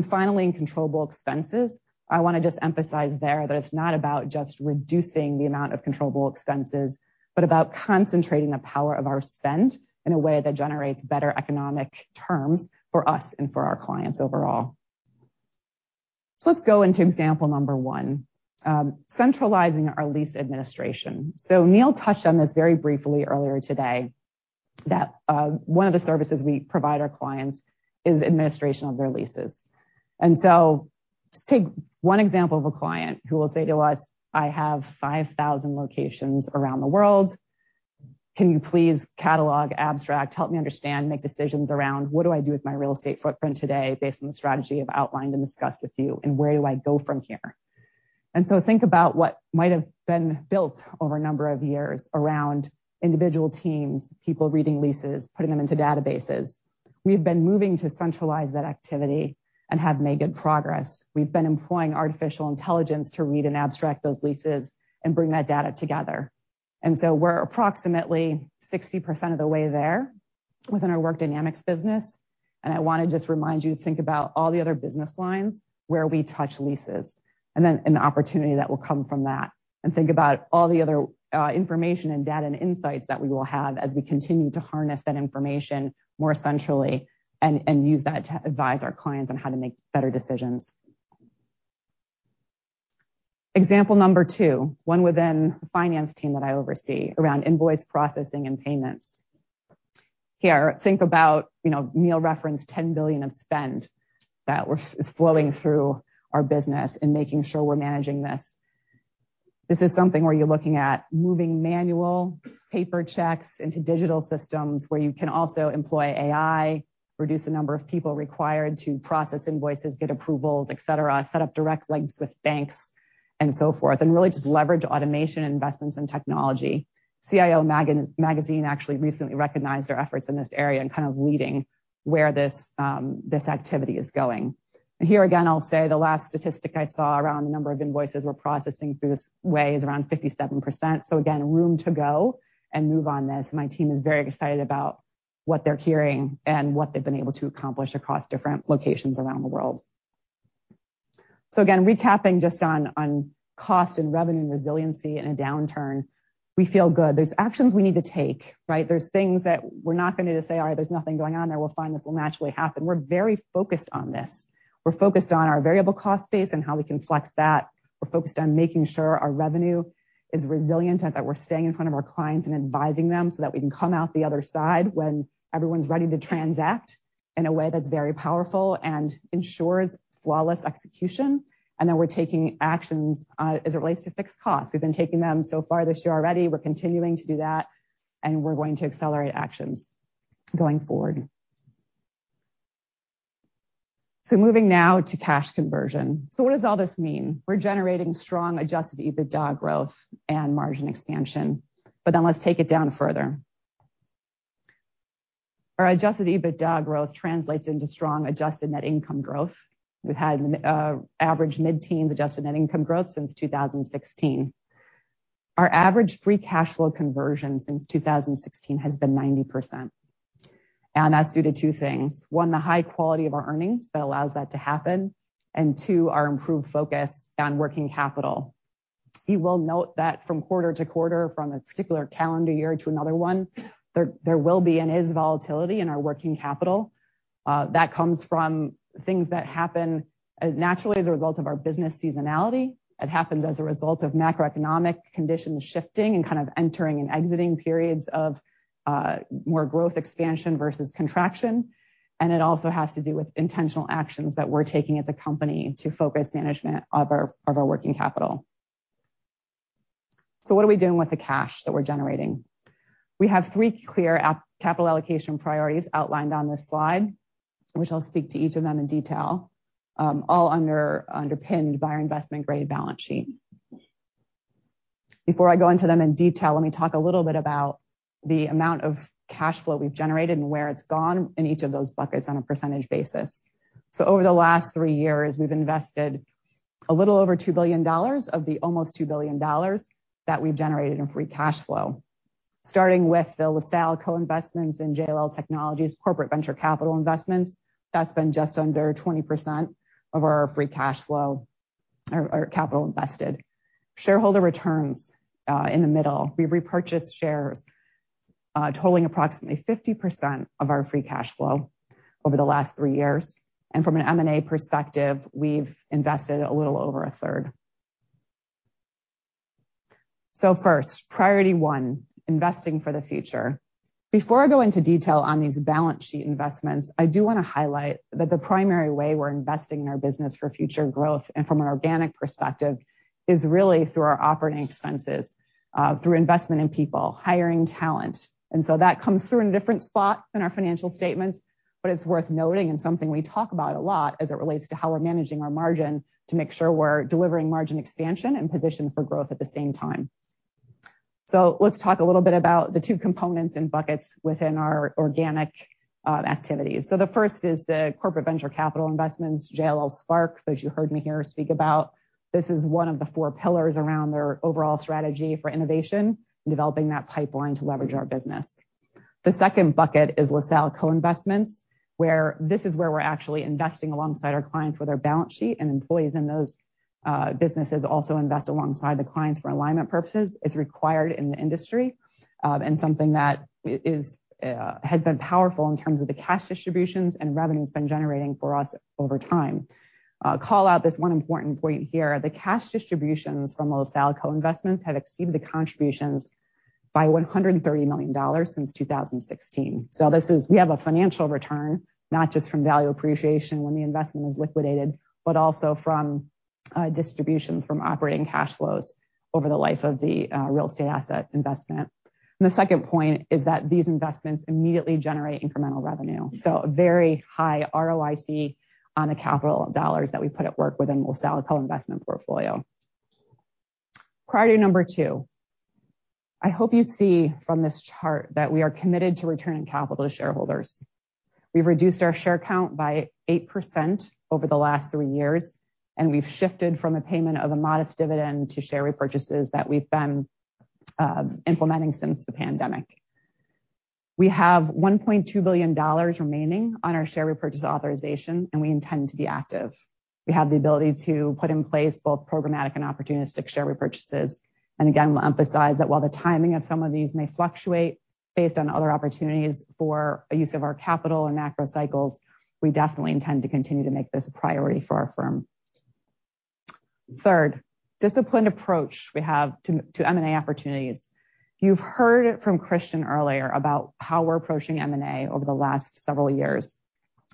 Finally, in controllable expenses, I want to just emphasize there that it's not about just reducing the amount of controllable expenses, but about concentrating the power of our spend in a way that generates better economic terms for us and for our clients overall. Let's go into example number one, centralizing our lease administration. Neil touched on this very briefly earlier today, that, one of the services we provide our clients is administration of their leases. Just take one example of a client who will say to us, "I have 5,000 locations around the world. Can you please catalog, abstract, help me understand, make decisions around what do I do with my real estate footprint today based on the strategy I've outlined and discussed with you, and where do I go from here?" Think about what might have been built over a number of years around individual teams, people reading leases, putting them into databases. We've been moving to centralize that activity and have made good progress. We've been employing artificial intelligence to read and abstract those leases and bring that data together. We're approximately 60% of the way there within our Work Dynamics business. I want to just remind you to think about all the other business lines where we touch leases and the opportunity that will come from that. Think about all the other information and data and insights that we will have as we continue to harness that information more centrally and use that to advise our clients on how to make better decisions. Example number two, one within the finance team that I oversee around invoice processing and payments. Here, think about Neil referenced $10 billion of spend that is flowing through our business and making sure we're managing this. This is something where you're looking at moving manual paper checks into digital systems where you can also employ AI, reduce the number of people required to process invoices, get approvals, et cetera, set up direct links with banks and so forth, and really just leverage automation investments and technology. CIO Magazine actually recently recognized our efforts in this area and kind of leading where this activity is going. Here again, I'll say the last statistic I saw around the number of invoices we're processing through this way is around 57%. Again, room to go and move on this. My team is very excited about what they're hearing and what they've been able to accomplish across different locations around the world. Again, recapping just on cost and revenue and resiliency in a downturn, we feel good. There's actions we need to take, right? There's things that we're not gonna just say, "All right, there's nothing going on there. We're fine. This will naturally happen." We're very focused on this. We're focused on our variable cost base and how we can flex that. We're focused on making sure our revenue is resilient and that we're staying in front of our clients and advising them so that we can come out the other side when everyone's ready to transact in a way that's very powerful and ensures flawless execution. We're taking actions as it relates to fixed costs. We've been taking them so far this year already. We're continuing to do that, and we're going to accelerate actions going forward. Moving now to cash conversion. What does all this mean? We're generating strong Adjusted EBITDA growth and margin expansion. Let's take it down further. Our Adjusted EBITDA growth translates into strong adjusted net income growth. We've had average mid-teens adjusted net income growth since 2016. Our average free cash flow conversion since 2016 has been 90%. That's due to two things. One, the high quality of our earnings that allows that to happen, and two, our improved focus on working capital. You will note that from quarter to quarter, from a particular calendar year to another one, there will be and is volatility in our working capital. That comes from things that happen naturally as a result of our business seasonality. It happens as a result of macroeconomic conditions shifting and kind of entering and exiting periods of more growth expansion versus contraction. It also has to do with intentional actions that we're taking as a company to focus management of our working capital. What are we doing with the cash that we're generating? We have three clear capital allocation priorities outlined on this slide, which I'll speak to each of them in detail, all underpinned by our investment grade balance sheet. Before I go into them in detail, let me talk a little bit about the amount of cash flow we've generated and where it's gone in each of those buckets on a percentage basis. Over the last three years, we've invested a little over $2 billion of the almost $2 billion that we've generated in free cash flow. Starting with the LaSalle co-investments in JLL Technologies corporate venture capital investments. That's been just under 20% of our free cash flow or capital invested. Shareholder returns in the middle. We repurchased shares totaling approximately 50% of our free cash flow over the last three years. From an M&A perspective, we've invested a little over a third. First, priority one, investing for the future. Before I go into detail on these balance sheet investments, I do wanna highlight that the primary way we're investing in our business for future growth and from an organic perspective is really through our operating expenses through investment in people, hiring talent. That comes through in a different spot than our financial statements, but it's worth noting and something we talk about a lot as it relates to how we're managing our margin to make sure we're delivering margin expansion and position for growth at the same time. Let's talk a little bit about the two components and buckets within our organic activities. The first is the corporate venture capital investments, JLL Spark, that you heard me here speak about. This is one of the four pillars around their overall strategy for innovation and developing that pipeline to leverage our business. The second bucket is LaSalle co-investments, where we're actually investing alongside our clients with our balance sheet and employees in those businesses also invest alongside the clients for alignment purposes. It's required in the industry, and something that has been powerful in terms of the cash distributions and revenue it's been generating for us over time. Call out this one important point here. The cash distributions from LaSalle co-investments have exceeded the contributions by $130 million since 2016. This is, we have a financial return, not just from value appreciation when the investment is liquidated, but also from distributions from operating cash flows over the life of the real estate asset investment. The second point is that these investments immediately generate incremental revenue. A very high ROIC on the capital dollars that we put at work within LaSalle co-investment portfolio. Priority number two. I hope you see from this chart that we are committed to returning capital to shareholders. We've reduced our share count by 8% over the last three years, and we've shifted from a payment of a modest dividend to share repurchases that we've been implementing since the pandemic. We have $1.2 billion remaining on our share repurchase authorization, and we intend to be active. We have the ability to put in place both programmatic and opportunistic share repurchases. We'll emphasize that while the timing of some of these may fluctuate based on other opportunities for a use of our capital and macro cycles, we definitely intend to continue to make this a priority for our firm. Third, disciplined approach we have to M&A opportunities. You've heard from Christian earlier about how we're approaching M&A over the last several years.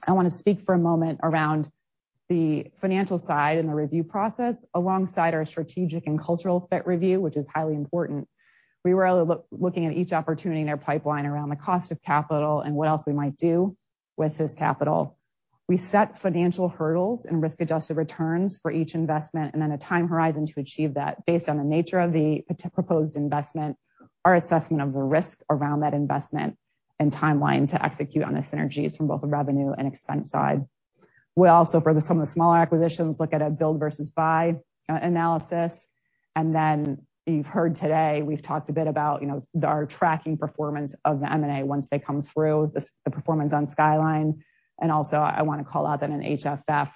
I wanna speak for a moment around the financial side and the review process alongside our strategic and cultural fit review, which is highly important. We were looking at each opportunity in our pipeline around the cost of capital and what else we might do with this capital. We set financial hurdles and risk-adjusted returns for each investment, and then a time horizon to achieve that based on the nature of the proposed investment, our assessment of the risk around that investment, and timeline to execute on the synergies from both the revenue and expense side. We also, for some of the smaller acquisitions, look at a build versus buy analysis. You've heard today, we've talked a bit about, you know, our tracking performance of the M&A once they come through this, the performance on Skyline. I wanna call out that in HFF,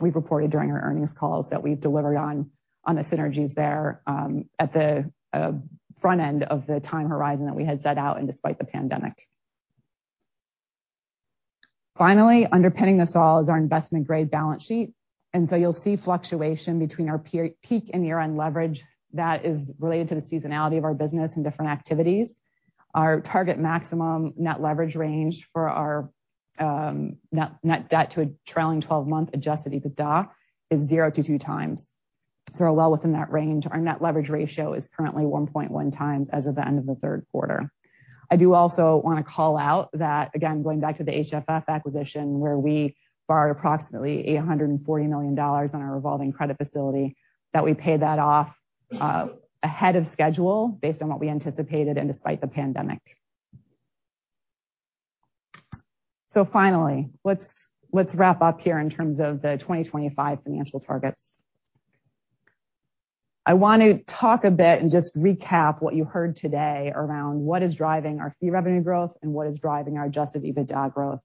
we've reported during our earnings calls that we've delivered on the synergies there at the front end of the time horizon that we had set out and despite the pandemic. Finally, underpinning this all is our investment-grade balance sheet. You'll see fluctuation between our peak and year-end leverage that is related to the seasonality of our business and different activities. Our target maximum net leverage range for our net debt to a trailing twelve-month Adjusted EBITDA is 0x-2x. Well within that range. Our net leverage ratio is currently 1.1x as of the end of the third quarter. I do also wanna call out that, again, going back to the HFF acquisition, where we borrowed approximately $840 million on our revolving credit facility, that we paid that off ahead of schedule based on what we anticipated and despite the pandemic. Finally, let's wrap up here in terms of the 2025 financial targets. I want to talk a bit and just recap what you heard today around what is driving our fee revenue growth and what is driving our Adjusted EBITDA growth.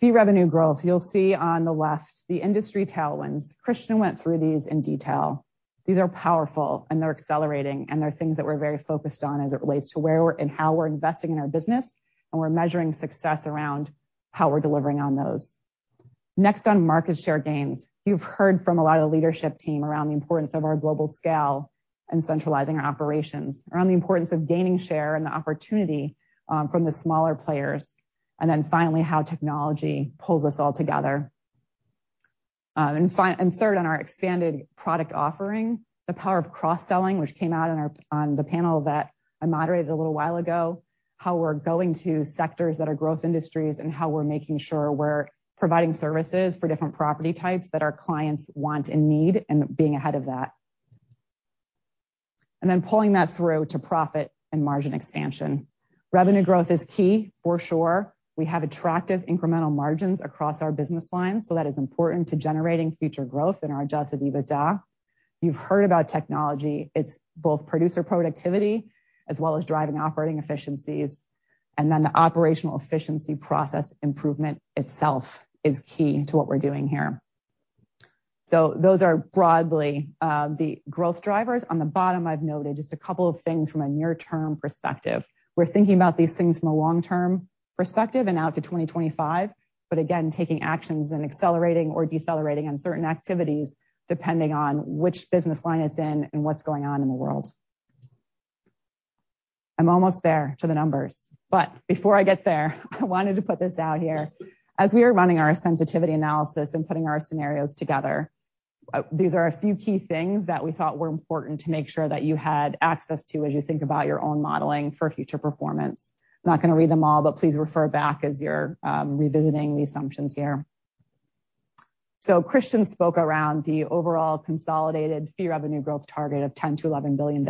Fee revenue growth. You'll see on the left the industry tailwinds. Christian went through these in detail. These are powerful, and they're accelerating, and they're things that we're very focused on as it relates to where we're and how we're investing in our business, and we're measuring success around how we're delivering on those. Next on market share gains. You've heard from a lot of leadership team around the importance of our global scale and centralizing our operations, around the importance of gaining share and the opportunity from the smaller players. Then finally, how technology pulls us all together. Third on our expanded product offering, the power of cross-selling, which came out on the panel that I moderated a little while ago, how we're going to sectors that are growth industries and how we're making sure we're providing services for different property types that our clients want and need and being ahead of that. Then pulling that through to profit and margin expansion. Revenue growth is key for sure. We have attractive incremental margins across our business lines, so that is important to generating future growth in our Adjusted EBITDA. You've heard about technology. It's both producer productivity as well as driving operating efficiencies. Then the operational efficiency process improvement itself is key to what we're doing here. Those are broadly the growth drivers. On the bottom, I've noted just a couple of things from a near-term perspective. We're thinking about these things from a long-term perspective and out to 2025, but again, taking actions and accelerating or decelerating on certain activities depending on which business line it's in and what's going on in the world. I'm almost there to the numbers, but before I get there, I wanted to put this out here. As we are running our sensitivity analysis and putting our scenarios together, these are a few key things that we thought were important to make sure that you had access to as you think about your own modeling for future performance. I'm not gonna read them all, but please refer back as you're revisiting the assumptions here. Christian spoke around the overall consolidated fee revenue growth target of $10 billion-$11 billion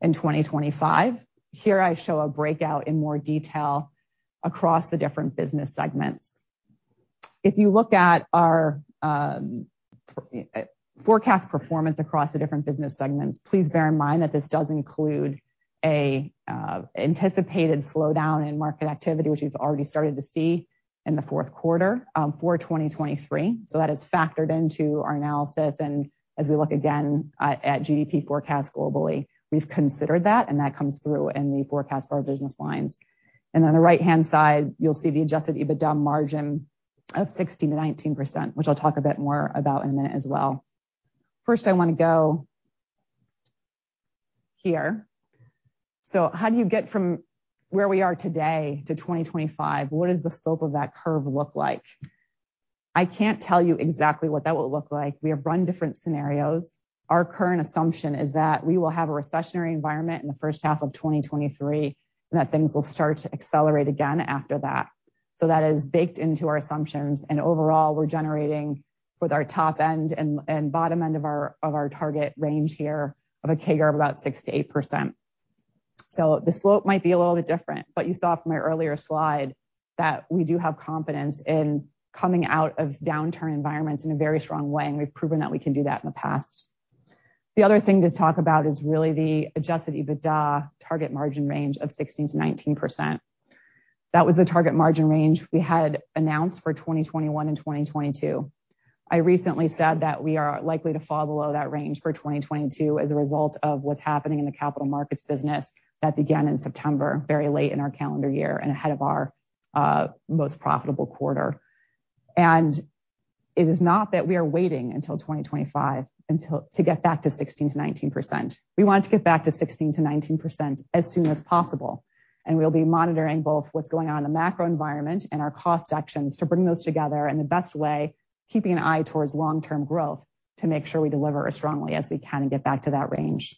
in 2025. Here I show a breakout in more detail across the different business segments. If you look at our forecast performance across the different business segments, please bear in mind that this does include a anticipated slowdown in market activity, which we've already started to see in the fourth quarter for 2023. That is factored into our analysis. As we look again at GDP forecast globally, we've considered that, and that comes through in the forecast for our business lines. On the right-hand side, you'll see the Adjusted EBITDA margin of 16%-19%, which I'll talk a bit more about in a minute as well. First, I wanna go here. How do you get from where we are today to 2025? What does the scope of that curve look like? I can't tell you exactly what that will look like. We have run different scenarios. Our current assumption is that we will have a recessionary environment in the first half of 2023, and that things will start to accelerate again after that. That is baked into our assumptions, and overall, we're generating with our top end and bottom end of our target range here of a CAGR of about 6%-8%. The slope might be a little bit different, but you saw from my earlier slide that we do have confidence in coming out of downturn environments in a very strong way, and we've proven that we can do that in the past. The other thing to talk about is really the Adjusted EBITDA target margin range of 16%-19%. That was the target margin range we had announced for 2021 and 2022. I recently said that we are likely to fall below that range for 2022 as a result of what's happening in the Capital Markets business that began in September, very late in our calendar year and ahead of our most profitable quarter. It is not that we are waiting until 2025 to get back to 16%-19%. We want to get back to 16%-19% as soon as possible, and we'll be monitoring both what's going on in the macro environment and our cost actions to bring those together in the best way, keeping an eye towards long-term growth to make sure we deliver as strongly as we can and get back to that range.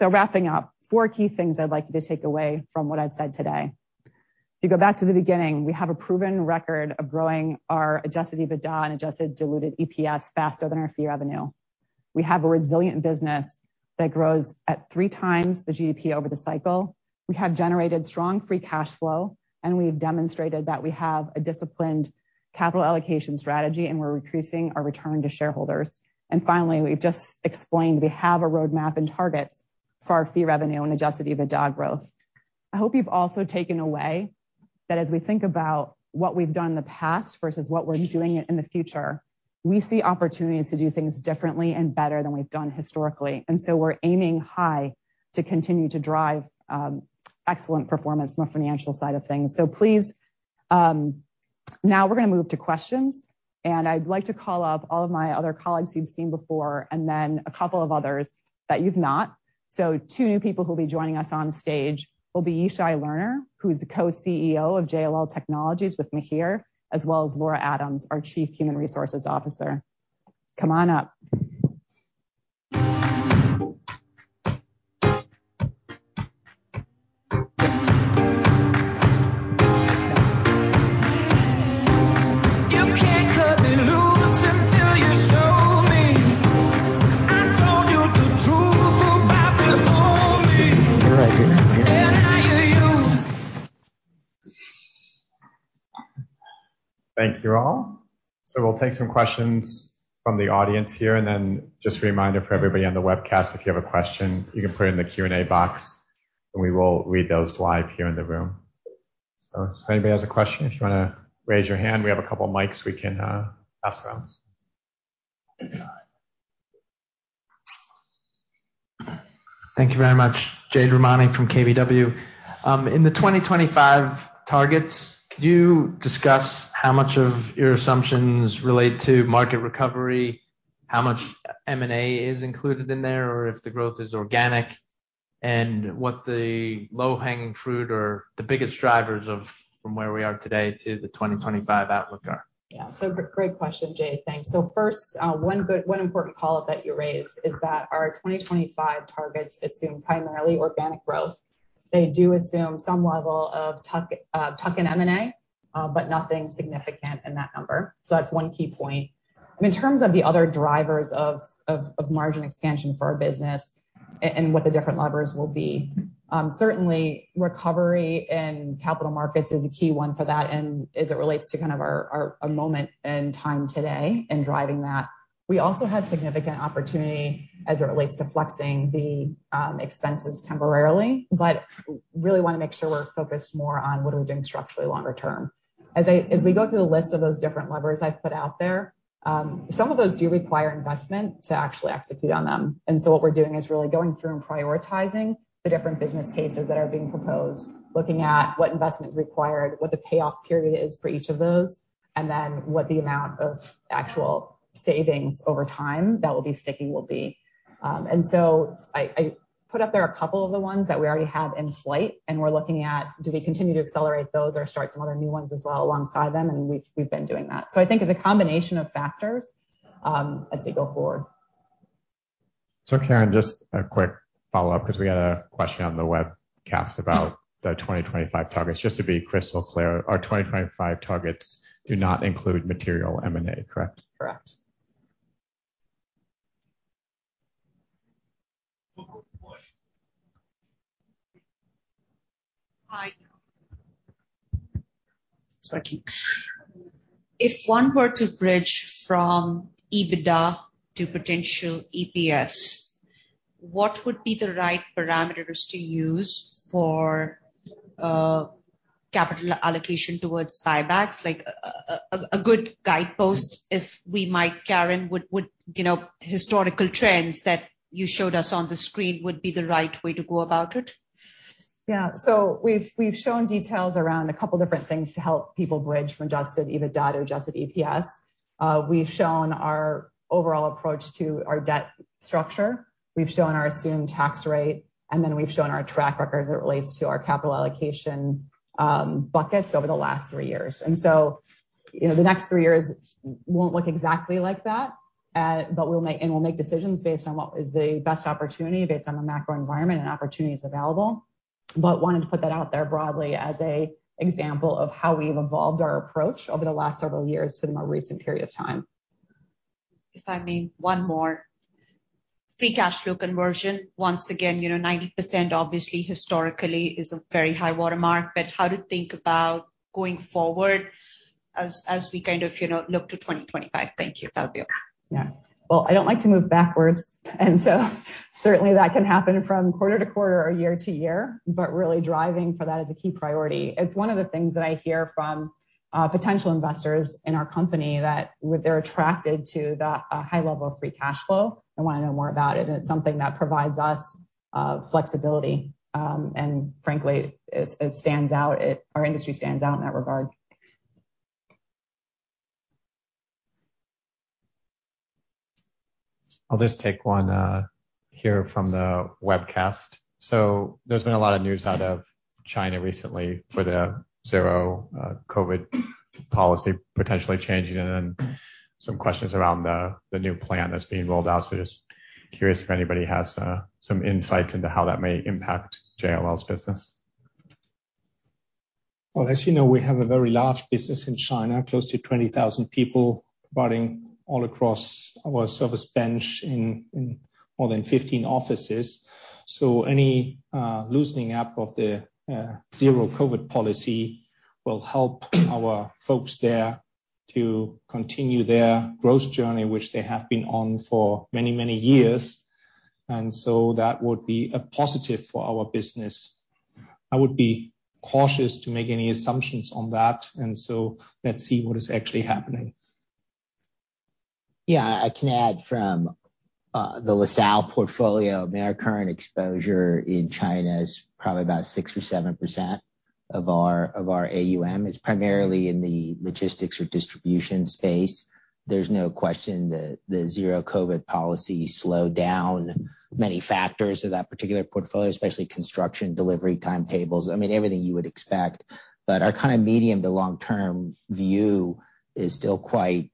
Wrapping up, four key things I'd like you to take away from what I've said today. If you go back to the beginning, we have a proven record of growing our Adjusted EBITDA and adjusted diluted EPS faster than our fee revenue. We have a resilient business that grows at three times the GDP over the cycle. We have generated strong free cash flow, and we've demonstrated that we have a disciplined capital allocation strategy, and we're increasing our return to shareholders. Finally, we've just explained we have a roadmap and targets for our fee revenue and Adjusted EBITDA growth. I hope you've also taken away that as we think about what we've done in the past versus what we're doing in the future, we see opportunities to do things differently and better than we've done historically. We're aiming high to continue to drive excellent performance from a financial side of things. Please, now we're gonna move to questions, and I'd like to call up all of my other colleagues you've seen before, and then a couple of others that you've not. Two new people who'll be joining us on stage will be Yishai Lerner, who's the co-CEO of JLL Technologies with Mihir, as well as Laura Adams, our Chief Human Resources Officer. Come on up. Thank you all. We'll take some questions from the audience here. Then just a reminder for everybody on the webcast, if you have a question, you can put it in the Q&A box, and we will read those live here in the room. If anybody has a question, if you wanna raise your hand, we have a couple mics we can pass around. Thank you very much. Jade Rahmani from KBW. In the 2025 targets, could you discuss how much of your assumptions relate to market recovery, how much M&A is included in there, or if the growth is organic? What the low-hanging fruit or the biggest drivers from where we are today to the 2025 outlook are. Yeah. Great question, Jade. Thanks. First, one important call-out that you raised is that our 2025 targets assume primarily organic growth. They do assume some level of tuck in M&A, but nothing significant in that number. That's one key point. In terms of the other drivers of margin expansion for our business and what the different levers will be, certainly recovery in Capital Markets is a key one for that and as it relates to kind of our moment in time today in driving that. We also have significant opportunity as it relates to flexing the expenses temporarily, but really wanna make sure we're focused more on what are we doing structurally longer term. We go through the list of those different levers I've put out there, some of those do require investment to actually execute on them. What we're doing is really going through and prioritizing the different business cases that are being proposed, looking at what investment is required, what the payoff period is for each of those, and then what the amount of actual savings over time that will be sticking will be. I put up there a couple of the ones that we already have in flight, and we're looking at do we continue to accelerate those or start some other new ones as well alongside them, and we've been doing that. I think it's a combination of factors as we go forward. Karen, just a quick follow-up because we got a question on the webcast about the 2025 targets. Just to be crystal clear, our 2025 targets do not include material M&A, correct? Correct. Hi. It's working. If one were to bridge from EBITDA to potential EPS, what would be the right parameters to use for capital allocation towards buybacks? Like a good guidepost, if we might, Karen, would you know, historical trends that you showed us on the screen would be the right way to go about it? Yeah. So we've shown details around a couple different things to help people bridge from Adjusted EBITDA to Adjusted EPS. We've shown our overall approach to our debt structure. We've shown our assumed tax rate, and then we've shown our track record as it relates to our capital allocation buckets over the last three years. You know, the next three years won't look exactly like that. But we'll make decisions based on what is the best opportunity based on the macro environment and opportunities available. Wanted to put that out there broadly as a example of how we've evolved our approach over the last several years to the more recent period of time. If I may, one more. Free cash flow conversion, once again, you know, 90% obviously historically is a very high watermark, but how to think about going forward as we kind of, you know, look to 2025. Thank you. That'll be all. Yeah. Well, I don't like to move backwards, and so certainly that can happen from quarter to quarter or year to year, but really driving for that is a key priority. It's one of the things that I hear from potential investors in our company that they're attracted to the high level of free cash flow and wanna know more about it, and it's something that provides us flexibility. Frankly, it stands out. Our industry stands out in that regard. I'll just take one here from the webcast. There's been a lot of news out of China recently for the zero COVID policy potentially changing and then some questions around the new plan that's being rolled out. Just curious if anybody has some insights into how that may impact JLL's business. Well, as you know, we have a very large business in China, close to 20,000 people providing all across our service bench in more than 15 offices. Any loosening up of the zero-COVID policy will help our folks there to continue their growth journey, which they have been on for many, many years. That would be a positive for our business. I would be cautious to make any assumptions on that, and so let's see what is actually happening. Yeah. I can add from the LaSalle portfolio. I mean, our current exposure in China is probably about 6 or 7% of our AUM. It's primarily in the logistics or distribution space. There's no question the zero COVID policy slowed down many factors of that particular portfolio, especially construction, delivery timetables. I mean, everything you would expect. Our kind of medium- to long-term view is still quite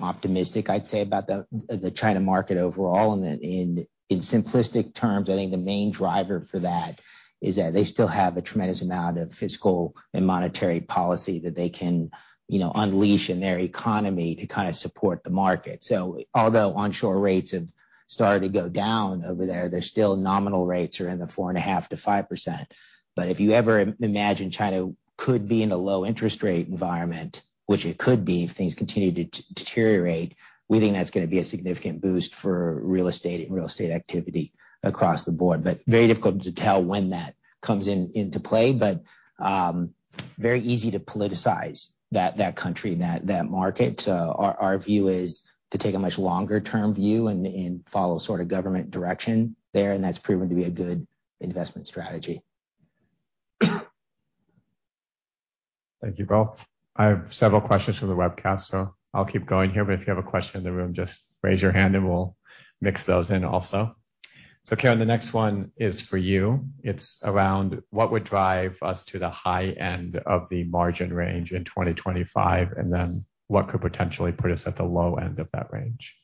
optimistic, I'd say, about the China market overall. In simplistic terms, I think the main driver for that is that they still have a tremendous amount of fiscal and monetary policy that they can, you know, unleash in their economy to kind of support the market. Although onshore rates have started to go down over there, they're still nominal rates are in the 4.5%-5%. If you ever imagine China could be in a low interest rate environment, which it could be if things continue to deteriorate, we think that's gonna be a significant boost for real estate and real estate activity across the board. Very difficult to tell when that comes into play. Very easy to politicize that country and that market. Our view is to take a much longer term view and follow sort of government direction there, and that's proven to be a good investment strategy. Thank you both. I have several questions from the webcast, so I'll keep going here, but if you have a question in the room, just raise your hand and we'll mix those in also. Karen, the next one is for you. It's around what would drive us to the high end of the margin range in 2025, and then what could potentially put us at the low end of that range?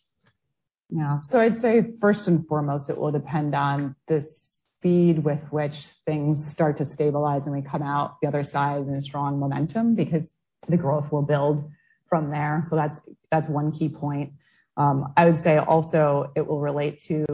Yeah. I'd say first and foremost, it will depend on the speed with which things start to stabilize, and we come out the other side in a strong momentum because the growth will build from there. That's one key point. I would say also it will relate to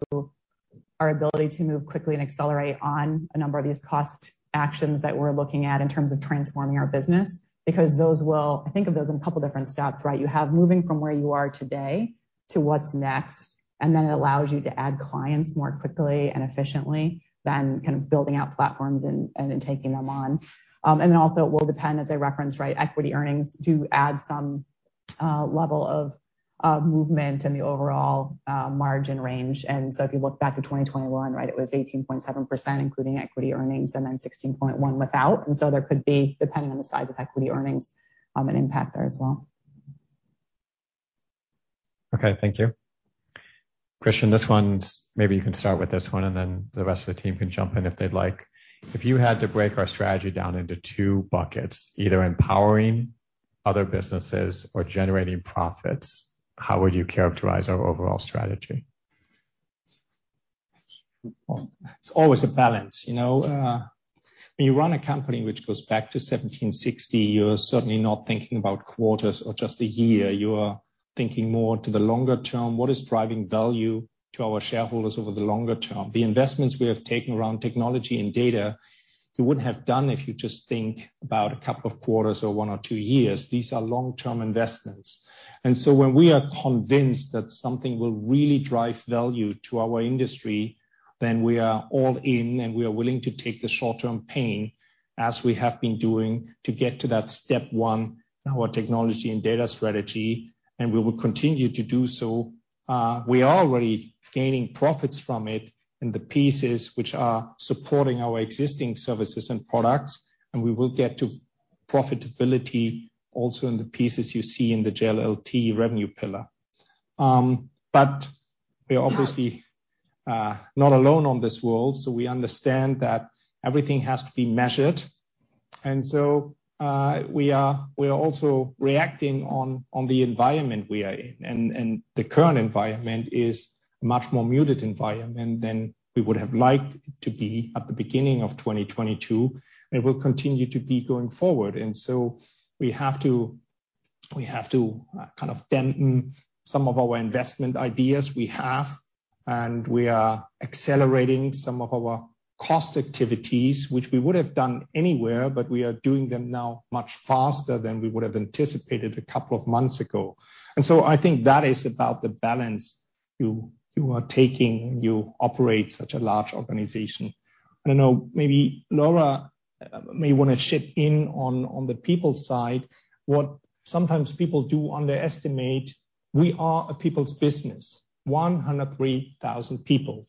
our ability to move quickly and accelerate on a number of these cost actions that we're looking at in terms of transforming our business because those will. I think of those in a couple different steps, right? You have moving from where you are today to what's next, and then it allows you to add clients more quickly and efficiently than kind of building out platforms and then taking them on. It will depend, as I referenced, right, equity earnings do add some level of movement in the overall margin range. If you look back to 2021, right, it was 18.7% including equity earnings and then 16.1% without. There could be, depending on the size of equity earnings, an impact there as well. Okay, thank you. Christian, this one's, maybe you can start with this one, and then the rest of the team can jump in if they'd like. If you had to break our strategy down into two buckets, either empowering other businesses or generating profits, how would you characterize our overall strategy? It's always a balance. You know, when you run a company which goes back to 1760, you're certainly not thinking about quarters or just a year. You are thinking more to the longer term. What is driving value to our shareholders over the longer term? The investments we have taken around technology and data you wouldn't have done if you just think about a couple of quarters or one or two years. These are long-term investments. When we are convinced that something will really drive value to our industry, then we are all in, and we are willing to take the short-term pain as we have been doing to get to that step one in our technology and data strategy, and we will continue to do so. We are already gaining profits from it in the pieces which are supporting our existing services and products, and we will get to profitability also in the pieces you see in the JLLT revenue pillar. We are obviously not alone on this world, so we understand that everything has to be measured. We are also reacting on the environment we are in. The current environment is much more muted environment than we would have liked it to be at the beginning of 2022, and will continue to be going forward. We have to kind of dampen some of our investment ideas we have, and we are accelerating some of our cost activities, which we would have done anyway, but we are doing them now much faster than we would have anticipated a couple of months ago. I think that is about the balance you are taking when you operate such a large organization. I don't know, maybe Laura may wanna chip in on the people side. What sometimes people do underestimate, we are a people's business, 103,000 people.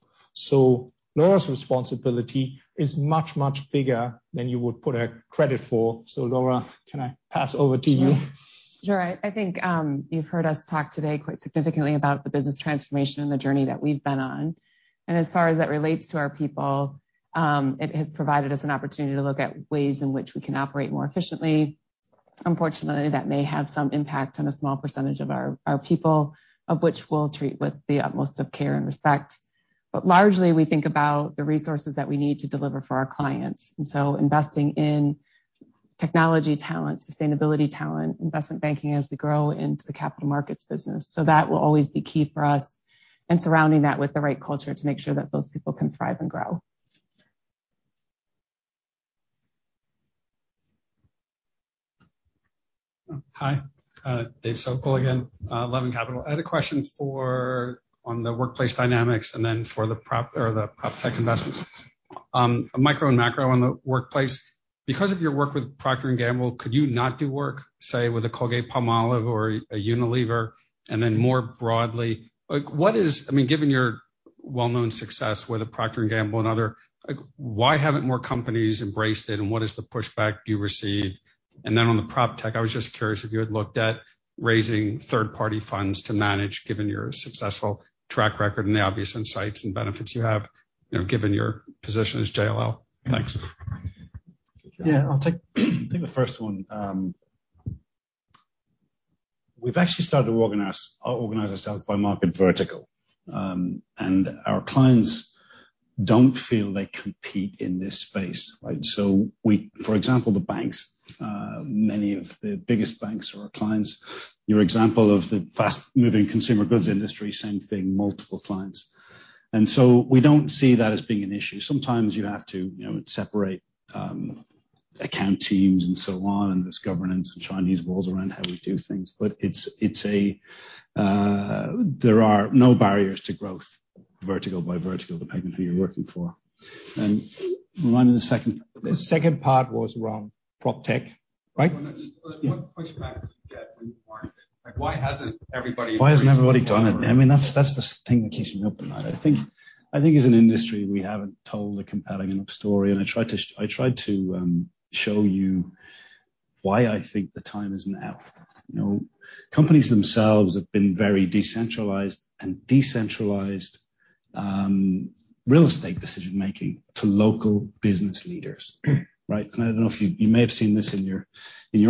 Laura's responsibility is much, much bigger than you would give her credit for. Laura, can I pass over to you? Sure. I think you've heard us talk today quite significantly about the business transformation and the journey that we've been on. As far as that relates to our people, it has provided us an opportunity to look at ways in which we can operate more efficiently. Unfortunately, that may have some impact on a small percentage of our people, of which we'll treat with the utmost of care and respect. Largely, we think about the resources that we need to deliver for our clients, and so investing in technology talent, sustainability talent, investment banking as we grow into the Capital Markets business. That will always be key for us, and surrounding that with the right culture to make sure that those people can thrive and grow. Hi, Dave Socol again, Levin Capital. I had a question on the workplace dynamics and then for the prop tech investments. Micro and macro in the workplace, because of your work with Procter & Gamble, could you not do work, say, with a Colgate-Palmolive or a Unilever? More broadly, like, what is, I mean, given your well-known success with a Procter & Gamble and other, like, why haven't more companies embraced it, and what is the pushback you received? On the prop tech, I was just curious if you had looked at raising third-party funds to manage, given your successful track record and the obvious insights and benefits you have, you know, given your position as JLL. Thanks. Yeah. I'll take the first one. We've actually started to organize ourselves by market vertical. Our clients don't feel they compete in this space, right? We, for example, the banks, many of the biggest banks are our clients. Your example of the fast moving consumer goods industry, same thing, multiple clients. We don't see that as being an issue. Sometimes you have to, you know, separate account teams and so on, and there's governance and Chinese walls around how we do things. But it's there are no barriers to growth vertical by vertical, depending on who you're working for. Remind me the second. The second part was around proptech, right? What pushback do you get when you aren't fit? Why hasn't everybody? Why hasn't everybody done it? I mean, that's the thing that keeps me up at night. I think as an industry, we haven't told a compelling enough story, and I tried to show you why I think the time is now. You know, companies themselves have been very decentralized, and real estate decision-making to local business leaders, right? I don't know if you may have seen this in your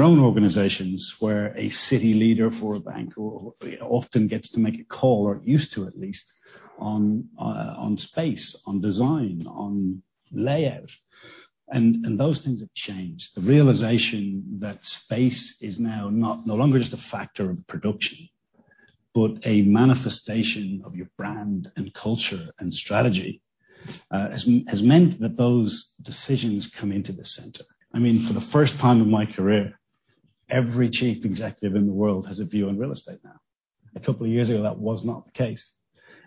own organizations, where a city leader for a bank often gets to make a call, or used to at least, on space, on design, on layout. Those things have changed. The realization that space is now not. No longer just a factor of production, but a manifestation of your brand and culture and strategy, has meant that those decisions come into the center. I mean, for the first time in my career, every chief executive in the world has a view on real estate now. A couple of years ago, that was not the case,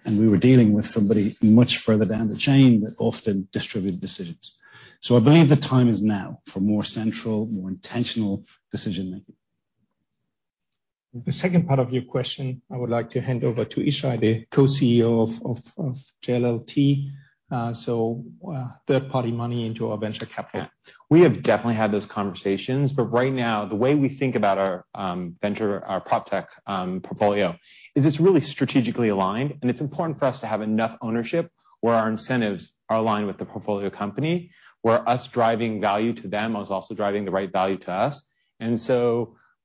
and we were dealing with somebody much further down the chain that often distributed decisions. I believe the time is now for more central, more intentional decision-making. The second part of your question, I would like to hand over to Yishai, the co-CEO of JLLT, third-party money into our venture capital. We have definitely had those conversations, but right now the way we think about our venture, our proptech portfolio, is it's really strategically aligned. It's important for us to have enough ownership where our incentives are aligned with the portfolio company, where us driving value to them is also driving the right value to us.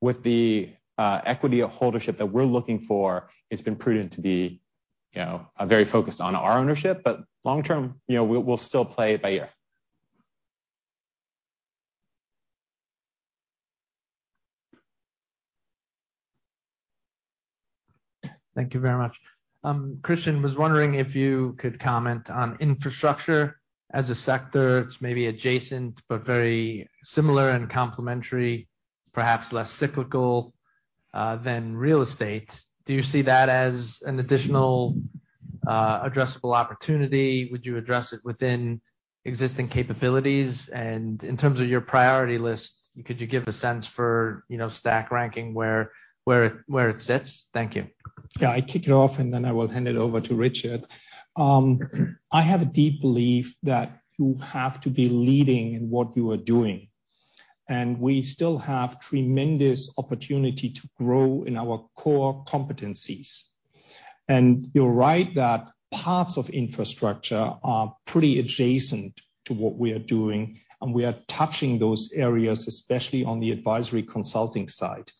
With the equity or holdership that we're looking for, it's been prudent to be, you know, very focused on our ownership, but long term, you know, we'll still play it by ear. Thank you very much. Christian was wondering if you could comment on infrastructure as a sector. It's maybe adjacent, but very similar and complementary, perhaps less cyclical than real estate. Do you see that as an additional addressable opportunity? Would you address it within existing capabilities? In terms of your priority list, could you give a sense for, you know, stack ranking where it sits? Thank you. Yeah. I kick it off, and then I will hand it over to Richard Bloxam. I have a deep belief that you have to be leading in what you are doing, and we still have tremendous opportunity to grow in our core competencies. You're right that parts of infrastructure are pretty adjacent to what we are doing, and we are touching those areas, especially on the advisory consulting side.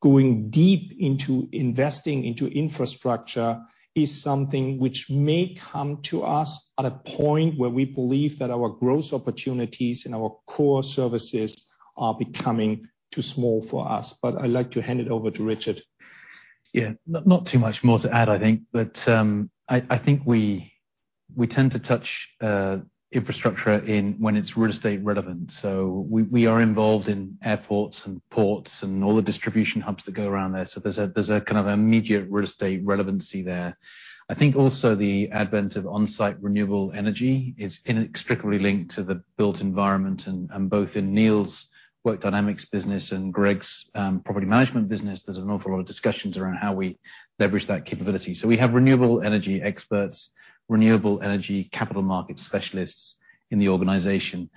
Going deep into investing into infrastructure is something which may come to us at a point where we believe that our growth opportunities and our core services are becoming too small for us. I'd like to hand it over to Richard Bloxam. Yeah. Not too much more to add, I think. I think we tend to touch on infrastructure when it's real estate relevant. We are involved in airports and ports and all the distribution hubs that go around there. There's a kind of immediate real estate relevancy there. I think also the advent of on-site renewable energy is inextricably linked to the built environment. Both in Neil's Work Dynamics business and Greg's property management business, there's an awful lot of discussions around how we leverage that capability. We have renewable energy experts, renewable energy capital market specialists in the organization.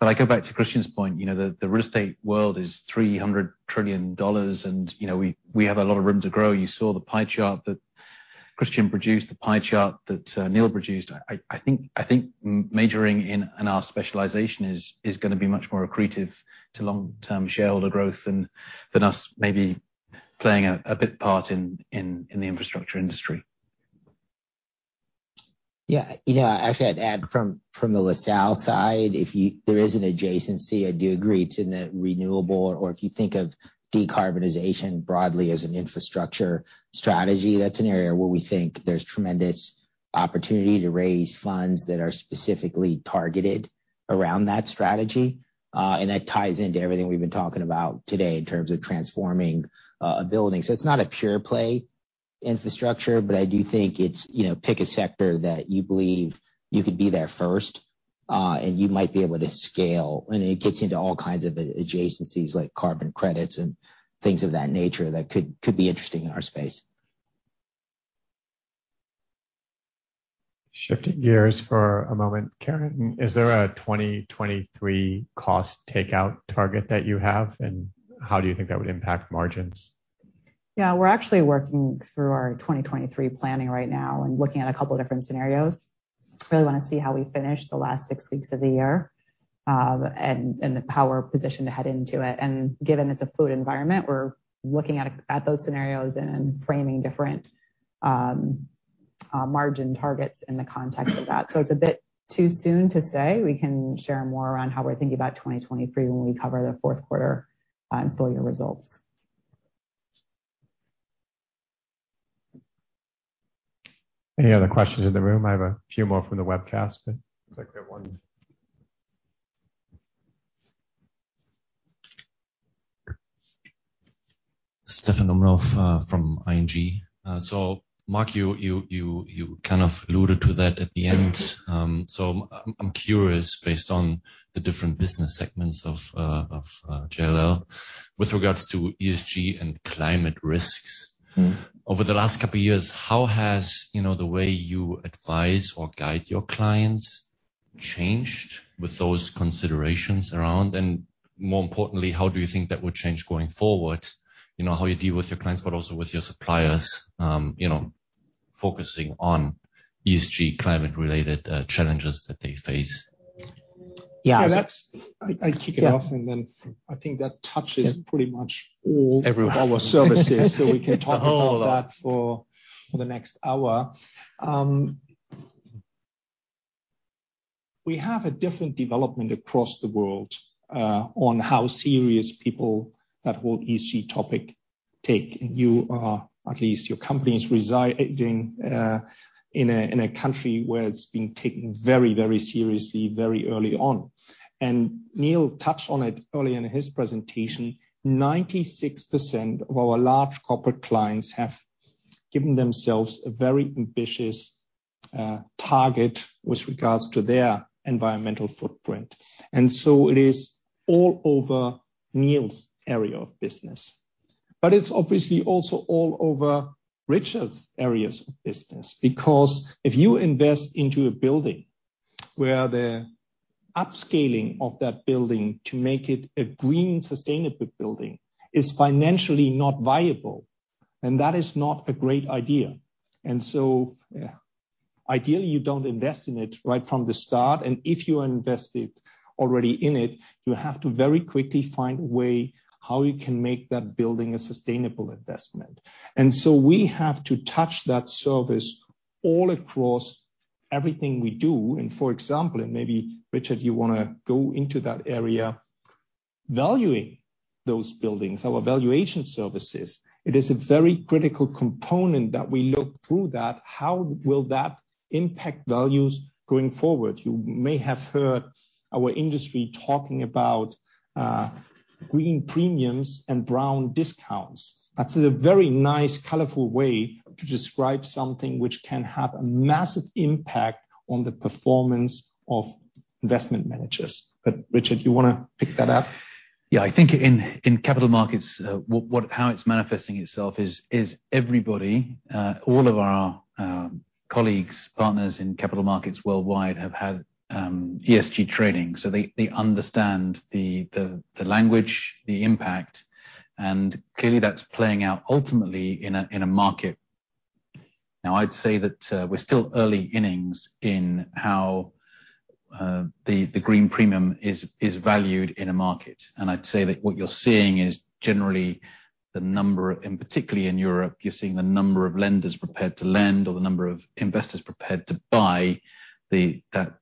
I go back to Christian's point, you know, the real estate world is $300 trillion and, you know, we have a lot of room to grow. You saw the pie chart that Christian produced, the pie chart that Neil produced. I think majoring in our specialization is gonna be much more accretive to long-term shareholder growth than us maybe playing a big part in the infrastructure industry. Yeah. You know, I'd actually add from the LaSalle side, there is an adjacency, I do agree, to the renewable or if you think of decarbonization broadly as an infrastructure strategy, that's an area where we think there's tremendous opportunity to raise funds that are specifically targeted around that strategy. That ties into everything we've been talking about today in terms of transforming a building. So it's not a pure play infrastructure, but I do think it's, you know, pick a sector that you believe you could be there first, and you might be able to scale. It gets into all kinds of adjacencies like carbon credits and things of that nature that could be interesting in our space. Shifting gears for a moment. Karen, is there a 2023 cost takeout target that you have, and how do you think that would impact margins? Yeah. We're actually working through our 2023 planning right now and looking at a couple different scenarios. Really wanna see how we finish the last six weeks of the year, and the proper position to head into it. Given it's a fluid environment, we're looking at those scenarios and framing different margin targets in the context of that. So it's a bit too soon to say. We can share more on how we're thinking about 2023 when we cover the fourth quarter, and full year results. Any other questions in the room? I have a few more from the webcast. Looks like we have one. Stefan Umrov from ING. Mark, you kind of alluded to that at the end. I'm curious, based on the different business segments of JLL with regards to ESG and climate risks. Mm-hmm. Over the last couple years, how has, you know, the way you advise or guide your clients changed with those considerations around? More importantly, how do you think that would change going forward? You know, how you deal with your clients, but also with your suppliers, you know, focusing on ESG climate-related challenges that they face. Yeah. I'd kick it off. Yeah. I think that touches pretty much all. Everyone. of our services. The whole lot. We can talk about that for the next hour. We have a different development across the world on how seriously people take that whole ESG topic. You are, at least your company, is residing in a country where it's being taken very, very seriously very early on. Neil touched on it early in his presentation. 96% of our large corporate clients have given themselves a very ambitious target with regards to their environmental footprint. It is all over Neil's area of business. It's obviously also all over Richard's areas of business, because if you invest into a building where the upscaling of that building to make it a green sustainable building is financially not viable, then that is not a great idea. Ideally, you don't invest in it right from the start, and if you are invested already in it, you have to very quickly find a way how you can make that building a sustainable investment. We have to touch that service all across everything we do. For example, and maybe Richard, you wanna go into that area, valuing those buildings, our valuation services, it is a very critical component that we look through that. How will that impact values going forward? You may have heard our industry talking about green premiums and brown discounts. That is a very nice colorful way to describe something which can have a massive impact on the performance of investment managers. Richard, you wanna pick that up? Yeah. I think in Capital Markets, what, how it's manifesting itself is everybody, all of our colleagues, partners in Capital Markets worldwide have had ESG training, so they understand the language, the impact, and clearly that's playing out ultimately in a market. Now, I'd say that we're still early innings in how the green premium is valued in a market. I'd say that what you're seeing is generally the number, and particularly in Europe, you're seeing the number of lenders prepared to lend or the number of investors prepared to buy that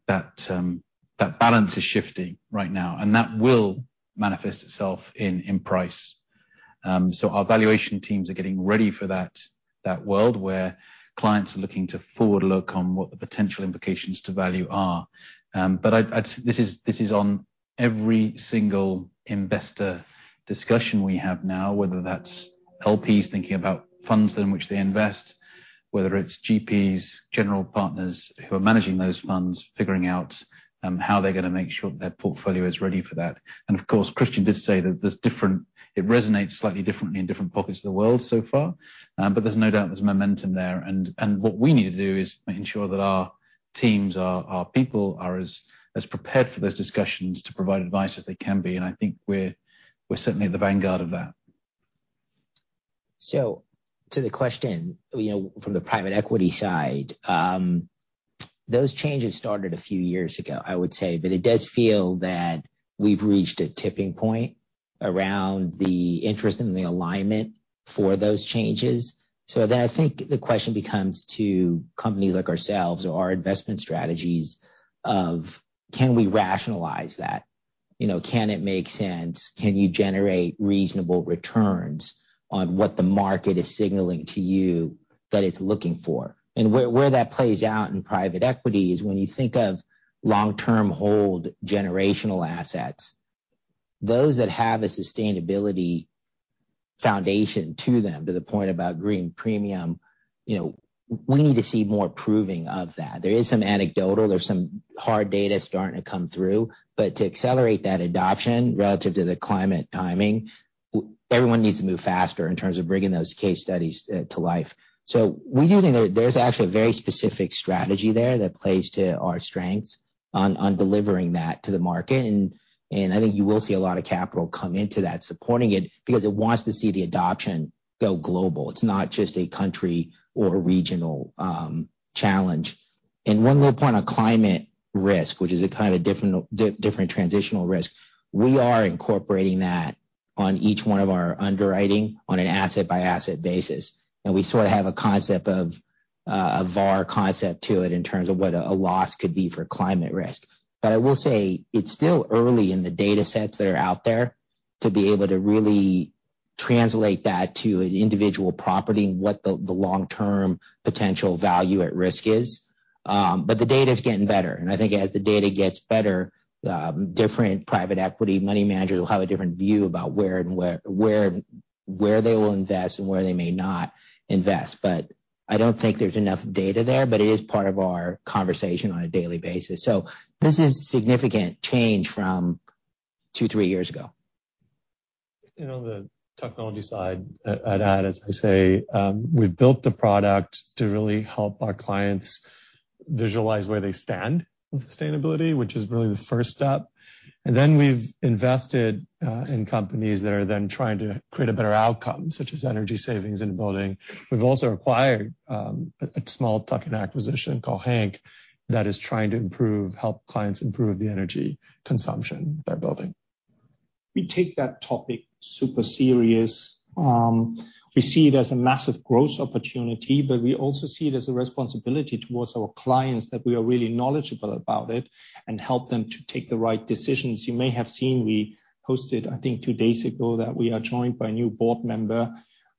balance is shifting right now, and that will manifest itself in price. Our valuation teams are getting ready for that world where clients are looking to forward look on what the potential implications to value are. This is on every single investor discussion we have now, whether that's LPs thinking about funds in which they invest, whether it's GPs, general partners who are managing those funds, figuring out how they're gonna make sure their portfolio is ready for that. Of course, Christian did say that there's different, it resonates slightly differently in different pockets of the world so far, but there's no doubt there's momentum there. What we need to do is make sure that our teams, our people are as prepared for those discussions to provide advice as they can be, and I think we're certainly at the vanguard of that. To the question, you know, from the private equity side, those changes started a few years ago, I would say. It does feel that we've reached a tipping point around the interest and the alignment for those changes. I think the question becomes to companies like ourselves or our investment strategies of can we rationalize that? You know, can it make sense? Can you generate reasonable returns on what the market is signaling to you that it's looking for? Where that plays out in private equity is when you think of long-term hold generational assets, those that have a sustainability foundation to them, to the point about green premium, you know, we need to see more proving of that. There is some anecdotal, there's some hard data starting to come through, but to accelerate that adoption relative to the climate timing, everyone needs to move faster in terms of bringing those case studies to life. We do think there's actually a very specific strategy there that plays to our strengths on delivering that to the market and I think you will see a lot of capital come into that supporting it because it wants to see the adoption go global. It's not just a country or a regional challenge. One little point on climate risk, which is a kind of a different transitional risk. We are incorporating that on each one of our underwriting on an asset-by-asset basis. We sort of have a concept of a VAR concept to it in terms of what a loss could be for climate risk. But I will say it's still early in the data sets that are out there to be able to really translate that to an individual property and what the long-term potential value at risk is. The data's getting better, and I think as the data gets better, different private equity money managers will have a different view about where and when. Where they will invest and where they may not invest. I don't think there's enough data there, but it is part of our conversation on a daily basis. This is significant change from two, three years ago. You know, the technology side, I'd add, as I say, we've built the product to really help our clients visualize where they stand on sustainability, which is really the first step. Then we've invested in companies that are then trying to create a better outcome, such as energy savings in a building. We've also acquired a small tuck-in acquisition called Hank, that is trying to help clients improve the energy consumption they're building. We take that topic super serious. We see it as a massive growth opportunity, but we also see it as a responsibility towards our clients that we are really knowledgeable about it and help them to take the right decisions. You may have seen, we posted, I think two days ago, that we are joined by a new board member,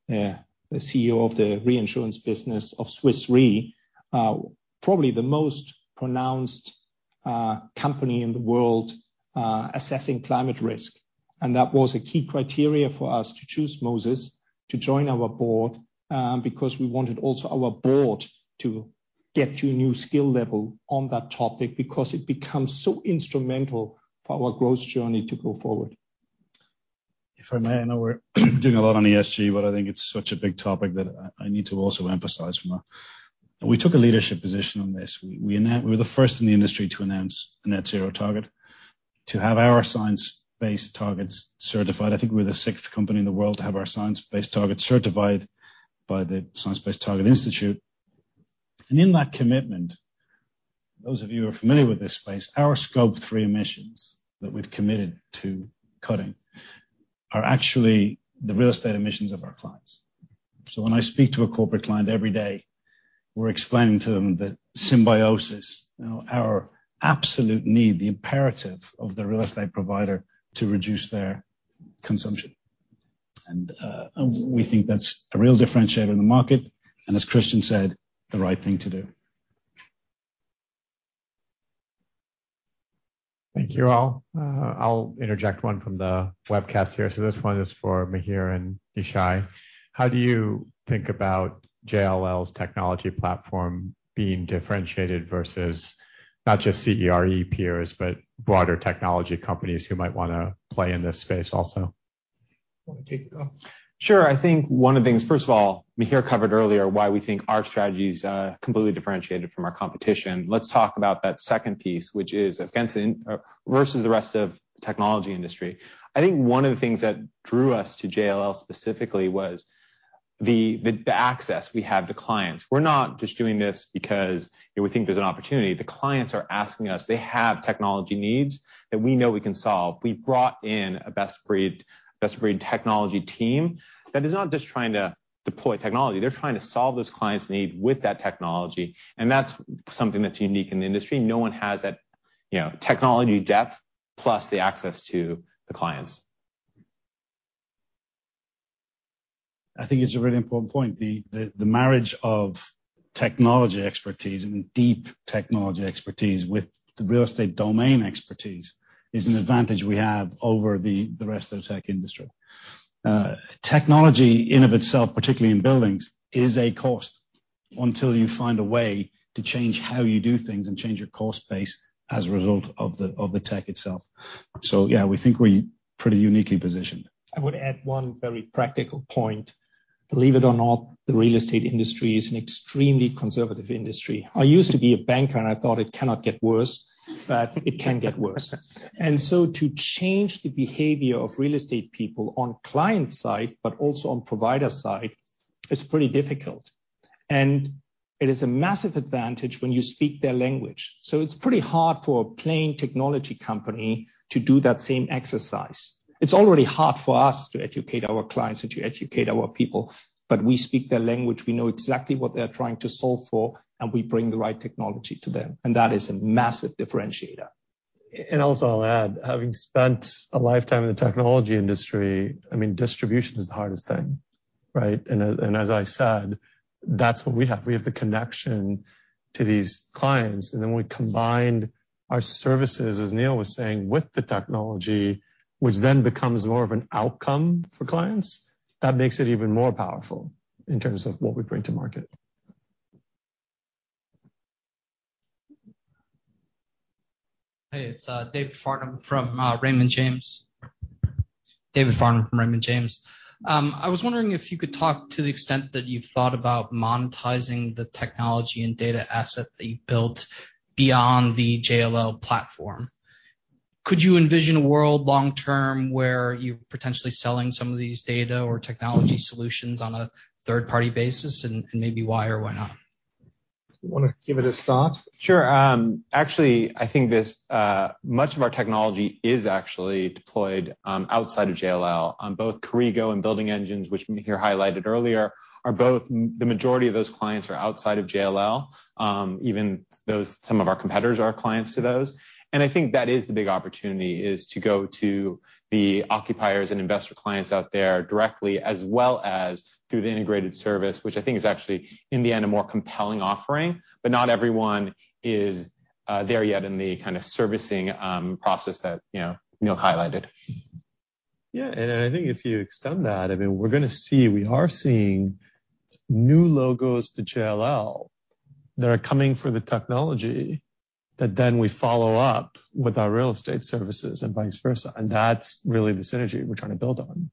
the CEO of the reinsurance business of Swiss Re. Probably the most prominent company in the world assessing climate risk. That was a key criteria for us to choose Moses to join our board, because we wanted also our board to get to a new skill level on that topic because it becomes so instrumental for our growth journey to go forward. If I may, I know we're doing a lot on ESG, but I think it's such a big topic that I need to also emphasize from that. We took a leadership position on this. We were the first in the industry to announce a net zero target, to have our science-based targets certified. I think we're the sixth company in the world to have our science-based targets certified by the Science Based Targets initiative. In that commitment, those of you who are familiar with this space, our Scope 3 emissions that we've committed to cutting are actually the real estate emissions of our clients. When I speak to a corporate client every day, we're explaining to them the symbiosis, you know, our absolute need, the imperative of the real estate provider to reduce their consumption. We think that's a real differentiator in the market, and as Christian said, the right thing to do. Thank you all. I'll interject one from the webcast here. This one is for Mihir and Yishai. How do you think about JLL's technology platform being differentiated versus not just CRE peers, but broader technology companies who might wanna play in this space also? Wanna take it off? Sure. I think one of the things, first of all, Mihir covered earlier why we think our strategy is completely differentiated from our competition. Let's talk about that second piece, which is versus the rest of the technology industry. I think one of the things that drew us to JLL specifically was the access we have to clients. We're not just doing this because we think there's an opportunity. The clients are asking us. They have technology needs that we know we can solve. We brought in a best breed technology team that is not just trying to deploy technology, they're trying to solve those clients' needs with that technology, and that's something that's unique in the industry. No one has that, you know, technology depth plus the access to the clients. I think it's a really important point. The marriage of technology expertise, I mean deep technology expertise, with the real estate domain expertise is an advantage we have over the rest of the tech industry. Technology in and of itself, particularly in buildings, is a cost until you find a way to change how you do things and change your cost base as a result of the tech itself. Yeah, we think we're pretty uniquely positioned. I would add one very practical point. Believe it or not, the real estate industry is an extremely conservative industry. I used to be a banker, and I thought it cannot get worse, but it can get worse. To change the behavior of real estate people on client side, but also on provider side is pretty difficult. It is a massive advantage when you speak their language. It's pretty hard for a plain technology company to do that same exercise. It's already hard for us to educate our clients and to educate our people, but we speak their language. We know exactly what they're trying to solve for, and we bring the right technology to them. That is a massive differentiator. Also I'll add, having spent a lifetime in the technology industry, I mean, distribution is the hardest thing, right? As I said, that's what we have. We have the connection to these clients, and then we combined our services, as Neil was saying, with the technology, which then becomes more of an outcome for clients. That makes it even more powerful in terms of what we bring to market. Hey, it's David Farnum from Raymond James. I was wondering if you could talk to the extent that you've thought about monetizing the technology and data asset that you built beyond the JLL platform. Could you envision a world long term where you're potentially selling some of these data or technology solutions on a third-party basis, and maybe why or why not? Wanna give it a start? Sure. Actually, I think this much of our technology is actually deployed outside of JLL on both Corrigo and Building Engines, which Mihir highlighted earlier, are both. The majority of those clients are outside of JLL. Even those, some of our competitors are clients to those. I think that is the big opportunity, is to go to the occupiers and investor clients out there directly, as well as through the integrated service, which I think is actually, in the end, a more compelling offering. Not everyone is There yet in the kind of servicing process that, you know, Neil highlighted. Yeah. I think if you extend that, I mean, we're gonna see, we are seeing new logos to JLL that are coming for the technology that then we follow up with our real estate services and vice versa. That's really the synergy we're trying to build on.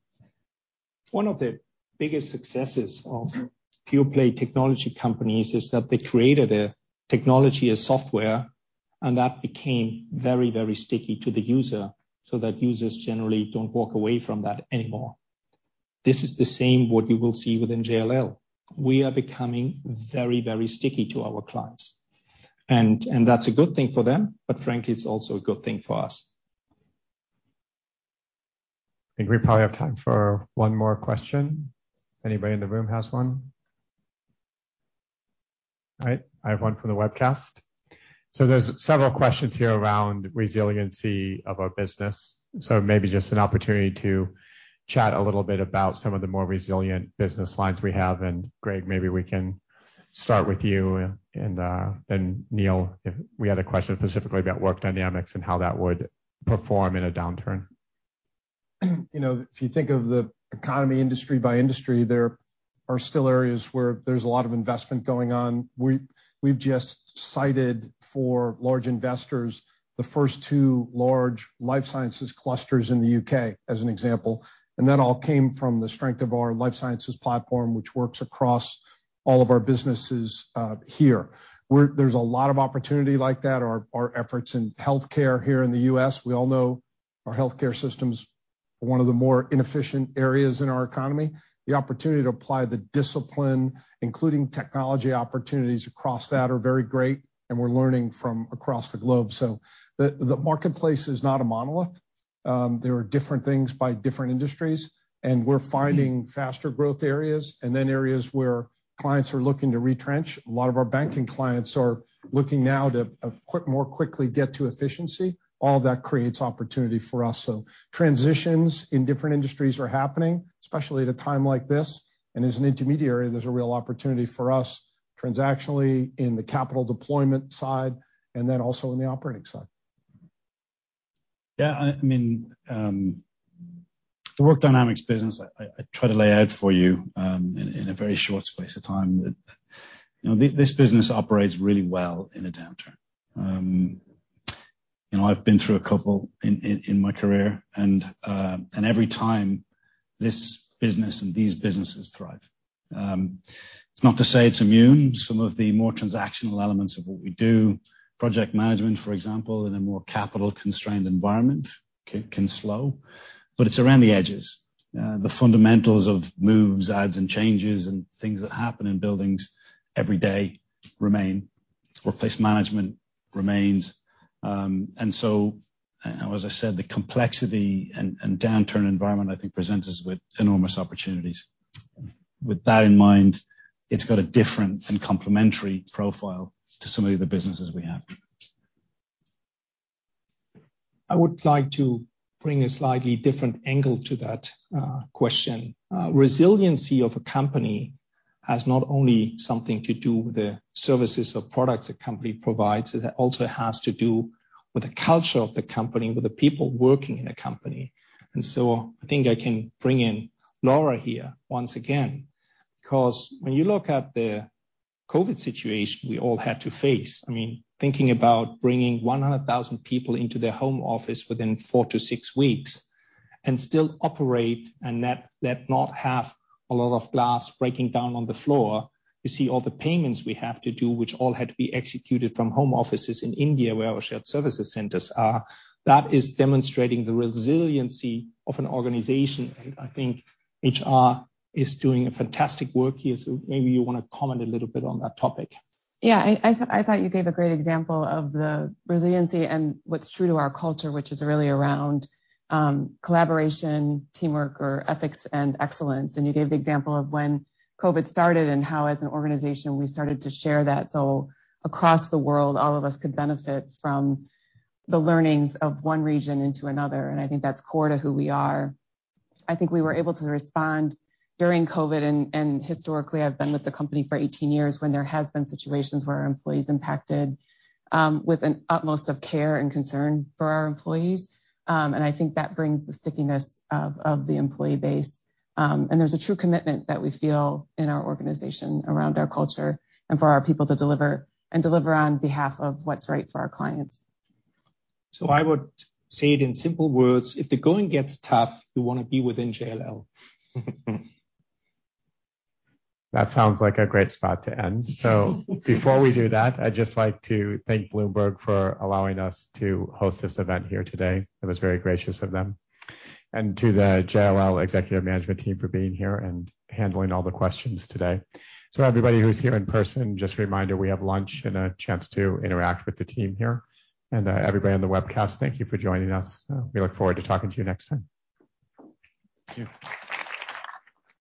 One of the biggest successes of pure play technology companies is that they created a technology, a software, and that became very, very sticky to the user so that users generally don't walk away from that anymore. This is the same what you will see within JLL. We are becoming very, very sticky to our clients. That's a good thing for them, but frankly, it's also a good thing for us. I think we probably have time for one more question. Anybody in the room has one? All right, I have one from the webcast. So there's several questions here around resiliency of our business. So maybe just an opportunity to chat a little bit about some of the more resilient business lines we have. Greg, maybe we can start with you and, then Neil, if we had a question specifically about Work Dynamics and how that would perform in a downturn. You know, if you think of the economy industry by industry, there are still areas where there's a lot of investment going on. We've just cited for large investors the first two large life sciences clusters in the U.K. as an example, and that all came from the strength of our life sciences platform, which works across all of our businesses here. There's a lot of opportunity like that. Our efforts in healthcare here in the U.S., we all know our healthcare system's one of the more inefficient areas in our economy. The opportunity to apply the discipline, including technology opportunities across that are very great, and we're learning from across the globe. The marketplace is not a monolith. There are different things by different industries, and we're finding faster growth areas and then areas where clients are looking to retrench. A lot of our banking clients are looking now to more quickly get to efficiency. All that creates opportunity for us. Transitions in different industries are happening, especially at a time like this. As an intermediary, there's a real opportunity for us transactionally in the capital deployment side and then also in the operating side. Yeah. I mean, the Work Dynamics business, I try to lay out for you, in a very short space of time. You know, this business operates really well in a downturn. You know, I've been through a couple in my career and every time this business and these businesses thrive. It's not to say it's immune. Some of the more transactional elements of what we do, project management, for example, in a more capital constrained environment can slow, but it's around the edges. The fundamentals of moves, adds and changes and things that happen in buildings every day remain. Workplace management remains. As I said, the complexity and downturn environment, I think presents us with enormous opportunities. With that in mind, it's got a different and complementary profile to some of the other businesses we have. I would like to bring a slightly different angle to that, question. Resiliency of a company has not only something to do with the services or products a company provides. It also has to do with the culture of the company, with the people working in a company. I think I can bring in Laura here once again, because when you look at the COVID situation we all had to face, I mean, thinking about bringing 100,000 people into their home office within four to six weeks and still operate and that not have a lot of glass breaking down on the floor. You see all the payments we have to do, which all had to be executed from home offices in India, where our shared services centers are. That is demonstrating the resiliency of an organization. I think HR is doing a fantastic work here, so maybe you wanna comment a little bit on that topic. Yeah. I thought you gave a great example of the resiliency and what's true to our culture, which is really around collaboration, teamwork or ethics and excellence. You gave the example of when COVID started and how as an organization, we started to share that. Across the world, all of us could benefit from the learnings of one region into another, and I think that's core to who we are. I think we were able to respond during COVID and historically, I've been with the company for 18 years when there has been situations where our employees impacted with an utmost of care and concern for our employees. I think that brings the stickiness of the employee base. There's a true commitment that we feel in our organization around our culture and for our people to deliver on behalf of what's right for our clients. I would say it in simple words, if the going gets tough, you wanna be within JLL. That sounds like a great spot to end. Before we do that, I'd just like to thank Bloomberg for allowing us to host this event here today. It was very gracious of them. To the JLL executive management team for being here and handling all the questions today. Everybody who's here in person, just a reminder, we have lunch and a chance to interact with the team here. Everybody on the webcast, thank you for joining us. We look forward to talking to you next time. Thank you.